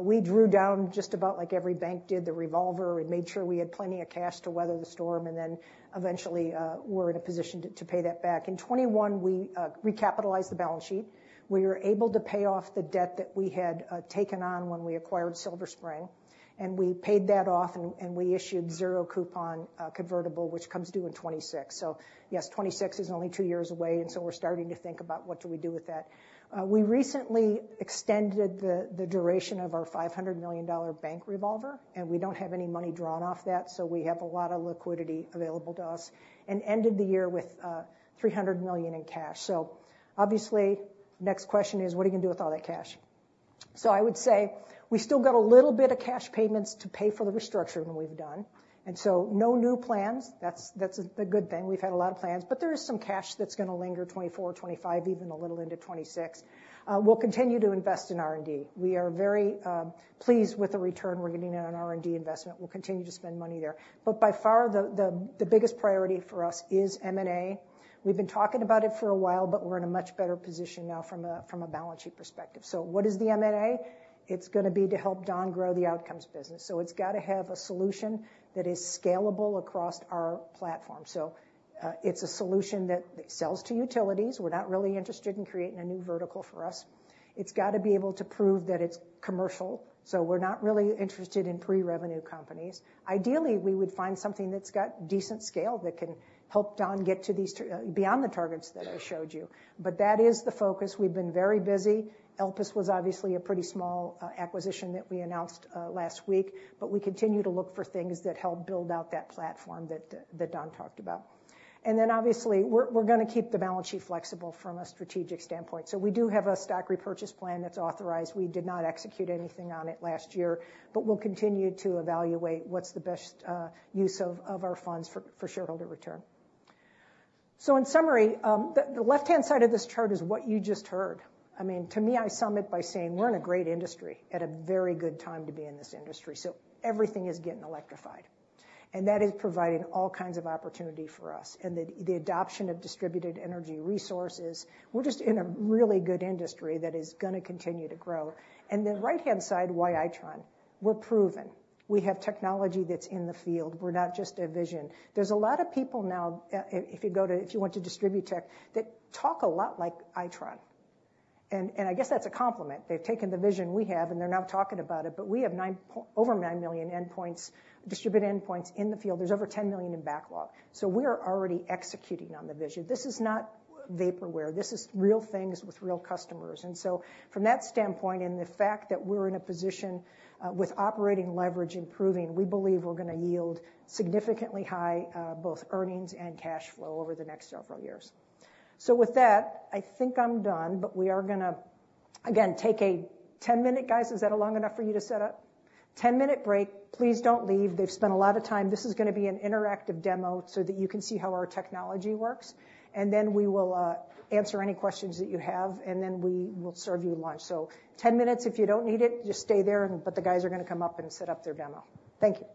we drew down, just about like every bank did, the revolver and made sure we had plenty of cash to weather the storm, and then eventually, we're in a position to pay that back. In 2021, we recapitalized the balance sheet. We were able to pay off the debt that we had taken on when we acquired Silver Spring, and we paid that off, and we issued zero coupon convertible, which comes due in 2026. So yes, 2026 is only two years away, and so we're starting to think about what do we do with that. We recently extended the duration of our $500 million bank revolver, and we don't have any money drawn off that, so we have a lot of liquidity available to us, and ended the year with $300 million in cash. So obviously, next question is: What are you gonna do with all that cash? So I would say we still got a little bit of cash payments to pay for the restructuring we've done, and so no new plans. That's a good thing. We've had a lot of plans, but there is some cash that's gonna linger 2024, 2025, even a little into 2026. We'll continue to invest in R&D. We are very pleased with the return we're getting on our R&D investment. We'll continue to spend money there. But by far, the biggest priority for us is M&A. We've been talking about it for a while, but we're in a much better position now from a balance sheet perspective. So what is the M&A? It's gonna be to help Don grow the Outcomes business, so it's gotta have a solution that is scalable across our platform. So, it's a solution that sells to utilities. We're not really interested in creating a new vertical for us. It's got to be able to prove that it's commercial, so we're not really interested in pre-revenue companies. Ideally, we would find something that's got decent scale, that can help Don get to these beyond the targets that I showed you, but that is the focus. We've been very busy. Elpis was obviously a pretty small acquisition that we announced last week, but we continue to look for things that help build out that platform that that Don talked about. And then obviously, we're gonna keep the balance sheet flexible from a strategic standpoint. So we do have a stock repurchase plan that's authorized. We did not execute anything on it last year, but we'll continue to evaluate what's the best use of our funds for shareholder return. So in summary, the left-hand side of this chart is what you just heard. I mean, to me, I sum it by saying we're in a great industry, at a very good time to be in this industry, so everything is getting electrified. And that is providing all kinds of opportunity for us, and the adoption of distributed energy resources. We're just in a really good industry that is gonna continue to grow. And the right-hand side, why Itron? We're proven. We have technology that's in the field. We're not just a vision. There's a lot of people now, if you go to DistribuTECH, that talk a lot like Itron, and I guess that's a compliment. They've taken the vision we have, and they're now talking about it, but we have over 9 million endpoints, distributed endpoints in the field. There's over 10 million in backlog, so we are already executing on the vision. This is not vaporware. This is real things with real customers. And so from that standpoint, and the fact that we're in a position with operating leverage improving, we believe we're gonna yield significantly high both earnings and cash flow over the next several years. So with that, I think I'm done, but we are gonna, again, take a 10-minute... Guys, is that a long enough for you to set up? 10-minute break. Please don't leave. They've spent a lot of time. This is gonna be an interactive demo, so that you can see how our technology works, and then we will answer any questions that you have, and then we will serve you lunch. So 10 minutes. If you don't need it, just stay there, and, but the guys are gonna come up and set up their demo. Thank you. ...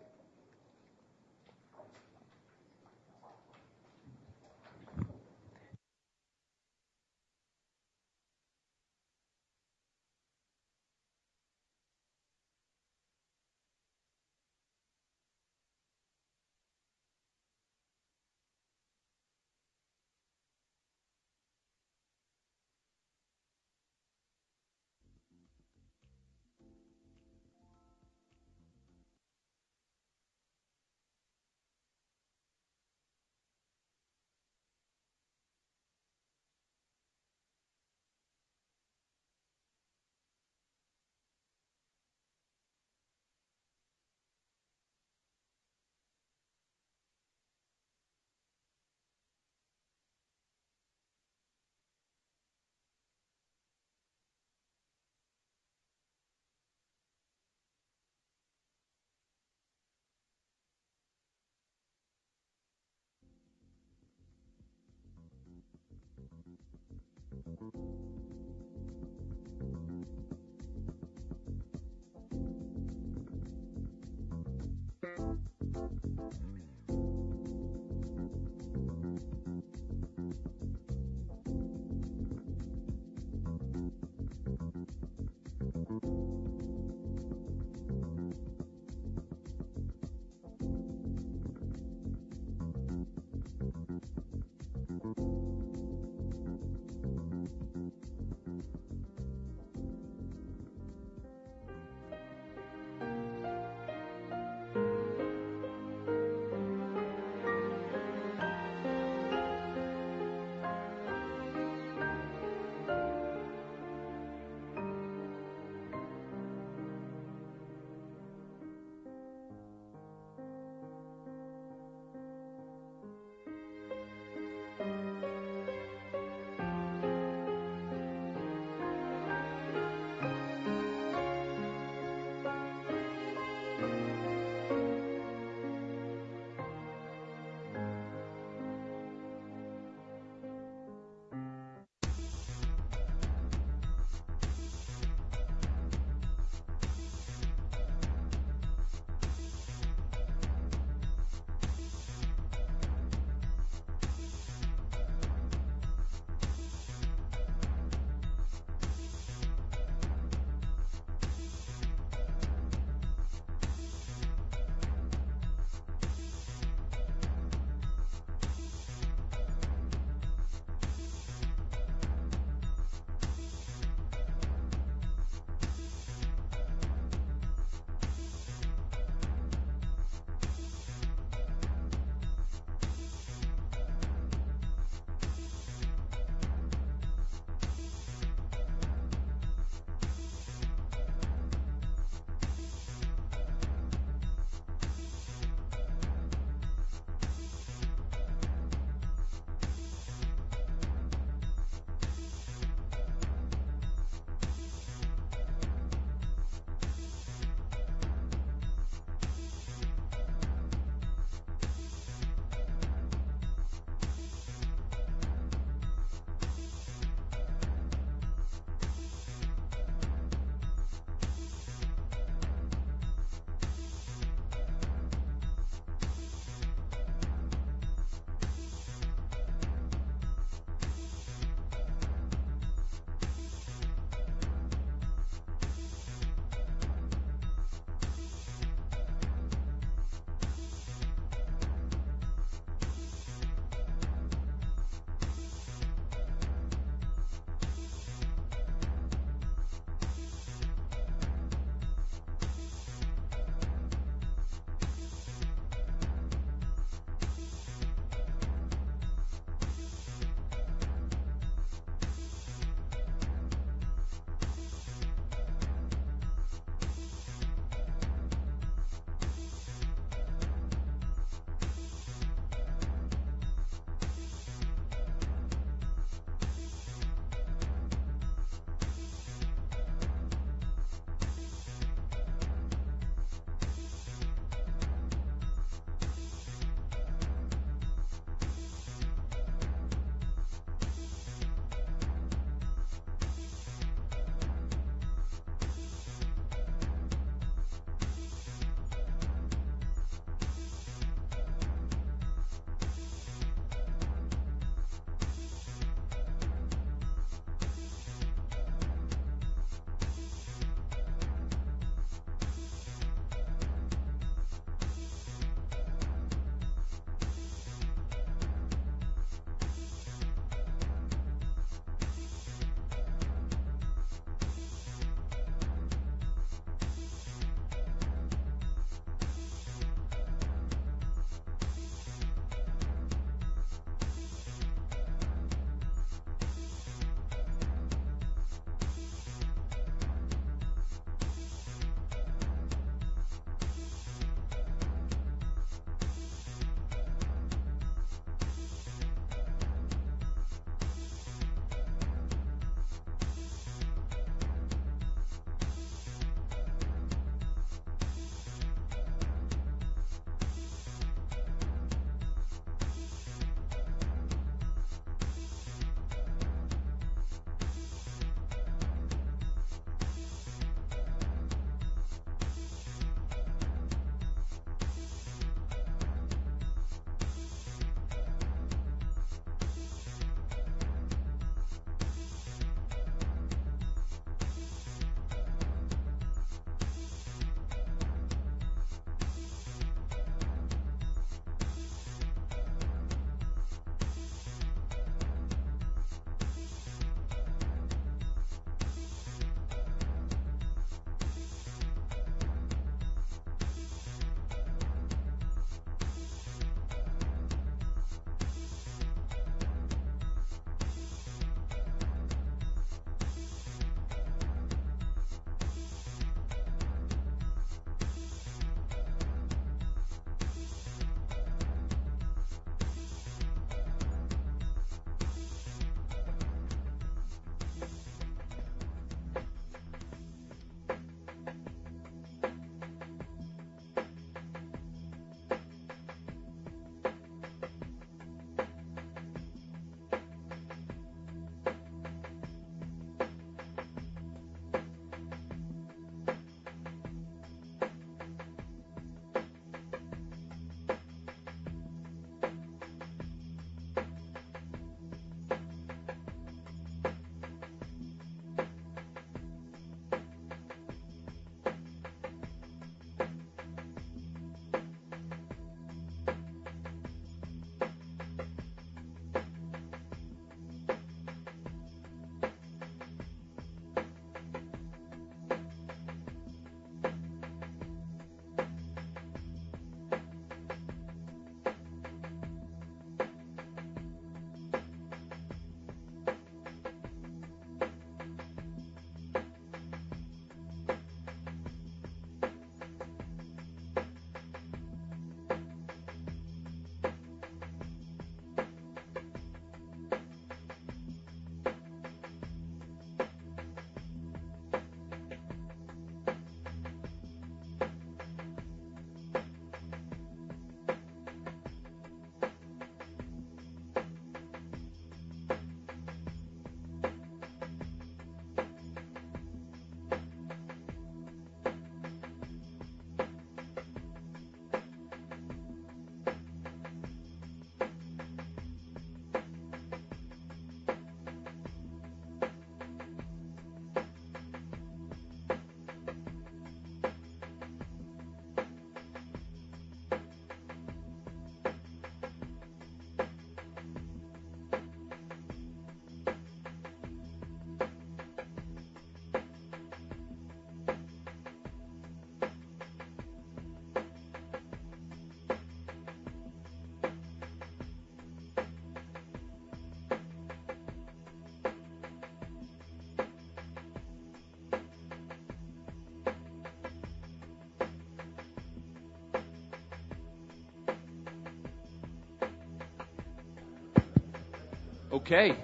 Okay,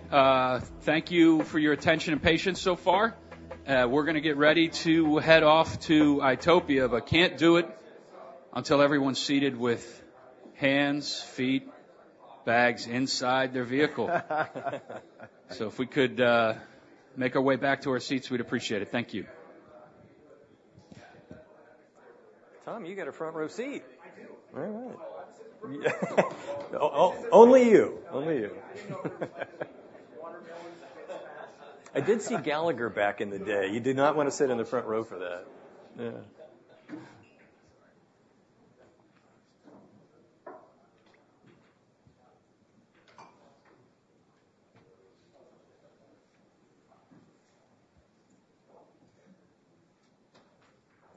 thank you for your attention and patience so far. We're gonna get ready to head off to itopia, but can't do it until everyone's seated with hands, feet, bags inside their vehicle. So if we could, make our way back to our seats, we'd appreciate it. Thank you. Tom, you get a front-row seat! I do. All right. Only you, only you. Watermelon. I did see Gallagher back in the day. You did not want to sit in the front row for that. Yeah.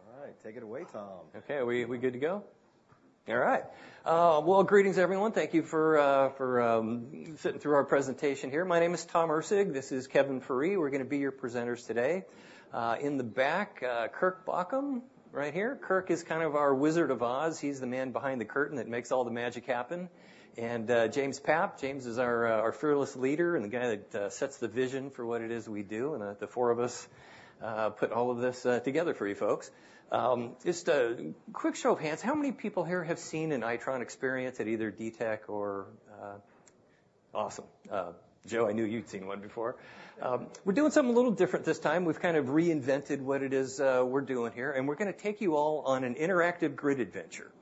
All right, take it away, Tom. Okay, are we good to go? All right. Well, greetings, everyone. Thank you for sitting through our presentation here. My name is Tom Erceg. This is Kevin Ferree. We're gonna be your presenters today. In the back, Kirk Baucom, right here. Kirk is kind of our Wizard of Oz. He's the man behind the curtain that makes all the magic happen. And James Papp. James is our fearless leader and the guy that sets the vision for what it is we do, and the four of us put all of this together for you folks. Just a quick show of hands, how many people here have seen an Itron experience at either DTECH or... Awesome. Joe, I knew you'd seen one before. We're doing something a little different this time. We've kind of reinvented what it is, we're doing here, and we're gonna take you all on an interactive grid adventure.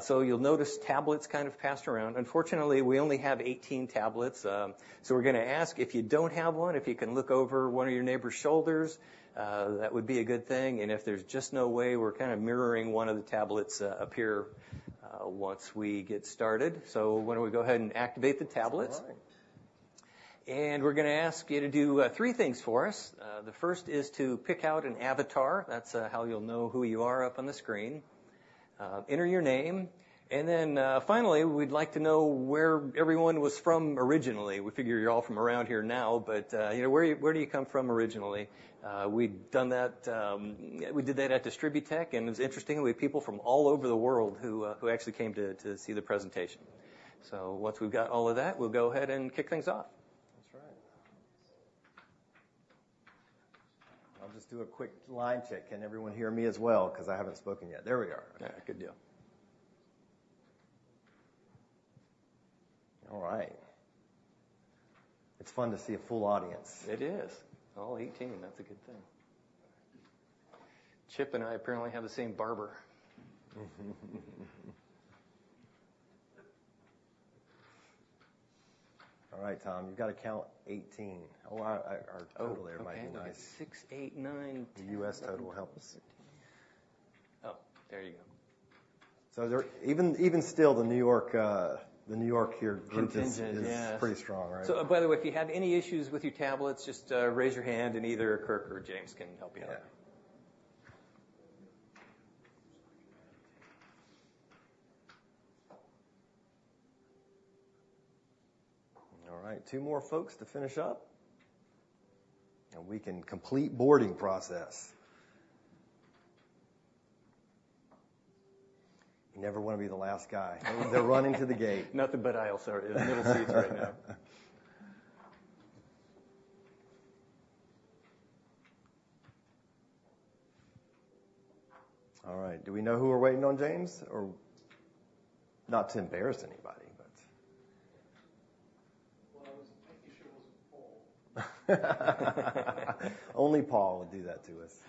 So you'll notice tablets kind of passed around. Unfortunately, we only have 18 tablets, so we're gonna ask, if you don't have one, if you can look over one of your neighbor's shoulders, that would be a good thing. And if there's just no way, we're kind of mirroring one of the tablets, up here, once we get started. So why don't we go ahead and activate the tablets? That's right. We're gonna ask you to do three things for us. The first is to pick out an avatar. That's how you'll know who you are up on the screen. Enter your name, and then finally, we'd like to know where everyone was from originally. We figure you're all from around here now, but you know, where do you come from originally? We'd done that. We did that at DistribuTECH, and it was interesting. We had people from all over the world who actually came to see the presentation. So once we've got all of that, we'll go ahead and kick things off. That's right. I'll just do a quick line check. Can everyone hear me as well? Because I haven't spoken yet. There we are. Yeah, good deal. All right. It's fun to see a full audience. It is. All 18, that's a good thing. Chip and I apparently have the same barber. All right, Tom, you've got to count 18. A lot, our total there might be- 6, 8, 9, 10. The U.S. total helps. Oh, there you go. Even still, the New York group is- Contingent, yeah... is pretty strong, right? So by the way, if you have any issues with your tablets, just raise your hand, and either Kirk or James can help you out. Yeah. All right, 2 more folks to finish up, and we can complete boarding process. ... You never want to be the last guy. They're running to the gate. Nothing but aisles are in the middle seats right now. All right, do we know who we're waiting on, James? Or not to embarrass anybody, but- Well, I was pretty sure it was Paul. Only Paul would do that to us.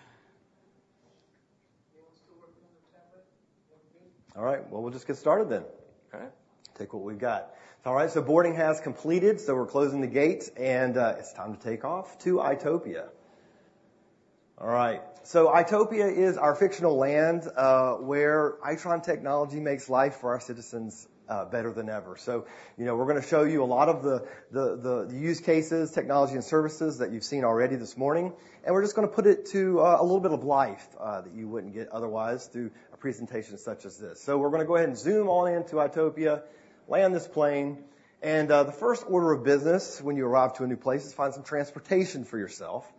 He was still working on the tablet, wanting- All right, well, we'll just get started then. Okay. Take what we've got. All right, so boarding has completed, so we're closing the gates, and it's time to take off to itopia. All right, so itopia is our fictional land, where Itron technology makes life for our citizens better than ever. So, you know, we're gonna show you a lot of the use cases, technology and services that you've seen already this morning, and we're just gonna put it to a little bit of life that you wouldn't get otherwise through a presentation such as this. So we're gonna go ahead and zoom all in to itopia, land this plane, and the first order of business when you arrive to a new place is find some transportation for yourself.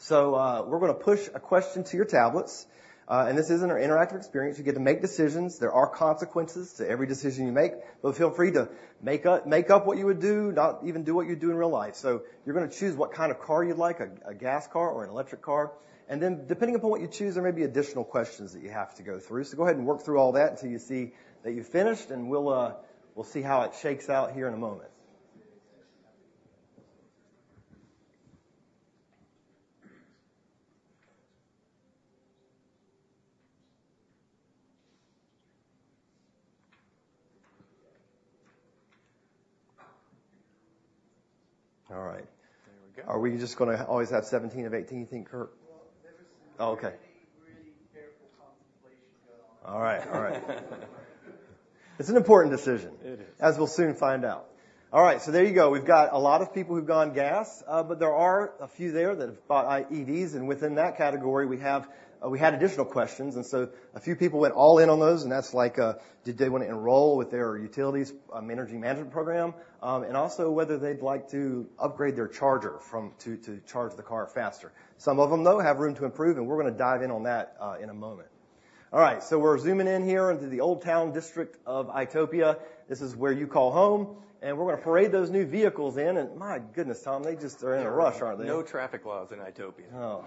So, we're gonna push a question to your tablets, and this is an interactive experience. You get to make decisions. There are consequences to every decision you make, but feel free to make up what you would do, not even do what you'd do in real life. So you're gonna choose what kind of car you'd like, a gas car or an electric car, and then, depending upon what you choose, there may be additional questions that you have to go through. So go ahead and work through all that until you see that you've finished, and we'll, we'll see how it shakes out here in a moment. All right. There we go. Are we just gonna always have 17 of 18, you think, Kirk? Well, there is- Oh, okay... really, really careful contemplation going on. All right, all right. It's an important decision- It is... as we'll soon find out. All right, so there you go. We've got a lot of people who've gone gas, but there are a few there that have bought EVs, and within that category, we had additional questions, and so a few people went all in on those, and that's like, did they want to enroll with their utilities energy management program? And also whether they'd like to upgrade their charger to charge the car faster. Some of them, though, have room to improve, and we're gonna dive in on that in a moment. All right, so we're zooming in here into the Old Town district of itopia. This is where you call home, and we're gonna parade those new vehicles in, and my goodness, Tom, they just are in a rush, aren't they? No traffic laws in itopia. Oh.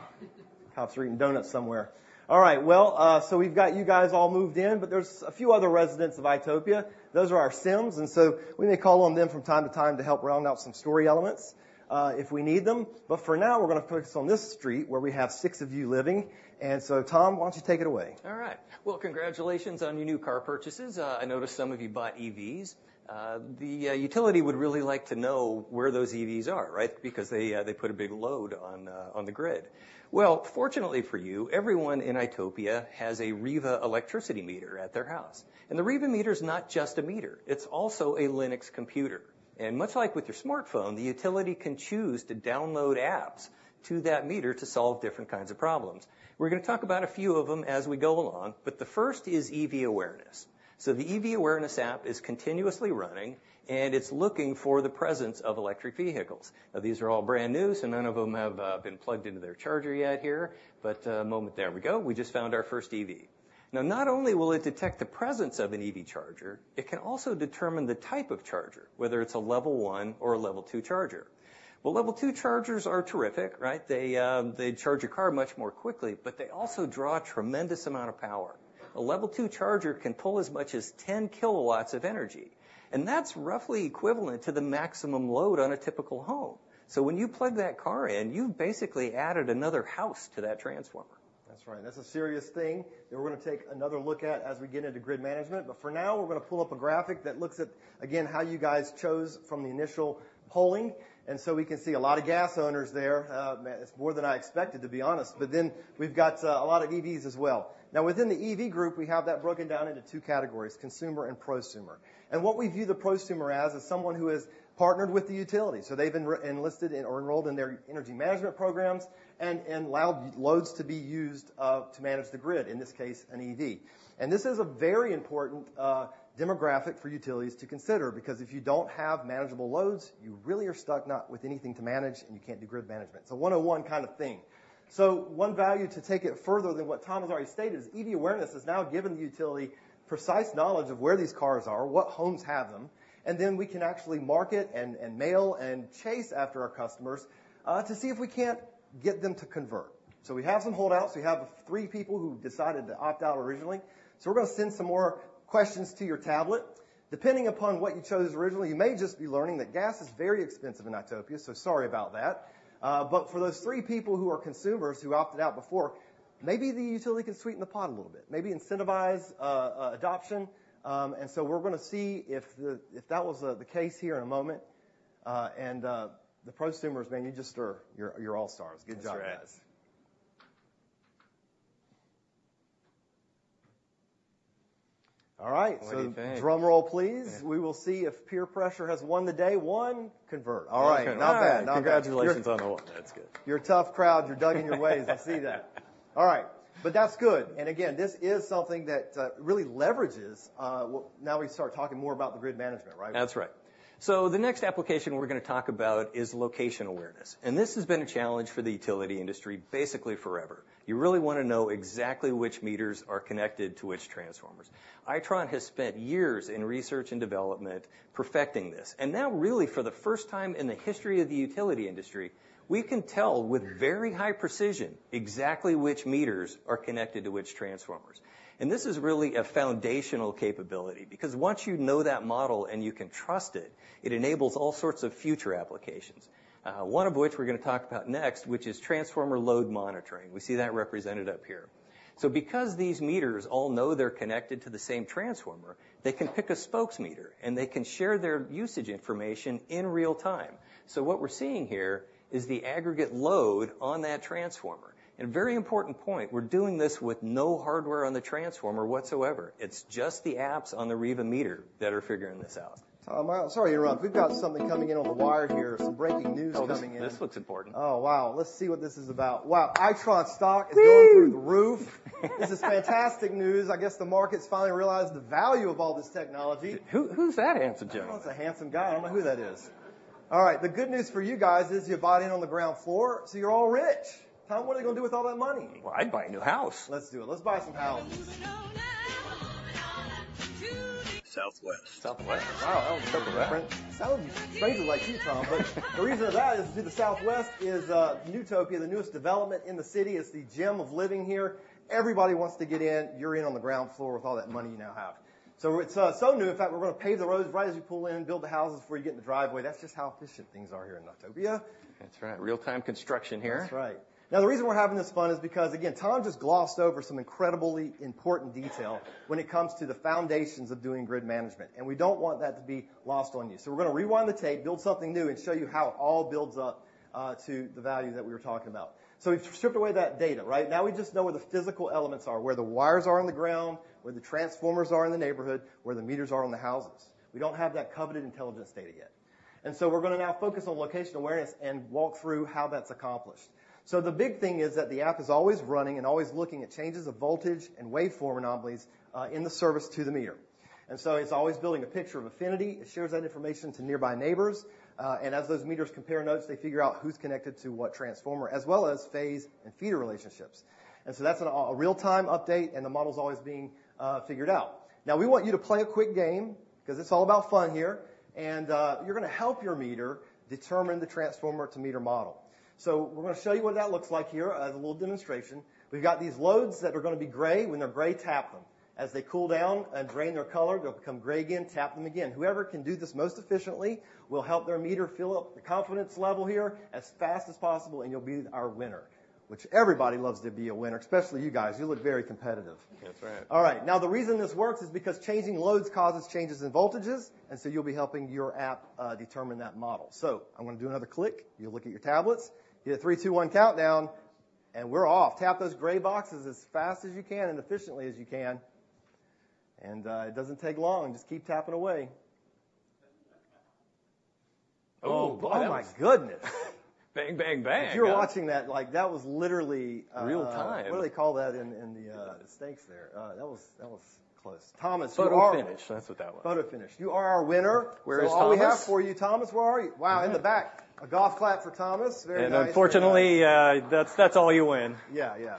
Cops are eating donuts somewhere. All right, well, so we've got you guys all moved in, but there's a few other residents of itopia. Those are our Sims, and so we may call on them from time to time to help round out some story elements, if we need them. But for now, we're gonna focus on this street, where we have six of you living, and so Tom, why don't you take it away? All right. Well, congratulations on your new car purchases. I noticed some of you bought EVs. The utility would really like to know where those EVs are, right? Because they put a big load on the grid. Well, fortunately for you, everyone in itopia has a Riva electricity meter at their house, and the Riva meter is not just a meter, it's also a Linux computer. And much like with your smartphone, the utility can choose to download apps to that meter to solve different kinds of problems. We're gonna talk about a few of them as we go along, but the first is EV awareness. So the EV awareness app is continuously running, and it's looking for the presence of electric vehicles. Now, these are all brand new, so none of them have been plugged into their charger yet here, but. There we go. We just found our first EV. Now, not only will it detect the presence of an EV charger, it can also determine the type of charger, whether it's a Level 1 or a Level 2 charger. Well, Level 2 chargers are terrific, right? They, they charge your car much more quickly, but they also draw a tremendous amount of power. A Level 2 charger can pull as much as 10 kilowatts of energy, and that's roughly equivalent to the maximum load on a typical home. So when you plug that car in, you've basically added another house to that transformer. That's right. That's a serious thing that we're gonna take another look at as we get into grid management. But for now, we're gonna pull up a graphic that looks at, again, how you guys chose from the initial polling, and so we can see a lot of gas owners there. Man, it's more than I expected, to be honest, but then we've got a lot of EVs as well. Now, within the EV group, we have that broken down into two categories: consumer and prosumer. And what we view the prosumer as is someone who has partnered with the utility, so they've been re-enlisted or enrolled in their energy management programs and, and allowed loads to be used to manage the grid, in this case, an EV. And this is a very important demographic for utilities to consider, because if you don't have manageable loads, you really are stuck not with anything to manage, and you can't do grid management. It's a one-on-one kind of thing. So one value to take it further than what Tom has already stated is EV awareness has now given the utility precise knowledge of where these cars are, what homes have them, and then we can actually market and mail and chase after our customers to see if we can't get them to convert. So we have some holdouts. We have three people who decided to opt out originally, so we're gonna send some more questions to your tablet. Depending upon what you chose originally, you may just be learning that gas is very expensive in itopia, so sorry about that. But for those three people who are consumers who opted out before, maybe the utility can sweeten the pot a little bit, maybe incentivize adoption. And so we're gonna see if that was the case here in a moment. The prosumers, man, you just are... You're all stars. That's right. Good job, guys. All right- What do you think?... so, drumroll, please. Yeah. We will see if peer pressure has won the Day 1. Convert. Okay. All right, not bad. Not bad. Congratulations on the one. That's good. You're a tough crowd. You're dug in your ways. I see that... All right, but that's good. And again, this is something that really leverages, well, now we start talking more about the grid management, right? That's right. So the next application we're gonna talk about is location awareness, and this has been a challenge for the utility industry basically forever. You really wanna know exactly which meters are connected to which transformers. Itron has spent years in research and development perfecting this, and now really, for the first time in the history of the utility industry, we can tell with very high precision exactly which meters are connected to which transformers. And this is really a foundational capability because once you know that model and you can trust it, it enables all sorts of future applications. One of which we're gonna talk about next, which is Transformer Load Monitoring. We see that represented up here. So because these meters all know they're connected to the same transformer, they can pick a Spokes Meter, and they can share their usage information in real time. What we're seeing here is the aggregate load on that transformer. A very important point, we're doing this with no hardware on the transformer whatsoever. It's just the apps on the Riva meter that are figuring this out. Tom, sorry to interrupt. We've got something coming in on the wire here, some breaking news coming in. Oh, this, this looks important. Oh, wow! Let's see what this is about. Wow, Itron stock- Wee! is going through the roof. This is fantastic news. I guess the market's finally realized the value of all this technology. Who, who's that handsome gentleman? I don't know. It's a handsome guy. I don't know who that is. All right, the good news for you guys is, you bought in on the ground floor, so you're all rich. Tom, what are you gonna do with all that money? Well, I'd buy a new house. Let's do it. Let's buy some houses. Moving on up. Moving on up to the- Southwest. Southwest. Wow, that was different. Sounds strangely like you, Tom. But the reason for that is, to the southwest is Newtopia, the newest development in the city. It's the gem of living here. Everybody wants to get in. You're in on the ground floor with all that money you now have. So it's so new, in fact, we're gonna pave the roads right as you pull in and build the houses before you get in the driveway. That's just how efficient things are here in Newtopia. That's right, real-time construction here. That's right. Now, the reason we're having this fun is because, again, Tom just glossed over some incredibly important detail when it comes to the foundations of doing grid management, and we don't want that to be lost on you. So we're gonna rewind the tape, build something new, and show you how it all builds up to the value that we were talking about. So we've stripped away that data, right? Now we just know where the physical elements are, where the wires are on the ground, where the transformers are in the neighborhood, where the meters are on the houses. We don't have that coveted intelligence data yet. And so we're gonna now focus on location awareness and walk through how that's accomplished. So the big thing is that the app is always running and always looking at changes of voltage and waveform anomalies in the service to the meter. And so it's always building a picture of affinity. It shares that information to nearby neighbors. And as those meters compare notes, they figure out who's connected to what transformer, as well as phase and feeder relationships. And so that's a real-time update, and the model's always being figured out. Now, we want you to play a quick game, 'cause it's all about fun here, and you're gonna help your meter determine the transformer-to-meter model. So we're gonna show you what that looks like here, as a little demonstration. We've got these loads that are gonna be gray. When they're gray, tap them. As they cool down and drain their color, they'll become gray again. Tap them again. Whoever can do this most efficiently will help their meter fill up the confidence level here as fast as possible, and you'll be our winner, which everybody loves to be a winner, especially you guys. You look very competitive. That's right. All right, now, the reason this works is because changing loads causes changes in voltages, and so you'll be helping your app determine that model. So I'm gonna do another click. You'll look at your tablets. You get a 3, 2, 1 countdown, and we're off. Tap those gray boxes as fast as you can and efficiently as you can. It doesn't take long. Just keep tapping away. Oh, boy! Oh, my goodness. Bang, bang, bang. If you're watching that, like, that was literally, Real time... What do they call that in the stakes there? That was close. Thomas, you are- Photo finish. That's what that was. Photo finish. You are our winner. Where is Thomas? That's all we have for you, Thomas. Where are you? Wow, in the back. A golf clap for Thomas. Very nice. Unfortunately, that's all you win. Yeah, yeah.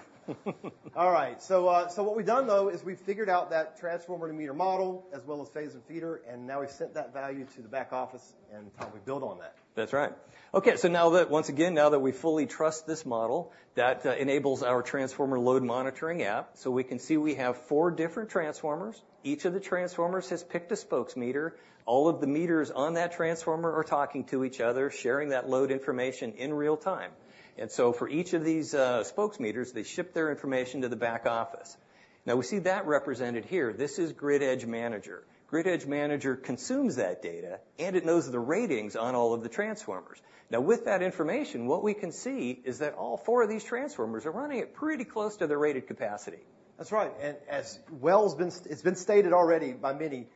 All right. So, so what we've done, though, is we've figured out that transformer-to-meter model, as well as phase and feeder, and now we've sent that value to the back office, and Tom, we build on that. That's right. Okay, so now that... Once again, now that we fully trust this model, that enables our transformer load monitoring app. So we can see we have four different transformers. Each of the transformers has picked a Spokes Meter. All of the meters on that transformer are talking to each other, sharing that load information in real time. And so for each of these spokes meters, they ship their information to the back office. Now, we see that represented here. This is Grid Edge Manager. Grid Edge Manager consumes that data, and it knows the ratings on all of the transformers. Now, with that information, what we can see is that all four of these transformers are running at pretty close to their rated capacity. That's right, and as well as it's been stated already by many,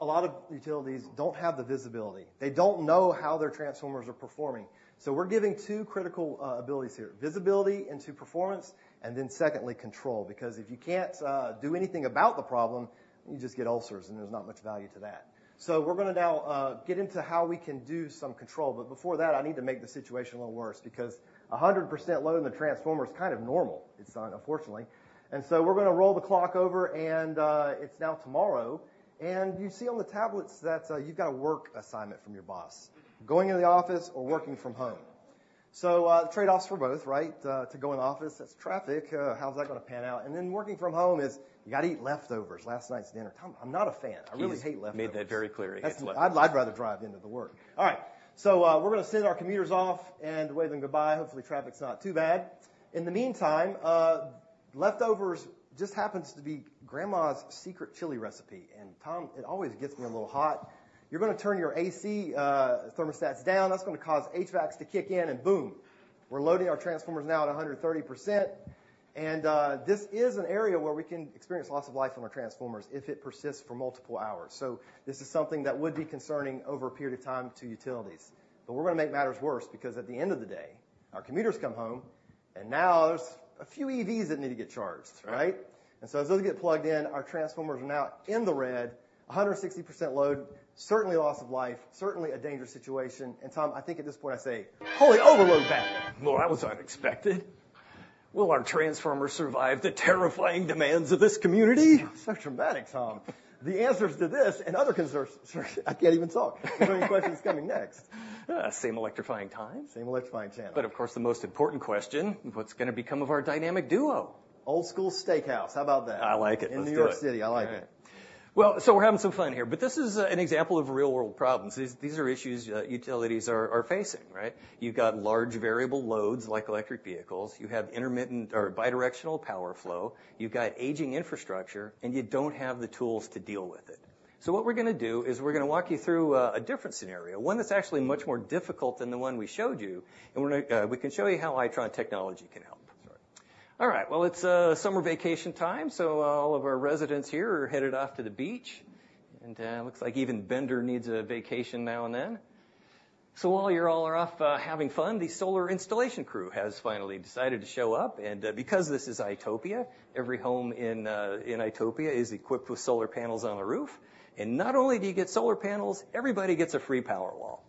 a lot of utilities don't have the visibility. They don't know how their transformers are performing. So we're giving two critical abilities here, visibility into performance, and then secondly, control, because if you can't do anything about the problem, you just get ulcers, and there's not much value to that. So we're gonna now get into how we can do some control, but before that, I need to make the situation a little worse, because 100% load in the transformer is kind of normal. It's not, unfortunately. And so we're gonna roll the clock over, and it's now tomorrow, and you see on the tablets that you've got a work assignment from your boss: going into the office or working from home. So, trade-offs for both, right? To go in the office, that's traffic. How's that gonna pan out? And then working from home is, you gotta eat leftovers, last night's dinner. Tom, I'm not a fan. I really hate leftovers. He made that very clear. He hates leftovers. That's... I'd rather drive into the work. All right, so, we're gonna send our commuters off and wave them goodbye. Hopefully, traffic's not too bad. In the meantime, leftovers just happens to be grandma's secret chili recipe, and Tom, it always gets me a little hot. You're gonna turn your AC thermostats down. That's gonna cause HVACs to kick in, and boom, we're loading our transformers now at 100%. And this is an area where we can experience loss of life on our transformers if it persists for multiple hours. So this is something that would be concerning over a period of time to utilities. But we're gonna make matters worse because at the end of the day, our commuters come home, and now there's a few EVs that need to get charged, right? And so as those get plugged in, our transformers are now in the red, 160% load. Certainly loss of life, certainly a dangerous situation. And Tom, I think at this point I say, "Holy overload, Batman! Well, that was unexpected. Will our transformers survive the terrifying demands of this community? So dramatic, Tom. The answers to this and other concerns... Sorry, I can't even talk. So many questions coming next. Same electrifying time. Same electrifying channel. But of course, the most important question: What's gonna become of our dynamic duo? Old School Steakhouse. How about that? I like it. Let's do it. In New York City. I like it. Well, so we're having some fun here, but this is an example of real-world problems. These are issues utilities are facing, right? You've got large variable loads, like electric vehicles. You have intermittent or bidirectional power flow, you've got aging infrastructure, and you don't have the tools to deal with it. So what we're gonna do is we're gonna walk you through a different scenario, one that's actually much more difficult than the one we showed you, and we can show you how Itron technology can help. That's right. All right, well, it's summer vacation time, so all of our residents here are headed off to the beach. And looks like even Bender needs a vacation now and then. So while you're all off having fun, the solar installation crew has finally decided to show up, and because this is itopia, every home in itopia is equipped with solar panels on the roof. And not only do you get solar panels, everybody gets a free Powerwall.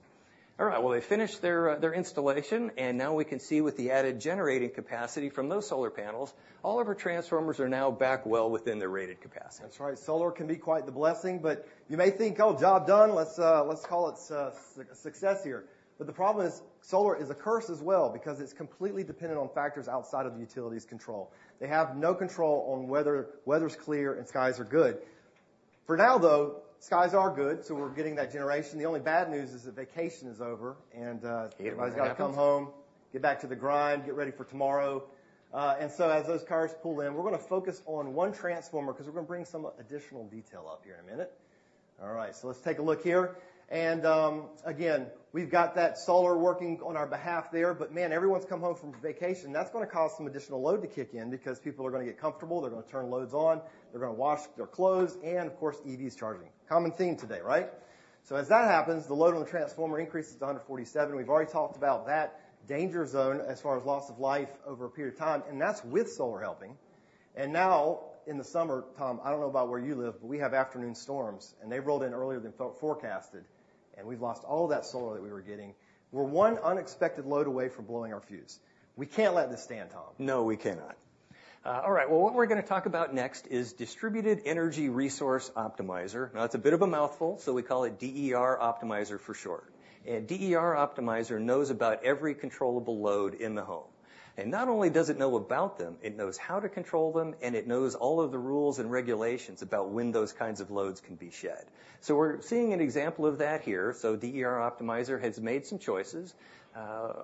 All right, well, they finished their installation, and now we can see with the added generating capacity from those solar panels, all of our transformers are now back well within their rated capacity. That's right. Solar can be quite the blessing, but you may think, "Oh, job done. Let's, let's call it a, a success here." But the problem is, solar is a curse as well because it's completely dependent on factors outside of the utility's control. They have no control on whether weather's clear and skies are good. For now, though, skies are good, so we're getting that generation. The only bad news is that vacation is over and, It happens... everybody's got to come home, get back to the grind, get ready for tomorrow. And so as those cars pull in, we're gonna focus on one transformer 'cause we're gonna bring some additional detail up here in a minute. All right, so let's take a look here. And, again, we've got that solar working on our behalf there, but man, everyone's come home from vacation. That's gonna cause some additional load to kick in because people are gonna get comfortable, they're gonna turn loads on, they're gonna wash their clothes, and of course, EVs charging. Common theme today, right? So as that happens, the load on the transformer increases to 147. We've already talked about that danger zone as far as loss of life over a period of time, and that's with solar helping. And now, in the summer, Tom, I don't know about where you live, but we have afternoon storms, and they rolled in earlier than forecasted, and we've lost all that solar that we were getting. We're one unexpected load away from blowing our fuse. We can't let this stand, Tom. No, we cannot. All right. Well, what we're gonna talk about next is Distributed Energy Resource Optimizer. Now, it's a bit of a mouthful, so we call it DER Optimizer for short. And DER Optimizer knows about every controllable load in the home. And not only does it know about them, it knows how to control them, and it knows all of the rules and regulations about when those kinds of loads can be shed. So we're seeing an example of that here. So DER Optimizer has made some choices.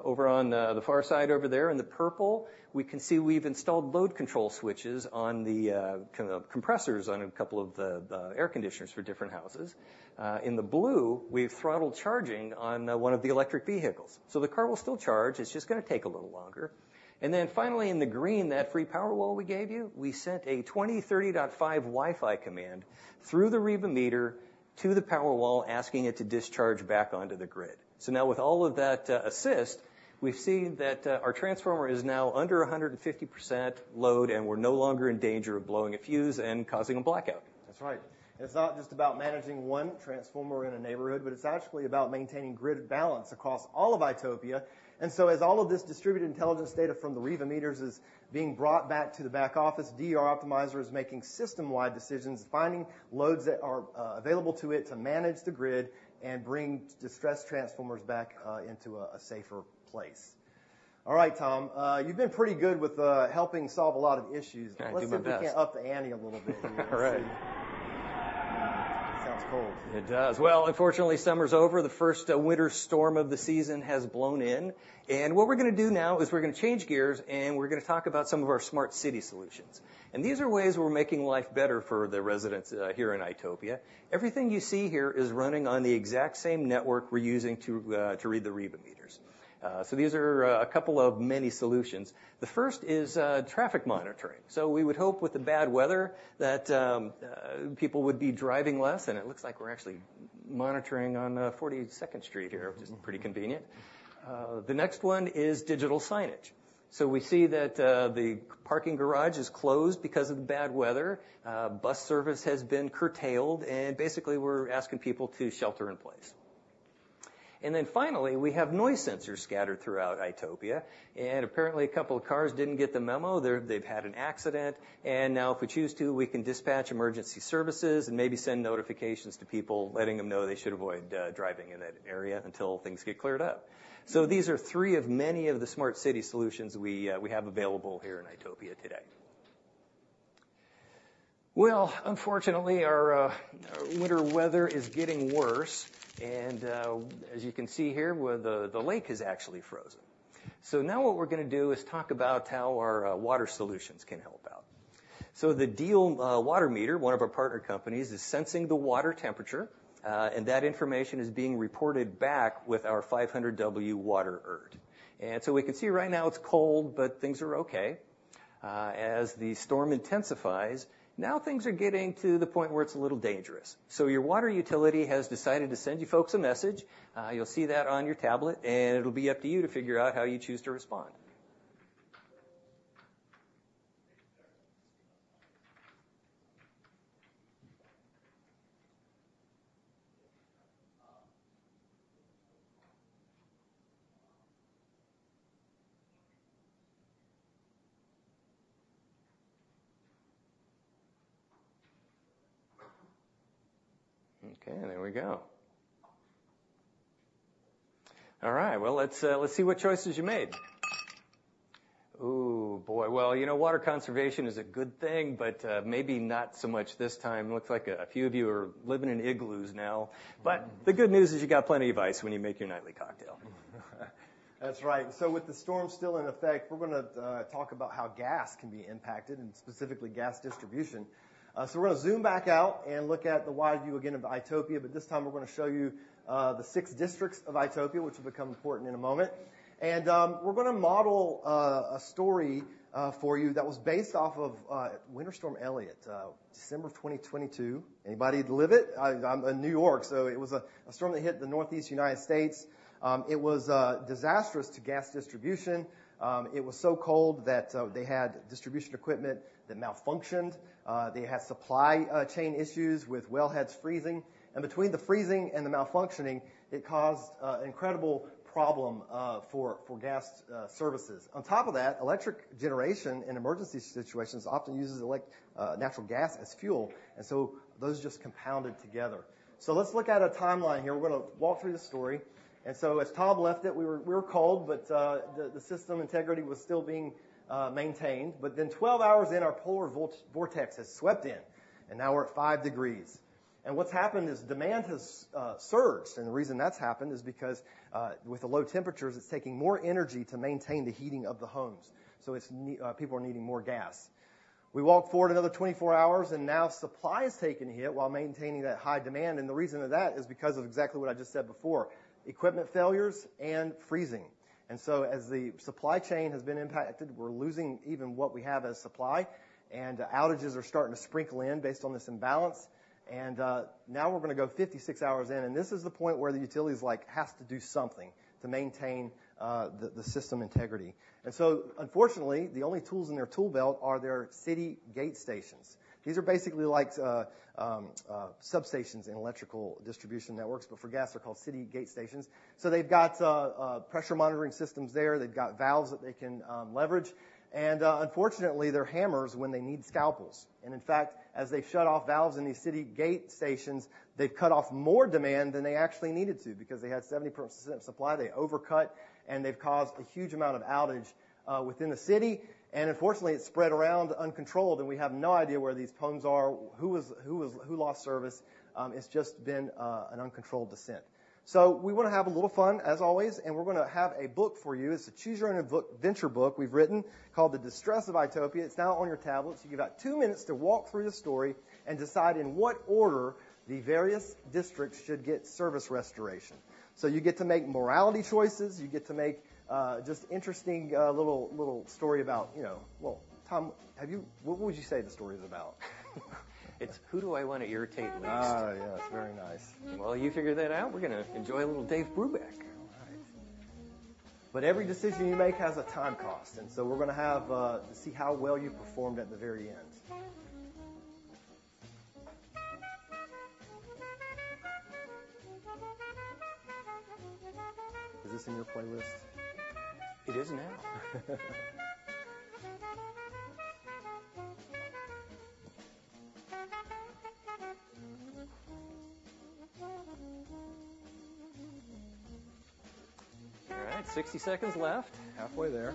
Over on the far side over there in the purple, we can see we've installed load control switches on the kind of compressors on a couple of the air conditioners for different houses. In the blue, we've throttled charging on one of the electric vehicles. So the car will still charge. It's just gonna take a little longer. Then finally, in the green, that free Powerwall we gave you, we sent a 20305 Wi-Fi command through the Riva meter to the Powerwall, asking it to discharge back onto the grid. So now with all of that, assist, we've seen that, our transformer is now under 150% load, and we're no longer in danger of blowing a fuse and causing a blackout. That's right. It's not just about managing one transformer in a neighborhood, but it's actually about maintaining grid balance across all of itopia. And so as all of this distributed intelligence data from the Riva meters is being brought back to the back office, DER Optimizer is making system-wide decisions, finding loads that are available to it to manage the grid and bring distressed transformers back into a safer place. All right, Tom, you've been pretty good with helping solve a lot of issues. I do my best. Let's see if we can't up the ante a little bit here. All right. Sounds cold. It does. Well, unfortunately, summer's over. The first winter storm of the season has blown in. What we're gonna do now is we're gonna change gears, and we're gonna talk about some of our smart city solutions. These are ways we're making life better for the residents here in itopia. Everything you see here is running on the exact same network we're using to read the Riva meters. So these are a couple of many solutions. The first is traffic monitoring. We would hope with the bad weather that people would be driving less, and it looks like we're actually monitoring on 42nd Street here, which is pretty convenient. The next one is digital signage. We see that the parking garage is closed because of the bad weather. Bus service has been curtailed, and basically, we're asking people to shelter in place. And then finally, we have noise sensors scattered throughout itopia, and apparently, a couple of cars didn't get the memo. They've had an accident, and now if we choose to, we can dispatch emergency services and maybe send notifications to people, letting them know they should avoid driving in that area until things get cleared up. So these are three of many of the smart city solutions we have available here in itopia today. Well, unfortunately, our winter weather is getting worse, and as you can see here, the lake is actually frozen. So now what we're gonna do is talk about how our water solutions can help out. So the Diehl Water Meter, one of our partner companies, is sensing the water temperature, and that information is being reported back with our 500 W Water ERT. And so we can see right now it's cold, but things are okay.... as the storm intensifies, now things are getting to the point where it's a little dangerous. So your water utility has decided to send you folks a message. You'll see that on your tablet, and it'll be up to you to figure out how you choose to respond. Okay, there we go. All right, well, let's see what choices you made. Ooh, boy! Well, you know, water conservation is a good thing, but, maybe not so much this time. Looks like a few of you are living in igloos now. But the good news is you got plenty of ice when you make your nightly cocktail. That's right. So with the storm still in effect, we're gonna talk about how gas can be impacted, and specifically, gas distribution. So we're gonna zoom back out and look at the wide view again of itopia, but this time we're gonna show you the six districts of itopia, which will become important in a moment. And we're gonna model a story for you that was based off of Winter Storm Elliott, December twenty twenty-two. Anybody that live it? I'm in New York, so it was a storm that hit the Northeast United States. It was disastrous to gas distribution. It was so cold that they had distribution equipment that malfunctioned. They had supply chain issues with wellheads freezing. Between the freezing and the malfunctioning, it caused an incredible problem for gas services. On top of that, electric generation in emergency situations often uses natural gas as fuel, and so those just compounded together. So let's look at a timeline here. We're gonna walk through the story. As Tom left it, we were cold, but the system integrity was still being maintained. But then 12 hours in, our polar vortex has swept in, and now we're at 5 degrees. What's happened is demand has surged, and the reason that's happened is because with the low temperatures, it's taking more energy to maintain the heating of the homes, so people are needing more gas. We walk forward another 24 hours, and now supply's taking a hit while maintaining that high demand, and the reason for that is because of exactly what I just said before, equipment failures and freezing. And so as the supply chain has been impacted, we're losing even what we have as supply, and outages are starting to sprinkle in based on this imbalance. And now we're gonna go 56 hours in, and this is the point where the utility is, like, has to do something to maintain the system integrity. And so unfortunately, the only tools in their tool belt are their city gate stations. These are basically like substations in electrical distribution networks, but for gas, they're called city gate stations. So they've got pressure monitoring systems there. They've got valves that they can leverage, and unfortunately, they're hammers when they need scalpels. And in fact, as they shut off valves in these city gate stations, they've cut off more demand than they actually needed to, because they had 70% of supply, they overcut, and they've caused a huge amount of outage within the city. And unfortunately, it spread around uncontrolled, and we have no idea where these problems are, who lost service. It's just been an uncontrolled descent. So we wanna have a little fun, as always, and we're gonna have a book for you. It's a choose your own adventure book we've written called The Distress of itopia. It's now on your tablets. You've got 2 minutes to walk through the story and decide in what order the various districts should get service restoration. So you get to make morality choices, you get to make, just interesting, little story about, you know... Well, Tom, have you- what would you say the story is about? It's who do I want to irritate least? Ah, yes, very nice. Well, you figure that out. We're gonna enjoy a little Dave Brubeck. All right. But every decision you make has a time cost, and so we're gonna have to see how well you performed at the very end. Is this in your playlist? It is now. All right, 60 seconds left. Halfway there.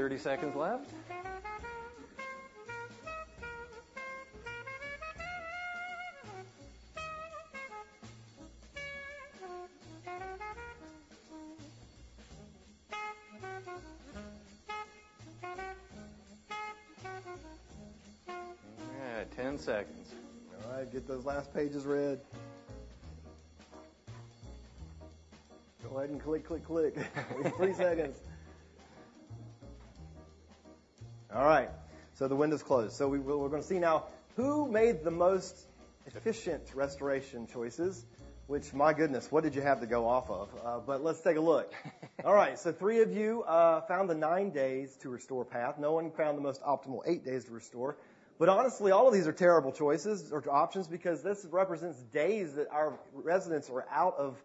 All right, 30 seconds left. All right, 10 seconds. All right, get those last pages read. Go ahead and click, click, click. We have three seconds. All right, so the window's closed. So we're gonna see now who made the most efficient restoration choices, which, my goodness, what did you have to go off of? But let's take a look. All right, so three of you found the nine days to restore path. No one found the most optimal eight days to restore. But honestly, all of these are terrible choices or options because this represents days that our residents were out of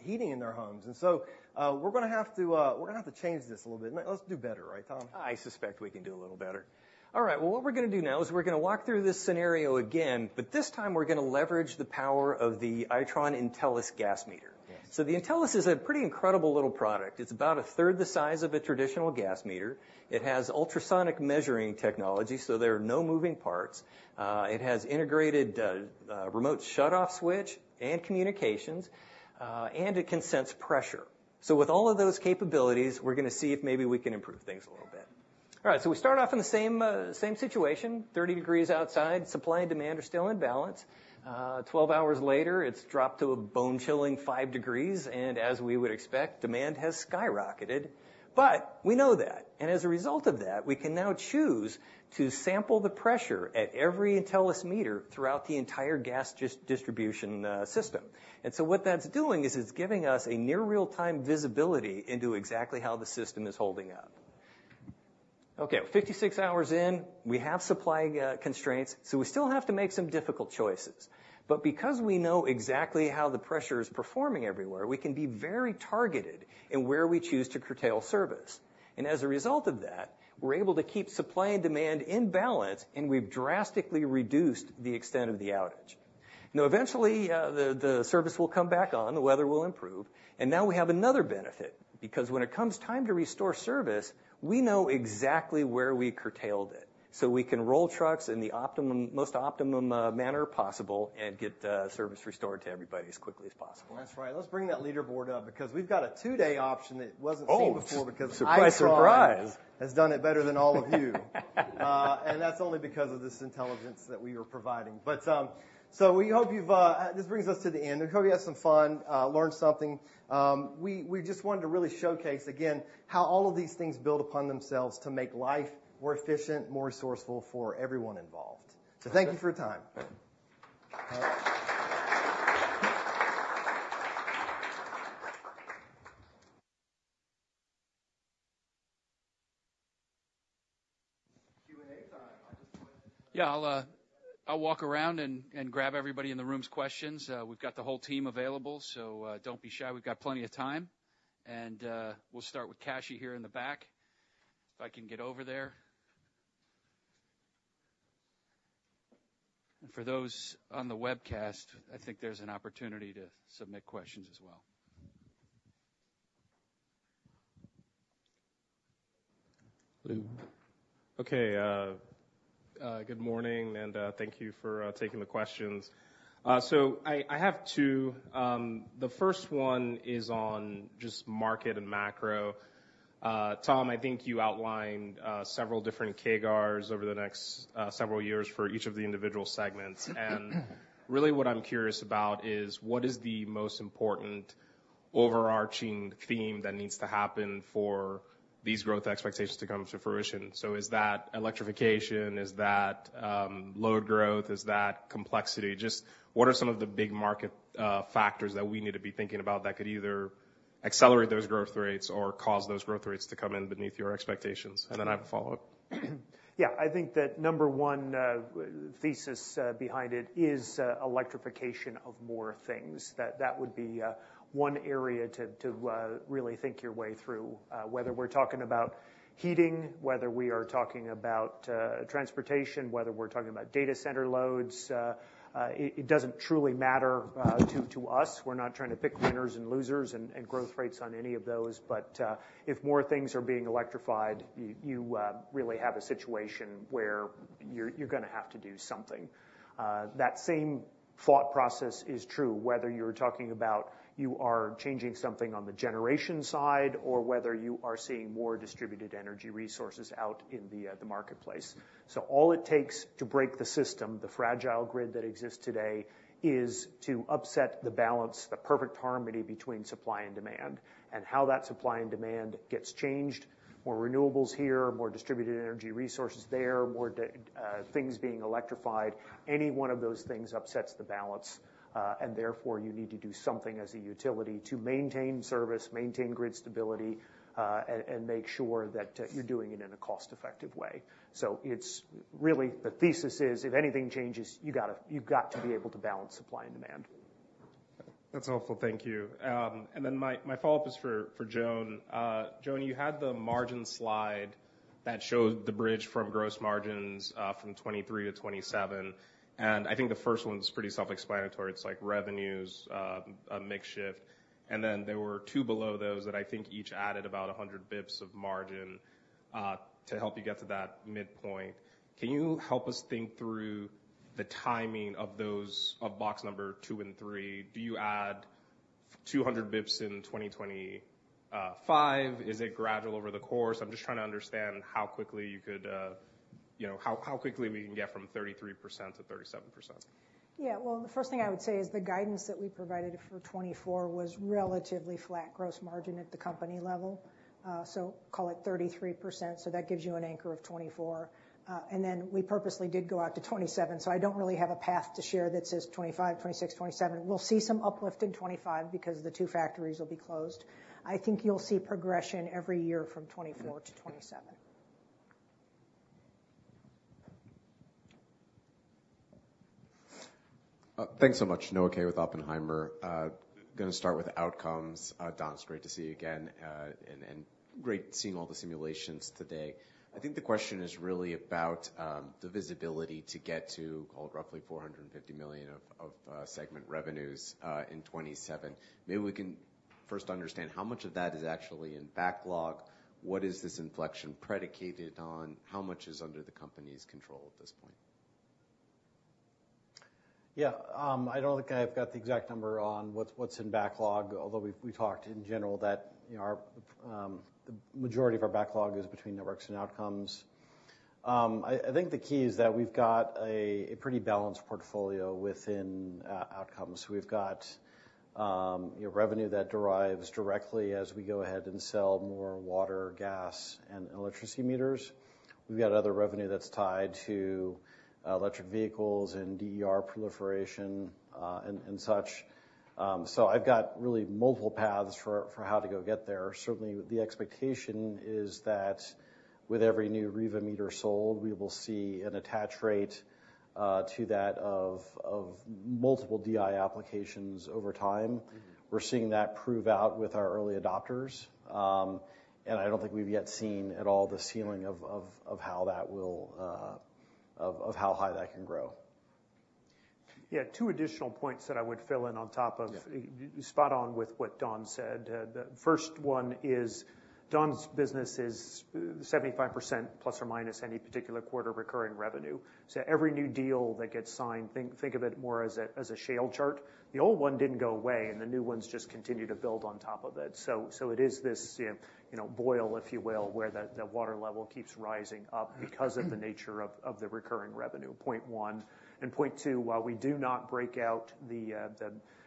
heating in their homes. And so, we're gonna have to, we're gonna have to change this a little bit. Let's do better, right, Tom? I suspect we can do a little better. All right, well, what we're gonna do now is we're gonna walk through this scenario again, but this time we're gonna leverage the power of the Itron Intelis gas meter. Yes. So the Intelis is a pretty incredible little product. It's about a third the size of a traditional gas meter. It has ultrasonic measuring technology, so there are no moving parts. It has integrated, remote shutoff switch and communications, and it can sense pressure. So with all of those capabilities, we're gonna see if maybe we can improve things a little bit. ... All right, so we start off in the same, same situation, 30 degrees outside. Supply and demand are still in balance. Twelve hours later, it's dropped to a bone-chilling 5 degrees, and as we would expect, demand has skyrocketed. But we know that, and as a result of that, we can now choose to sample the pressure at every Intelis meter throughout the entire gas distribution system. And so what that's doing is it's giving us a near real-time visibility into exactly how the system is holding up. Okay, 56 hours in, we have supply constraints, so we still have to make some difficult choices. But because we know exactly how the pressure is performing everywhere, we can be very targeted in where we choose to curtail service. As a result of that, we're able to keep supply and demand in balance, and we've drastically reduced the extent of the outage. Now, eventually, the service will come back on, the weather will improve, and now we have another benefit, because when it comes time to restore service, we know exactly where we curtailed it. So we can roll trucks in the most optimum manner possible, and get service restored to everybody as quickly as possible. That's right. Let's bring that leaderboard up, because we've got a two-day option that wasn't- Oh! seen before, because Surprise, surprise. Has done it better than all of you. And that's only because of this intelligence that we are providing. But, so we hope you've... This brings us to the end. We hope you had some fun, learned something. We just wanted to really showcase again, how all of these things build upon themselves to make life more efficient, more resourceful for everyone involved. So thank you for your time. Q&A time. Yeah, I'll walk around and grab everybody in the room's questions. We've got the whole team available, so don't be shy. We've got plenty of time. We'll start with Kashy here in the back, if I can get over there. For those on the webcast, I think there's an opportunity to submit questions as well. Okay, good morning, and thank you for taking the questions. So I have two. The first one is on just market and macro. Tom, I think you outlined several different CAGRs over the next several years for each of the individual segments. And really what I'm curious about is: What is the most important overarching theme that needs to happen for these growth expectations to come to fruition? So is that electrification, is that load growth? Is that complexity? Just what are some of the big market factors that we need to be thinking about that could either accelerate those growth rates or cause those growth rates to come in beneath your expectations? And then I have a follow-up. Yeah, I think that number one thesis behind it is electrification of more things. That would be one area to really think your way through. Whether we're talking about heating, whether we are talking about transportation, whether we're talking about data center loads, it doesn't truly matter to us. We're not trying to pick winners and losers and growth rates on any of those. But, if more things are being electrified, you really have a situation where you're gonna have to do something. That same thought process is true, whether you're talking about changing something on the generation side, or whether you are seeing more distributed energy resources out in the marketplace. So all it takes to break the system, the fragile grid that exists today, is to upset the balance, the perfect harmony between supply and demand, and how that supply and demand gets changed. More renewables here, more distributed energy resources there, more things being electrified, any one of those things upsets the balance. And therefore, you need to do something as a utility to maintain service, maintain grid stability, and, and make sure that you're doing it in a cost-effective way. So it's really... The thesis is, if anything changes, you gotta-- you've got to be able to balance supply and demand. That's helpful. Thank you. And then my follow-up is for Joan. Joan, you had the margin slide that showed the bridge from gross margins from 23 to 27, and I think the first one is pretty self-explanatory. It's like revenues, a mix shift, and then there were two below those that I think each added about 100 basis points of margin to help you get to that midpoint. Can you help us think through the timing of those, of box number two and three? Do you add 200 basis points in 2025? Is it gradual over the course? I'm just trying to understand how quickly you could, you know, how quickly we can get from 33% to 37%. Yeah. Well, the first thing I would say is the guidance that we provided for 2024 was relatively flat gross margin at the company level. So call it 33%, so that gives you an anchor of 2024. And then we purposely did go out to 2027, so I don't really have a path to share that says 2025, 2026, 2027. We'll see some uplift in 2025 because the two factories will be closed. I think you'll see progression every year from 2024 to 2027. Thanks so much. Noah Kaye with Oppenheimer. Gonna start with Outcomes. Don, it's great to see you again, and great seeing all the simulations today. I think the question is really about the visibility to get to, call it, roughly $450 million of segment revenues in 2027. Maybe we can first understand how much of that is actually in backlog? What is this inflection predicated on? How much is under the company's control at this point? ... Yeah, I don't think I've got the exact number on what's in backlog, although we've talked in general that, you know, our the majority of our backlog is between networks and outcomes. I think the key is that we've got a pretty balanced portfolio within outcomes. We've got, you know, revenue that derives directly as we go ahead and sell more water, gas, and electricity meters. We've got other revenue that's tied to electric vehicles and DER proliferation, and such. So I've got really multiple paths for how to go get there. Certainly, the expectation is that with every new Riva meter sold, we will see an attach rate to that of multiple DI applications over time. We're seeing that prove out with our early adopters, and I don't think we've yet seen at all the ceiling of how high that can grow. Yeah, two additional points that I would fill in on top of- Yeah. You're spot on with what Don said. The first one is, Don's business is 75%± any particular quarter, recurring revenue. So every new deal that gets signed, think of it more as a shale chart. The old one didn't go away, and the new ones just continue to build on top of it. So it is this, you know, boil, if you will, where the water level keeps rising up because of the nature of the recurring revenue, point one. And point two, while we do not break out the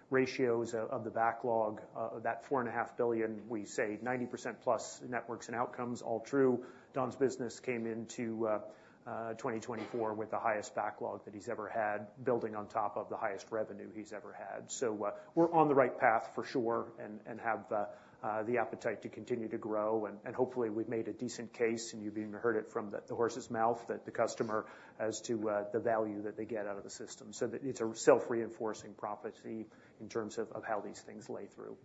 ratios of the backlog, that $4.5 billion, we say 90%+ networks and outcomes, all true. Don's business came into 2024 with the highest backlog that he's ever had, building on top of the highest revenue he's ever had. So, we're on the right path for sure and, and have the appetite to continue to grow, and, and hopefully, we've made a decent case, and you've even heard it from the horse's mouth, that the customer as to the value that they get out of the system. So it's a self-reinforcing prophecy in terms of, of how these things lay through.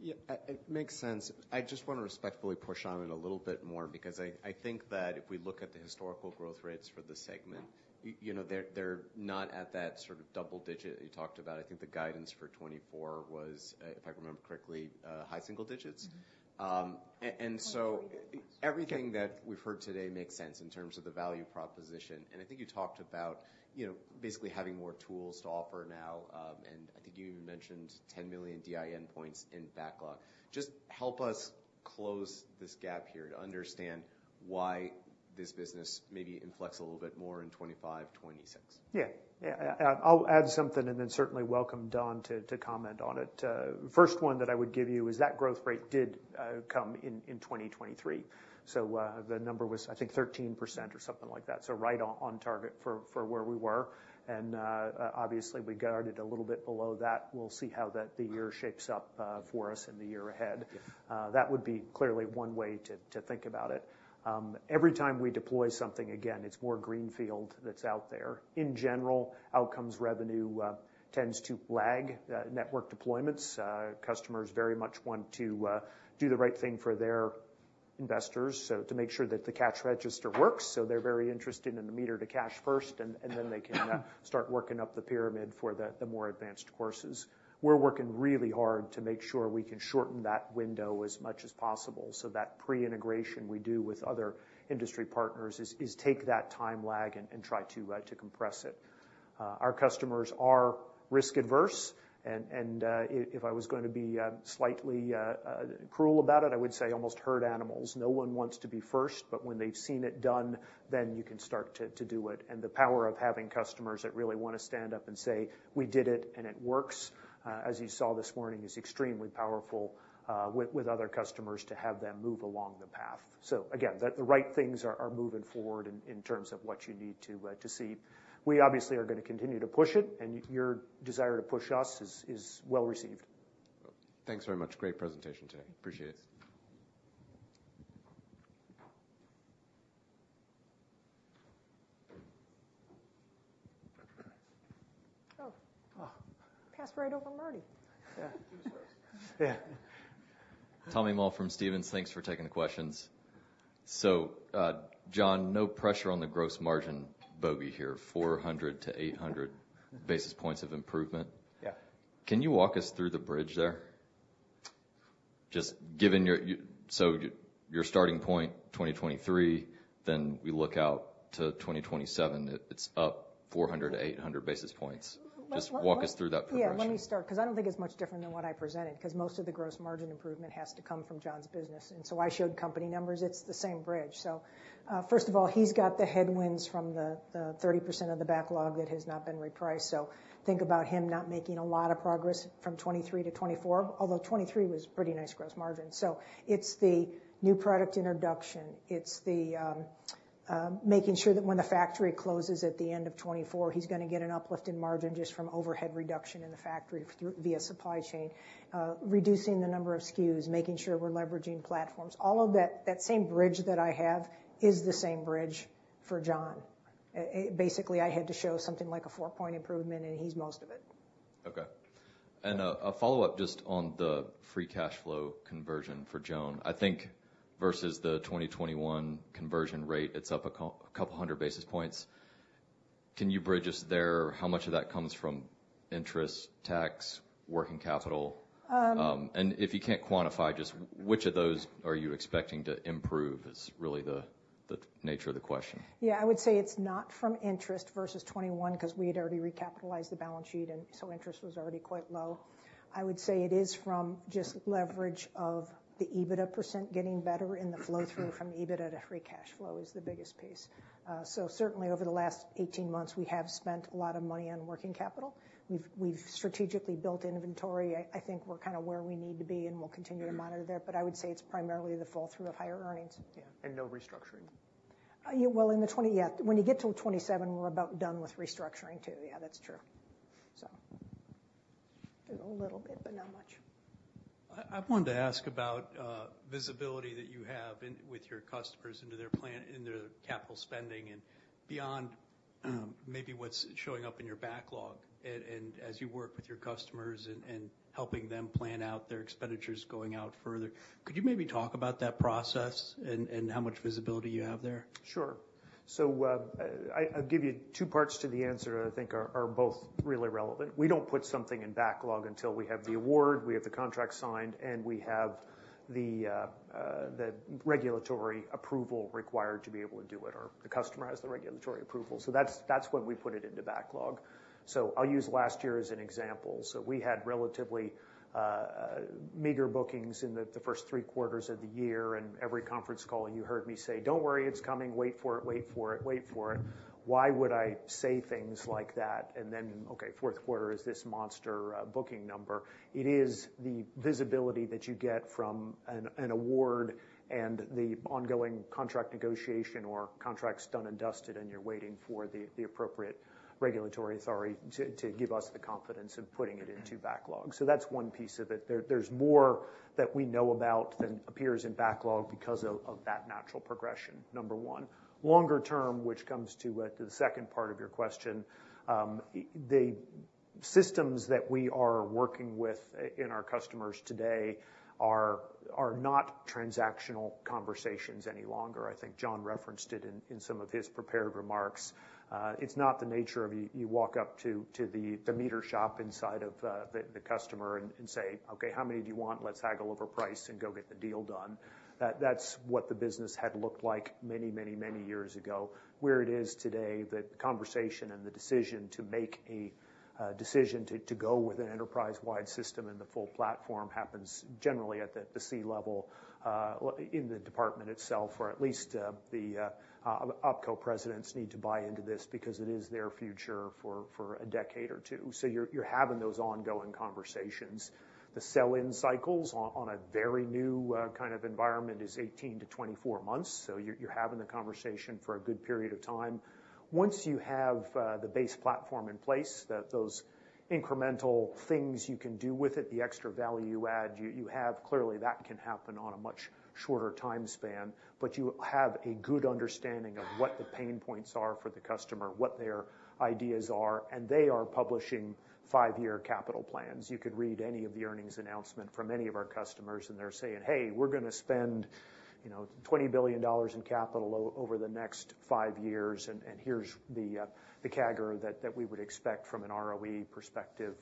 Yeah, it makes sense. I just wanna respectfully push on it a little bit more because I think that if we look at the historical growth rates for the segment, you know, they're not at that sort of double-digit that you talked about. I think the guidance for 2024 was, if I remember correctly, high single digits? and so- 23. Everything that we've heard today makes sense in terms of the value proposition, and I think you talked about, you know, basically having more tools to offer now, and I think you even mentioned 10 million DI endpoints in backlog. Just help us close this gap here to understand why this business maybe in flux a little bit more in 2025, 2026. Yeah. Yeah, I'll add something, and then certainly welcome Don to comment on it. First one that I would give you is that growth rate did come in in 2023. So, the number was, I think, 13% or something like that, so right on target for where we were. And, obviously, we guided a little bit below that. We'll see how that the year shapes up for us in the year ahead. Yeah. That would be clearly one way to think about it. Every time we deploy something, again, it's more greenfield that's out there. In general, Outcomes revenue tends to lag network deployments. Customers very much want to do the right thing for their investors, so to make sure that the cash register works, so they're very interested in the meter to cash first, and then they can start working up the pyramid for the more advanced courses. We're working really hard to make sure we can shorten that window as much as possible, so that pre-integration we do with other industry partners is take that time lag and try to compress it. Our customers are risk averse, and if I was gonna be slightly cruel about it, I would say almost herd animals. No one wants to be first, but when they've seen it done, then you can start to do it. And the power of having customers that really wanna stand up and say, "We did it and it works," as you saw this morning, is extremely powerful with other customers to have them move along the path. So again, the right things are moving forward in terms of what you need to see. We obviously are gonna continue to push it, and your desire to push us is well received. Thanks very much. Great presentation today. Appreciate it. Passed right over Marty. Yeah. He was first. Yeah. Tommy Moll from Stephens. Thanks for taking the questions. So, John, no pressure on the gross margin bogey here, 400-800 basis points of improvement. Yeah. Can you walk us through the bridge there? Just given your starting point, 2023, then we look out to 2027, it's up 400-800 basis points. Well, well, well- Just walk us through that progression. Yeah, let me start, 'cause I don't think it's much different than what I presented, 'cause most of the gross margin improvement has to come from John's business, and so I showed company numbers. It's the same bridge. So, first of all, he's got the headwinds from the 30% of the backlog that has not been repriced. So think about him not making a lot of progress from 2023 to 2024, although 2023 was pretty nice gross margin. So it's the new product introduction. It's the making sure that when the factory closes at the end of 2024, he's gonna get an uplift in margin just from overhead reduction in the factory via supply chain. Reducing the number of SKUs, making sure we're leveraging platforms. All of that, that same bridge that I have, is the same bridge for John. Basically, I had to show something like a four-point improvement, and he's most of it. Okay. And a follow-up just on the free cash flow conversion for Joan. I think versus the 2021 conversion rate, it's up a couple hundred basis points. Can you bridge us there? How much of that comes from-... interest, tax, working capital. And if you can't quantify, just which of those are you expecting to improve, is really the nature of the question? Yeah, I would say it's not from interest versus 2021, because we had already recapitalized the balance sheet, and so interest was already quite low. I would say it is from just leverage of the EBITDA percentage getting better and the flow-through from EBITDA to free cash flow is the biggest piece. So certainly over the last 18 months, we have spent a lot of money on working capital. We've strategically built inventory. I think we're kind of where we need to be, and we'll continue to monitor there, but I would say it's primarily the fall-through of higher earnings. Yeah, and no restructuring? Yeah, well, in the 20s, yeah, when you get to 2027, we're about done with restructuring, too. Yeah, that's true. So did a little bit, but not much. I wanted to ask about visibility that you have with your customers into their plan, in their capital spending and beyond, maybe what's showing up in your backlog. And as you work with your customers and helping them plan out their expenditures going out further, could you maybe talk about that process and how much visibility you have there? Sure. So, I'll give you two parts to the answer I think are, are both really relevant. We don't put something in backlog until we have the award, we have the contract signed, and we have the, the regulatory approval required to be able to do it, or the customer has the regulatory approval. So that's, that's when we put it into backlog. So I'll use last year as an example. So we had relatively, meager bookings in the, the first three quarters of the year, and every conference call you heard me say: Don't worry, it's coming, wait for it, wait for it, wait for it. Why would I say things like that? And then, okay, fourth quarter is this monster, booking number. It is the visibility that you get from an award and the ongoing contract negotiation or contracts done and dusted, and you're waiting for the appropriate regulatory authority to give us the confidence of putting it into backlog. So that's one piece of it. There's more that we know about than appears in backlog because of that natural progression, number one. Longer term, which comes to the second part of your question, the systems that we are working with in our customers today are not transactional conversations any longer. I think John referenced it in some of his prepared remarks. It's not the nature of you walk up to the meter shop inside of the customer and say, "Okay, how many do you want? Let's haggle over price and go get the deal done." That's what the business had looked like many, many, many years ago. Where it is today, the conversation and the decision to make a decision to go with an enterprise-wide system and the full platform happens generally at the C-level in the department itself, or at least the OpCo presidents need to buy into this because it is their future for a decade or two. So you're having those ongoing conversations. The sell-in cycles on a very new kind of environment is 18-24 months, so you're having the conversation for a good period of time. Once you have the base platform in place, those incremental things you can do with it, the extra value add, you have, clearly that can happen on a much shorter time span, but you have a good understanding of what the pain points are for the customer, what their ideas are, and they are publishing five-year capital plans. You could read any of the earnings announcement from any of our customers, and they're saying, "Hey, we're gonna spend, you know, $20 billion in capital over the next five years, and here's the CAGR that we would expect from an ROE perspective,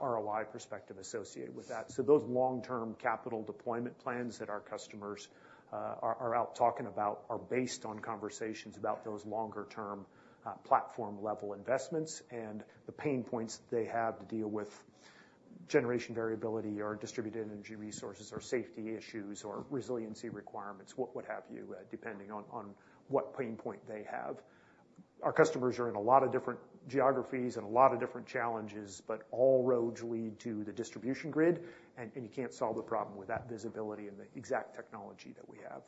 ROI perspective associated with that." So those long-term capital deployment plans that our customers are out talking about are based on conversations about those longer term platform-level investments and the pain points they have to deal with, generation variability, or distributed energy resources, or safety issues, or resiliency requirements, what have you, depending on what pain point they have. Our customers are in a lot of different geographies and a lot of different challenges, but all roads lead to the distribution grid, and you can't solve the problem without visibility and the exact technology that we have.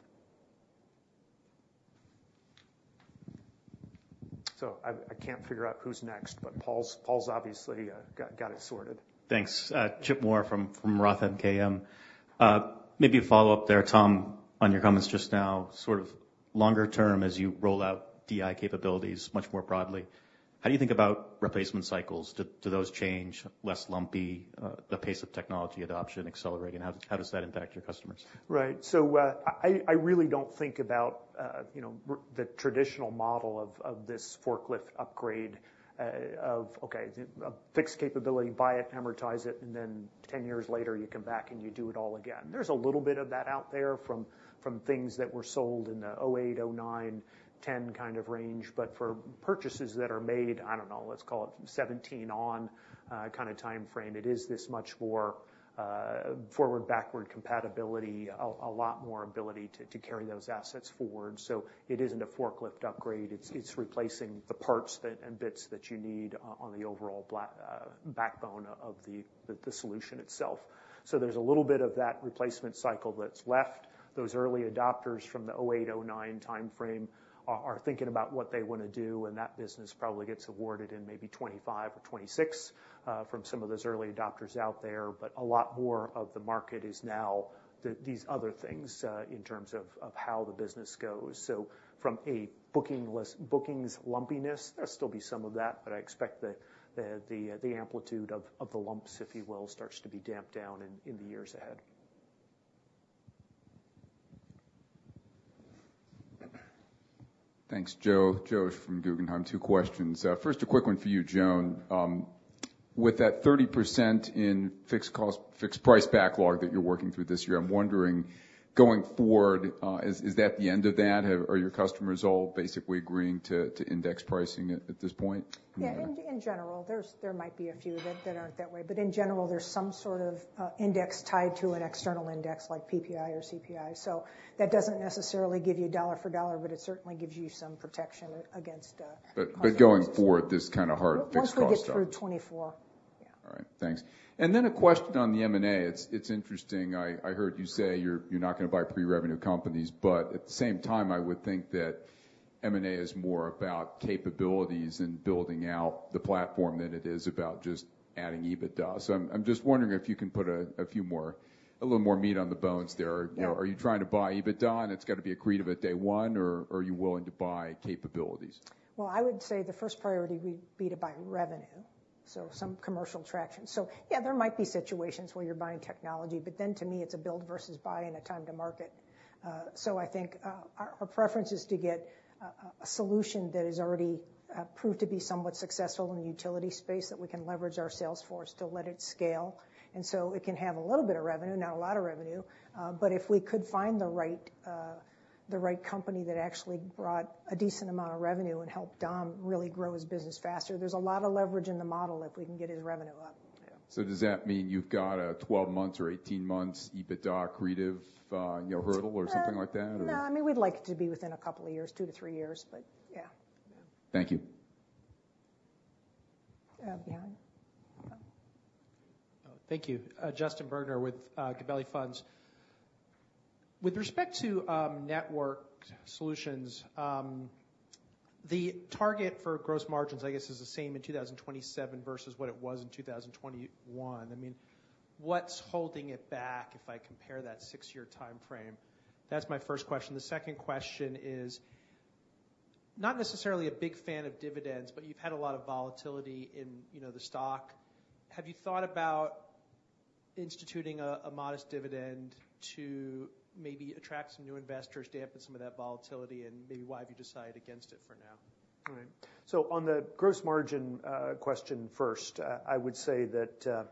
So I can't figure out who's next, but Paul's obviously got it sorted. Thanks. Chip Moore from Roth MKM. Maybe a follow-up there, Tom, on your comments just now. Sort of longer term, as you roll out DI capabilities much more broadly, how do you think about replacement cycles? Do those change, less lumpy, the pace of technology adoption accelerating? How does that impact your customers? Right. So, I really don't think about, you know, the traditional model of this forklift upgrade, of okay, a fixed capability, buy it, amortize it, and then 10 years later, you come back, and you do it all again. There's a little bit of that out there from things that were sold in the 2008, 2009, 2010 kind of range. But for purchases that are made, I don't know, let's call it 2017 on, kind of time frame, it is this much more forward-backward compatibility, a lot more ability to carry those assets forward. So it isn't a forklift upgrade, it's replacing the parts that and bits that you need on the overall backbone of the solution itself. So there's a little bit of that replacement cycle that's left. Those early adopters from the 2008, 2009 time frame are thinking about what they want to do, and that business probably gets awarded in maybe 2025 or 2026 from some of those early adopters out there. But a lot more of the market is now these other things in terms of how the business goes. So from a bookings lumpiness, there'll still be some of that, but I expect the amplitude of the lumps, if you will, starts to be damped down in the years ahead. ... Thanks, Joe. Josh from Guggenheim. Two questions. First, a quick one for you, Joan. With that 30% in fixed-cost, fixed-price backlog that you're working through this year, I'm wondering, going forward, is, is that the end of that? Are your customers all basically agreeing to, to index pricing at, at this point? Yeah, in general, there might be a few that aren't that way. But in general, there's some sort of index tied to an external index like PPI or CPI. So that doesn't necessarily give you dollar for dollar, but it certainly gives you some protection against cost increases. Going forward, this kind of hard fixed cost- Once we get through 2024. Yeah. All right. Thanks. And then a question on the M&A. It's interesting. I heard you say you're not gonna buy pre-revenue companies, but at the same time, I would think that M&A is more about capabilities and building out the platform than it is about just adding EBITDA. So I'm just wondering if you can put a little more meat on the bones there. Yeah. You know, are you trying to buy EBITDA, and it's got to be accretive at day one, or are you willing to buy capabilities? Well, I would say the first priority would be to buy revenue, so some commercial traction. So yeah, there might be situations where you're buying technology, but then to me, it's a build versus buy and a time to market. So I think our preference is to get a solution that is already proved to be somewhat successful in the utility space, that we can leverage our sales force to let it scale. And so it can have a little bit of revenue, not a lot of revenue, but if we could find the right company that actually brought a decent amount of revenue and helped Don really grow his business faster, there's a lot of leverage in the model if we can get his revenue up. Yeah. Does that mean you've got a 12 months or 18 months EBITDA accretive, you know, hurdle or something like that, or? No, I mean, we'd like it to be within a couple of years, 2-3 years, but yeah. Yeah. Thank you. Behind? Yeah. Oh, thank you. Justin Bergner with Gabelli Funds. With respect to Networked Solutions, the target for gross margins, I guess, is the same in 2027 versus what it was in 2021. I mean, what's holding it back if I compare that six-year timeframe? That's my first question. The second question is, not necessarily a big fan of dividends, but you've had a lot of volatility in, you know, the stock. Have you thought about instituting a modest dividend to maybe attract some new investors, dampen some of that volatility, and maybe why have you decided against it for now? All right. So on the gross margin question first, I would say that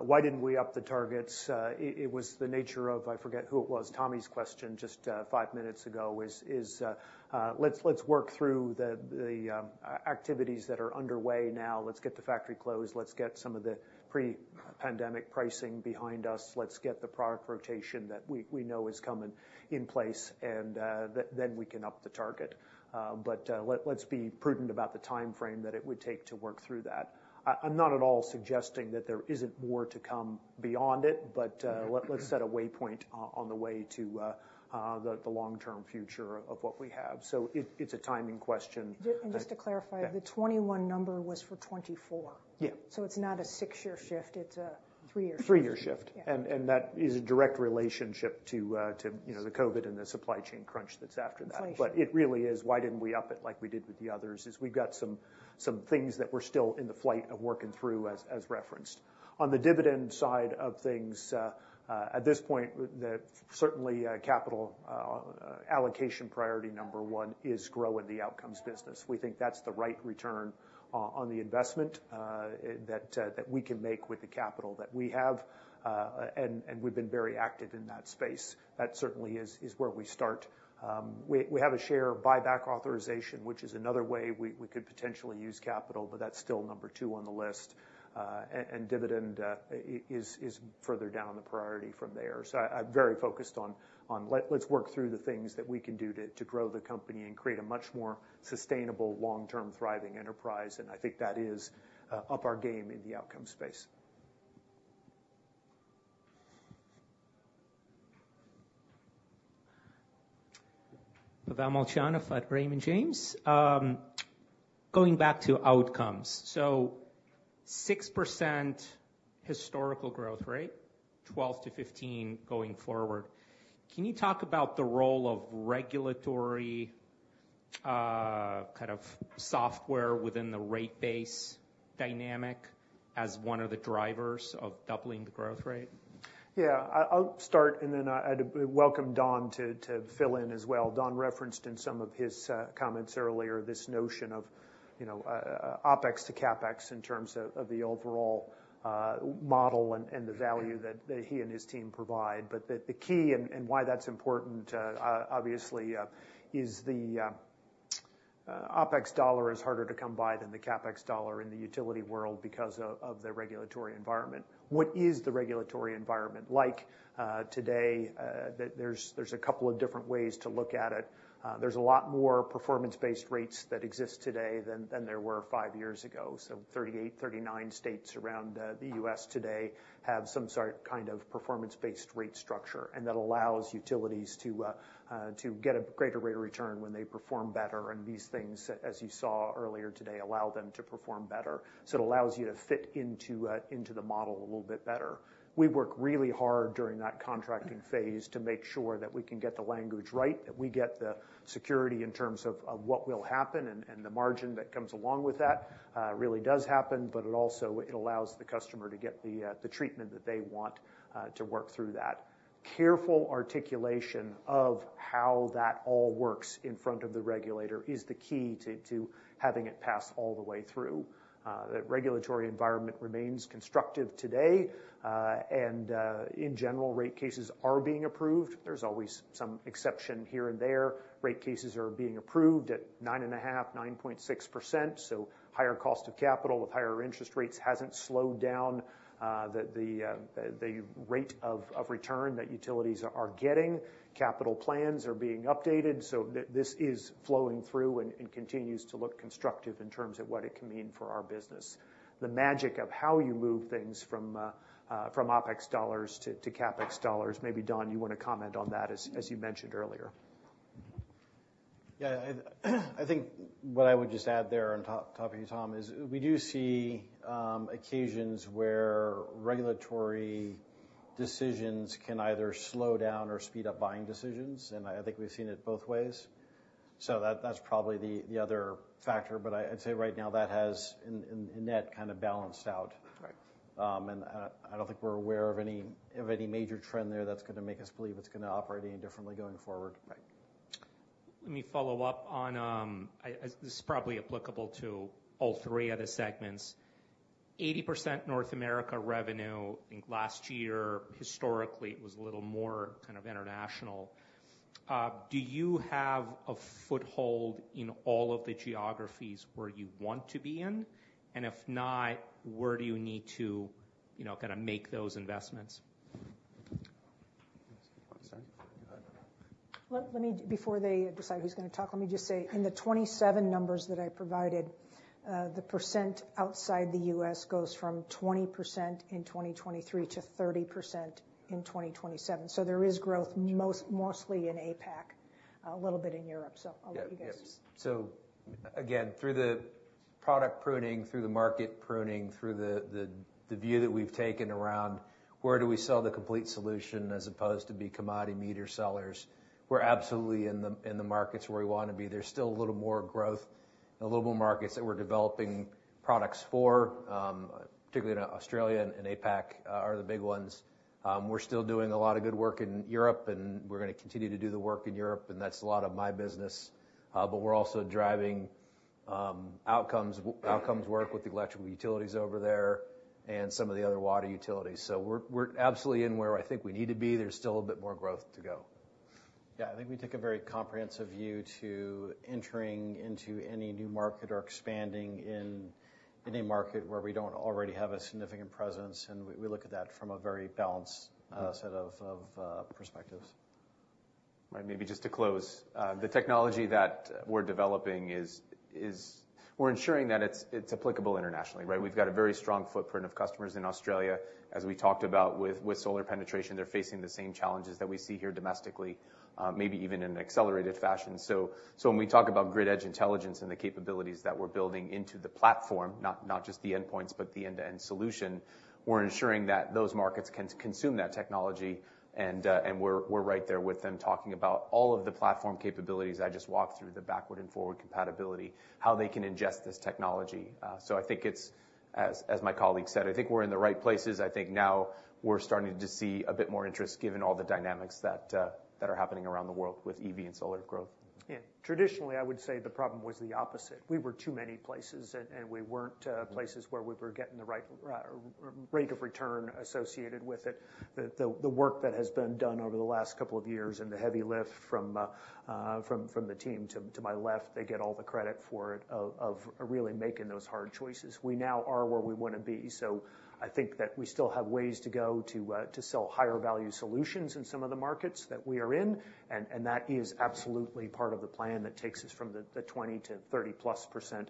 why didn't we up the targets? It was the nature of... I forget who it was. Tommy's question, just five minutes ago, is let's work through the activities that are underway now. Let's get the factory closed. Let's get some of the pre-pandemic pricing behind us. Let's get the product rotation that we know is coming in place, and then we can up the target. But let's be prudent about the timeframe that it would take to work through that. I'm not at all suggesting that there isn't more to come beyond it, but let's set a waypoint on the way to the long-term future of what we have. So it's a timing question. Just to clarify. Yeah. The 2021 number was for 2024. Yeah. It's not a six-year shift, it's a three-year shift. Three-year shift. Yeah. That is a direct relationship to, you know, the COVID and the supply chain crunch that's after that. Supply chain. But it really is, why didn't we up it like we did with the others, is we've got some things that we're still in the flight of working through as referenced. On the dividend side of things, at this point, certainly capital allocation priority number 1 is growing the Outcomes business. We think that's the right return on the investment that we can make with the capital that we have. And we've been very active in that space. That certainly is where we start. We have a share buyback authorization, which is another way we could potentially use capital, but that's still number 2 on the list. And dividend is further down the priority from there. So, I'm very focused on let's work through the things that we can do to grow the company and create a much more sustainable, long-term, thriving enterprise, and I think that is up our game in the Outcomes space. Pavel Molchanov at Raymond James. Going back to Outcomes, so 6% historical growth rate, 12%-15% going forward. Can you talk about the role of regulatory, kind of software within the rate base dynamic as one of the drivers of doubling the growth rate? Yeah, I, I'll start, and then, I'd welcome Don to, to fill in as well. Don referenced in some of his comments earlier this notion of, you know, OpEx to CapEx in terms of, of the overall model and, and the value that, that he and his team provide. But the key and why that's important, obviously, is the OpEx dollar is harder to come by than the CapEx dollar in the utility world because of the regulatory environment. What is the regulatory environment like today? There's a couple of different ways to look at it. There's a lot more performance-based rates that exist today than there were five years ago. So 38, 39 states around, the U.S. today have some sort of, kind of, performance-based rate structure, and that allows utilities to, to get a greater rate of return when they perform better. And these things, as you saw earlier today, allow them to perform better. So it allows you to fit into, into the model a little bit better. We work really hard during that contracting phase to make sure that we can get the language right, that we get the security in terms of, of what will happen, and, and the margin that comes along with that, really does happen, but it also, it allows the customer to get the, the treatment that they want, to work through that. Careful articulation of how that all works in front of the regulator is the key to having it pass all the way through. The regulatory environment remains constructive today, and in general, rate cases are being approved. There's always some exception here and there. Rate cases are being approved at 9.5%-9.6%, so higher cost of capital with higher interest rates hasn't slowed down the rate of return that utilities are getting. Capital plans are being updated, so this is flowing through and continues to look constructive in terms of what it can mean for our business. The magic of how you move things from OpEx dollars to CapEx dollars, maybe, Don, you want to comment on that as you mentioned earlier?... Yeah, I think what I would just add there on top, topping you, Tom, is we do see occasions where regulatory decisions can either slow down or speed up buying decisions, and I think we've seen it both ways. So that's probably the other factor. But I'd say right now that has, in net, kind of balanced out. Right. I don't think we're aware of any major trend there that's gonna make us believe it's gonna operate any differently going forward. Right. Let me follow up on, this is probably applicable to all three of the segments. 80% North America revenue, I think last year, historically, it was a little more kind of international. Do you have a foothold in all of the geographies where you want to be in? And if not, where do you need to, you know, kind of make those investments? Want to start? Go ahead. Well, let me—before they decide who's gonna talk, let me just say, in the 27 numbers that I provided, the percent outside the U.S. goes from 20% in 2023 to 30% in 2027. So there is growth, mostly in APAC, a little bit in Europe. So I'll let you guys- Yeah. Yeah. So again, through the product pruning, through the market pruning, through the view that we've taken around where do we sell the complete solution as opposed to be commodity meter sellers, we're absolutely in the markets where we want to be. There's still a little more growth and a little more markets that we're developing products for, particularly in Australia and APAC, are the big ones. We're still doing a lot of good work in Europe, and we're gonna continue to do the work in Europe, and that's a lot of my business. But we're also driving outcomes work with the electrical utilities over there and some of the other water utilities. So we're absolutely in where I think we need to be. There's still a bit more growth to go. Yeah, I think we take a very comprehensive view to entering into any new market or expanding in a market where we don't already have a significant presence, and we look at that from a very balanced,... set of perspectives. Right, maybe just to close. The technology that we're developing is. We're ensuring that it's applicable internationally, right? We've got a very strong footprint of customers in Australia. As we talked about with solar penetration, they're facing the same challenges that we see here domestically, maybe even in an accelerated fashion. So when we talk about grid edge intelligence and the capabilities that we're building into the platform, not just the endpoints, but the end-to-end solution, we're ensuring that those markets can consume that technology, and we're right there with them, talking about all of the platform capabilities I just walked through, the backward and forward compatibility, how they can ingest this technology. So I think it's, as my colleague said, I think we're in the right places. I think now we're starting to see a bit more interest, given all the dynamics that are happening around the world with EV and solar growth. Yeah. Traditionally, I would say the problem was the opposite. We were in too many places, and we weren't in places where we were getting the right rate of return associated with it. The work that has been done over the last couple of years and the heavy lift from the team to my left, they get all the credit for it, of really making those hard choices. We now are where we want to be, so I think that we still have ways to go to sell higher value solutions in some of the markets that we are in, and that is absolutely part of the plan that takes us from the 20%-30%+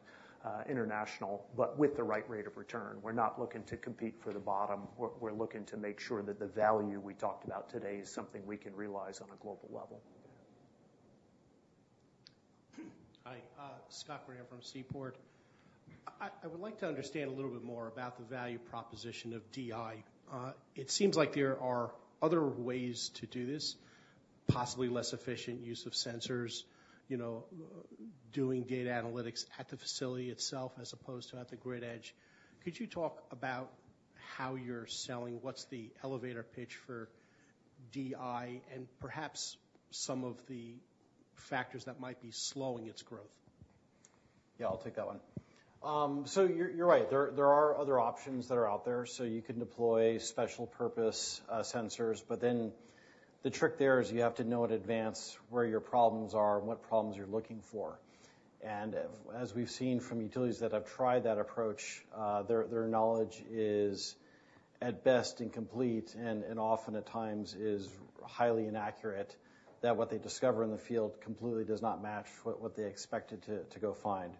international, but with the right rate of return. We're not looking to compete for the bottom. We're looking to make sure that the value we talked about today is something we can realize on a global level. Hi, Scott Graham from Seaport. I would like to understand a little bit more about the value proposition of DI. It seems like there are other ways to do this, possibly less efficient use of sensors, you know, doing data analytics at the facility itself, as opposed to at the grid edge. Could you talk about how you're selling, what's the elevator pitch for DI and perhaps some of the factors that might be slowing its growth? Yeah, I'll take that one. So you're right. There are other options that are out there. So you can deploy special purpose sensors, but then the trick there is you have to know in advance where your problems are and what problems you're looking for. And as we've seen from utilities that have tried that approach, their knowledge is, at best, incomplete, and often at times is highly inaccurate, that what they discover in the field completely does not match what they expected to go find.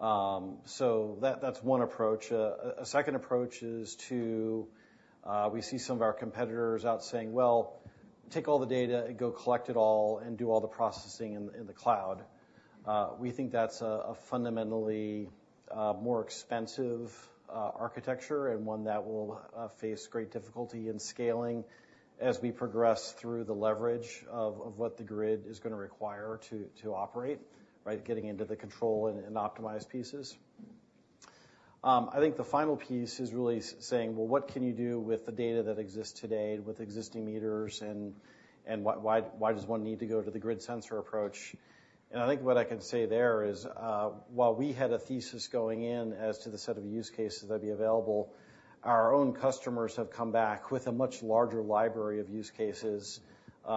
So that, that's one approach. A second approach is to... We see some of our competitors out saying, "Well, take all the data and go collect it all and do all the processing in the cloud." We think that's a fundamentally more expensive architecture and one that will face great difficulty in scaling as we progress through the leverage of what the grid is gonna require to operate, right? Getting into the control and optimized pieces. I think the final piece is really saying, well, what can you do with the data that exists today, with existing meters, and why does one need to go to the grid sensor approach? I think what I can say there is, while we had a thesis going in as to the set of use cases that'd be available, our own customers have come back with a much larger library of use cases,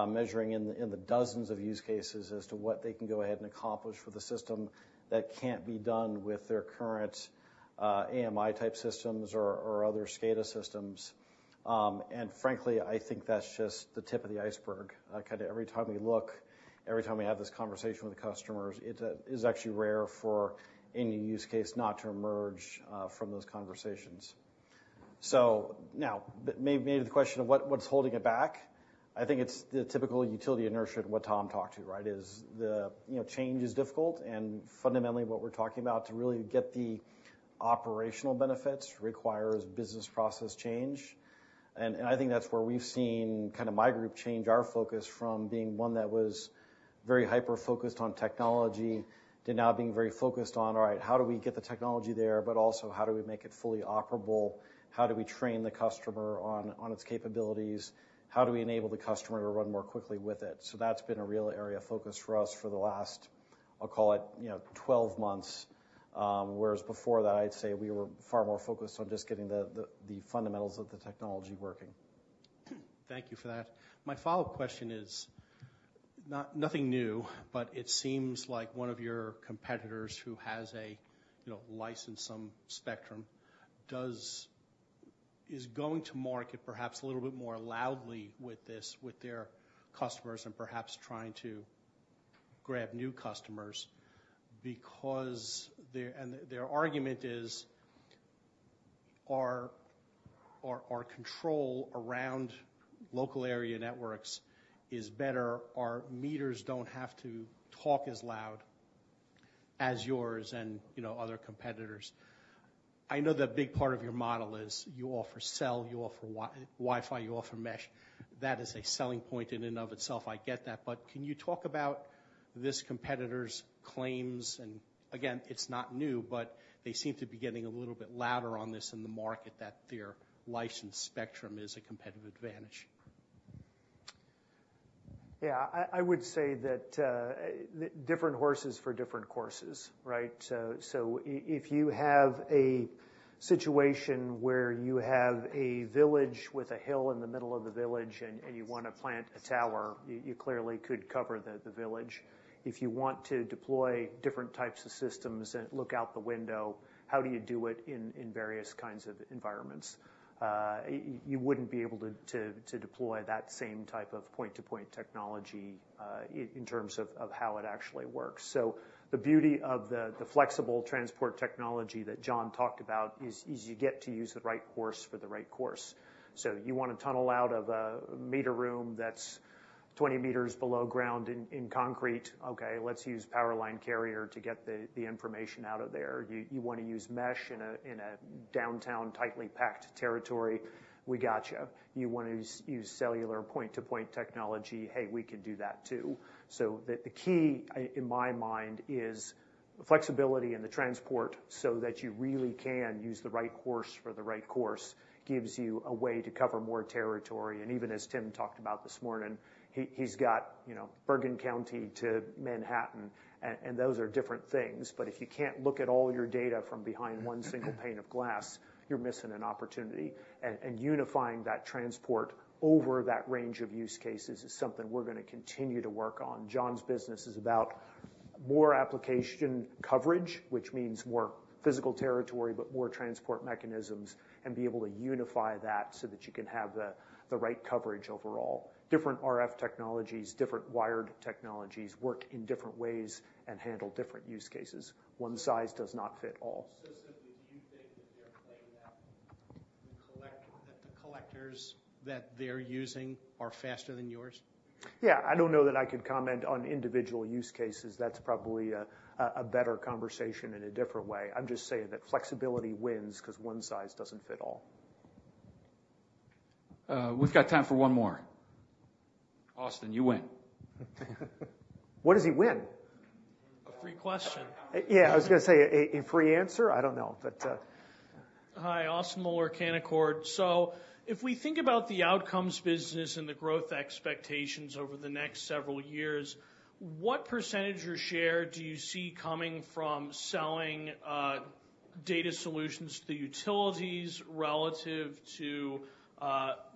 measuring in the, in the dozens of use cases as to what they can go ahead and accomplish with a system that can't be done with their current, AMI-type systems or, or other SCADA systems. And frankly, I think that's just the tip of the iceberg. Kind of every time we look, every time we have this conversation with the customers, it, is actually rare for any use case not to emerge, from those conversations... So now, the maybe, maybe the question of what, what's holding it back? I think it's the typical utility inertia, and what Tom talked to, right? It's the, you know, change is difficult, and fundamentally, what we're talking about to really get the operational benefits requires business process change. And I think that's where we've seen, kind of, my group change our focus from being one that was very hyper-focused on technology, to now being very focused on: All right, how do we get the technology there, but also, how do we make it fully operable? How do we train the customer on its capabilities? How do we enable the customer to run more quickly with it? So that's been a real area of focus for us for the last, I'll call it, you know, 12 months. Whereas before that, I'd say we were far more focused on just getting the fundamentals of the technology working. Thank you for that. My follow-up question is not nothing new, but it seems like one of your competitors, who has a, you know, licensed spectrum, is going to market perhaps a little bit more loudly with this, with their customers, and perhaps trying to grab new customers. Because their argument is, our control around local area networks is better. Our meters don't have to talk as loud as yours and, you know, other competitors. I know that a big part of your model is you offer cell, you offer Wi-Fi, you offer mesh. That is a selling point in and of itself, I get that. But can you talk about this competitor's claims? And again, it's not new, but they seem to be getting a little bit louder on this in the market, that their licensed spectrum is a competitive advantage. Yeah, I would say that different horses for different courses, right? So if you have a situation where you have a village with a hill in the middle of the village, and you wanna plant a tower, you clearly could cover the village. If you want to deploy different types of systems and look out the window, how do you do it in various kinds of environments? You wouldn't be able to deploy that same type of point-to-point technology in terms of how it actually works. So the beauty of the flexible transport technology that John talked about is you get to use the right horse for the right course. So you wanna tunnel out of a meter room that's 20 meters below ground in concrete, okay, let's use power line carrier to get the information out of there. You wanna use mesh in a downtown, tightly packed territory, we got you. You wanna use cellular point-to-point technology, hey, we can do that, too. So the key in my mind is flexibility in the transport, so that you really can use the right horse for the right course, gives you a way to cover more territory. And even as Tim talked about this morning, he's got, you know, Bergen County to Manhattan, and those are different things. But if you can't look at all your data from behind one single pane of glass, you're missing an opportunity. Unifying that transport over that range of use cases is something we're gonna continue to work on. John's business is about more application coverage, which means more physical territory, but more transport mechanisms, and be able to unify that, so that you can have the right coverage overall. Different RF technologies, different wired technologies, work in different ways and handle different use cases. One size does not fit all. Simply, do you think that they're claiming that the collectors that they're using are faster than yours? Yeah, I don't know that I can comment on individual use cases. That's probably a better conversation in a different way. I'm just saying that flexibility wins, 'cause one size doesn't fit all. We've got time for one more. Austin, you win. What does he win? A free question. Yeah, I was gonna say a free answer? I don't know, but, Hi, Austin Moeller, Canaccord. So if we think about the Outcomes business and the growth expectations over the next several years, what percentage or share do you see coming from selling data solutions to the utilities, relative to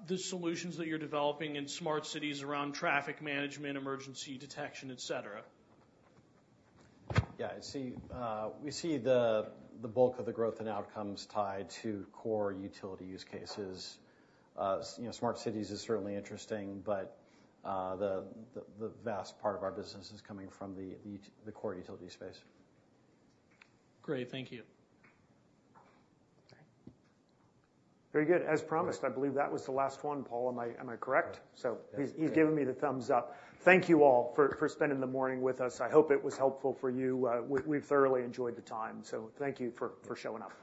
the solutions that you're developing in smart cities around traffic management, emergency detection, et cetera? Yeah, I see, we see the bulk of the growth and outcomes tied to core utility use cases. You know, smart cities is certainly interesting, but the vast part of our business is coming from the core utility space. Great, thank you. All right. Very good. As promised, I believe that was the last one. Paul, am I, am I correct? Yeah. So he's, he's giving me the thumbs up. Thank you all for, for spending the morning with us. I hope it was helpful for you. We've thoroughly enjoyed the time, so thank you for, for showing up.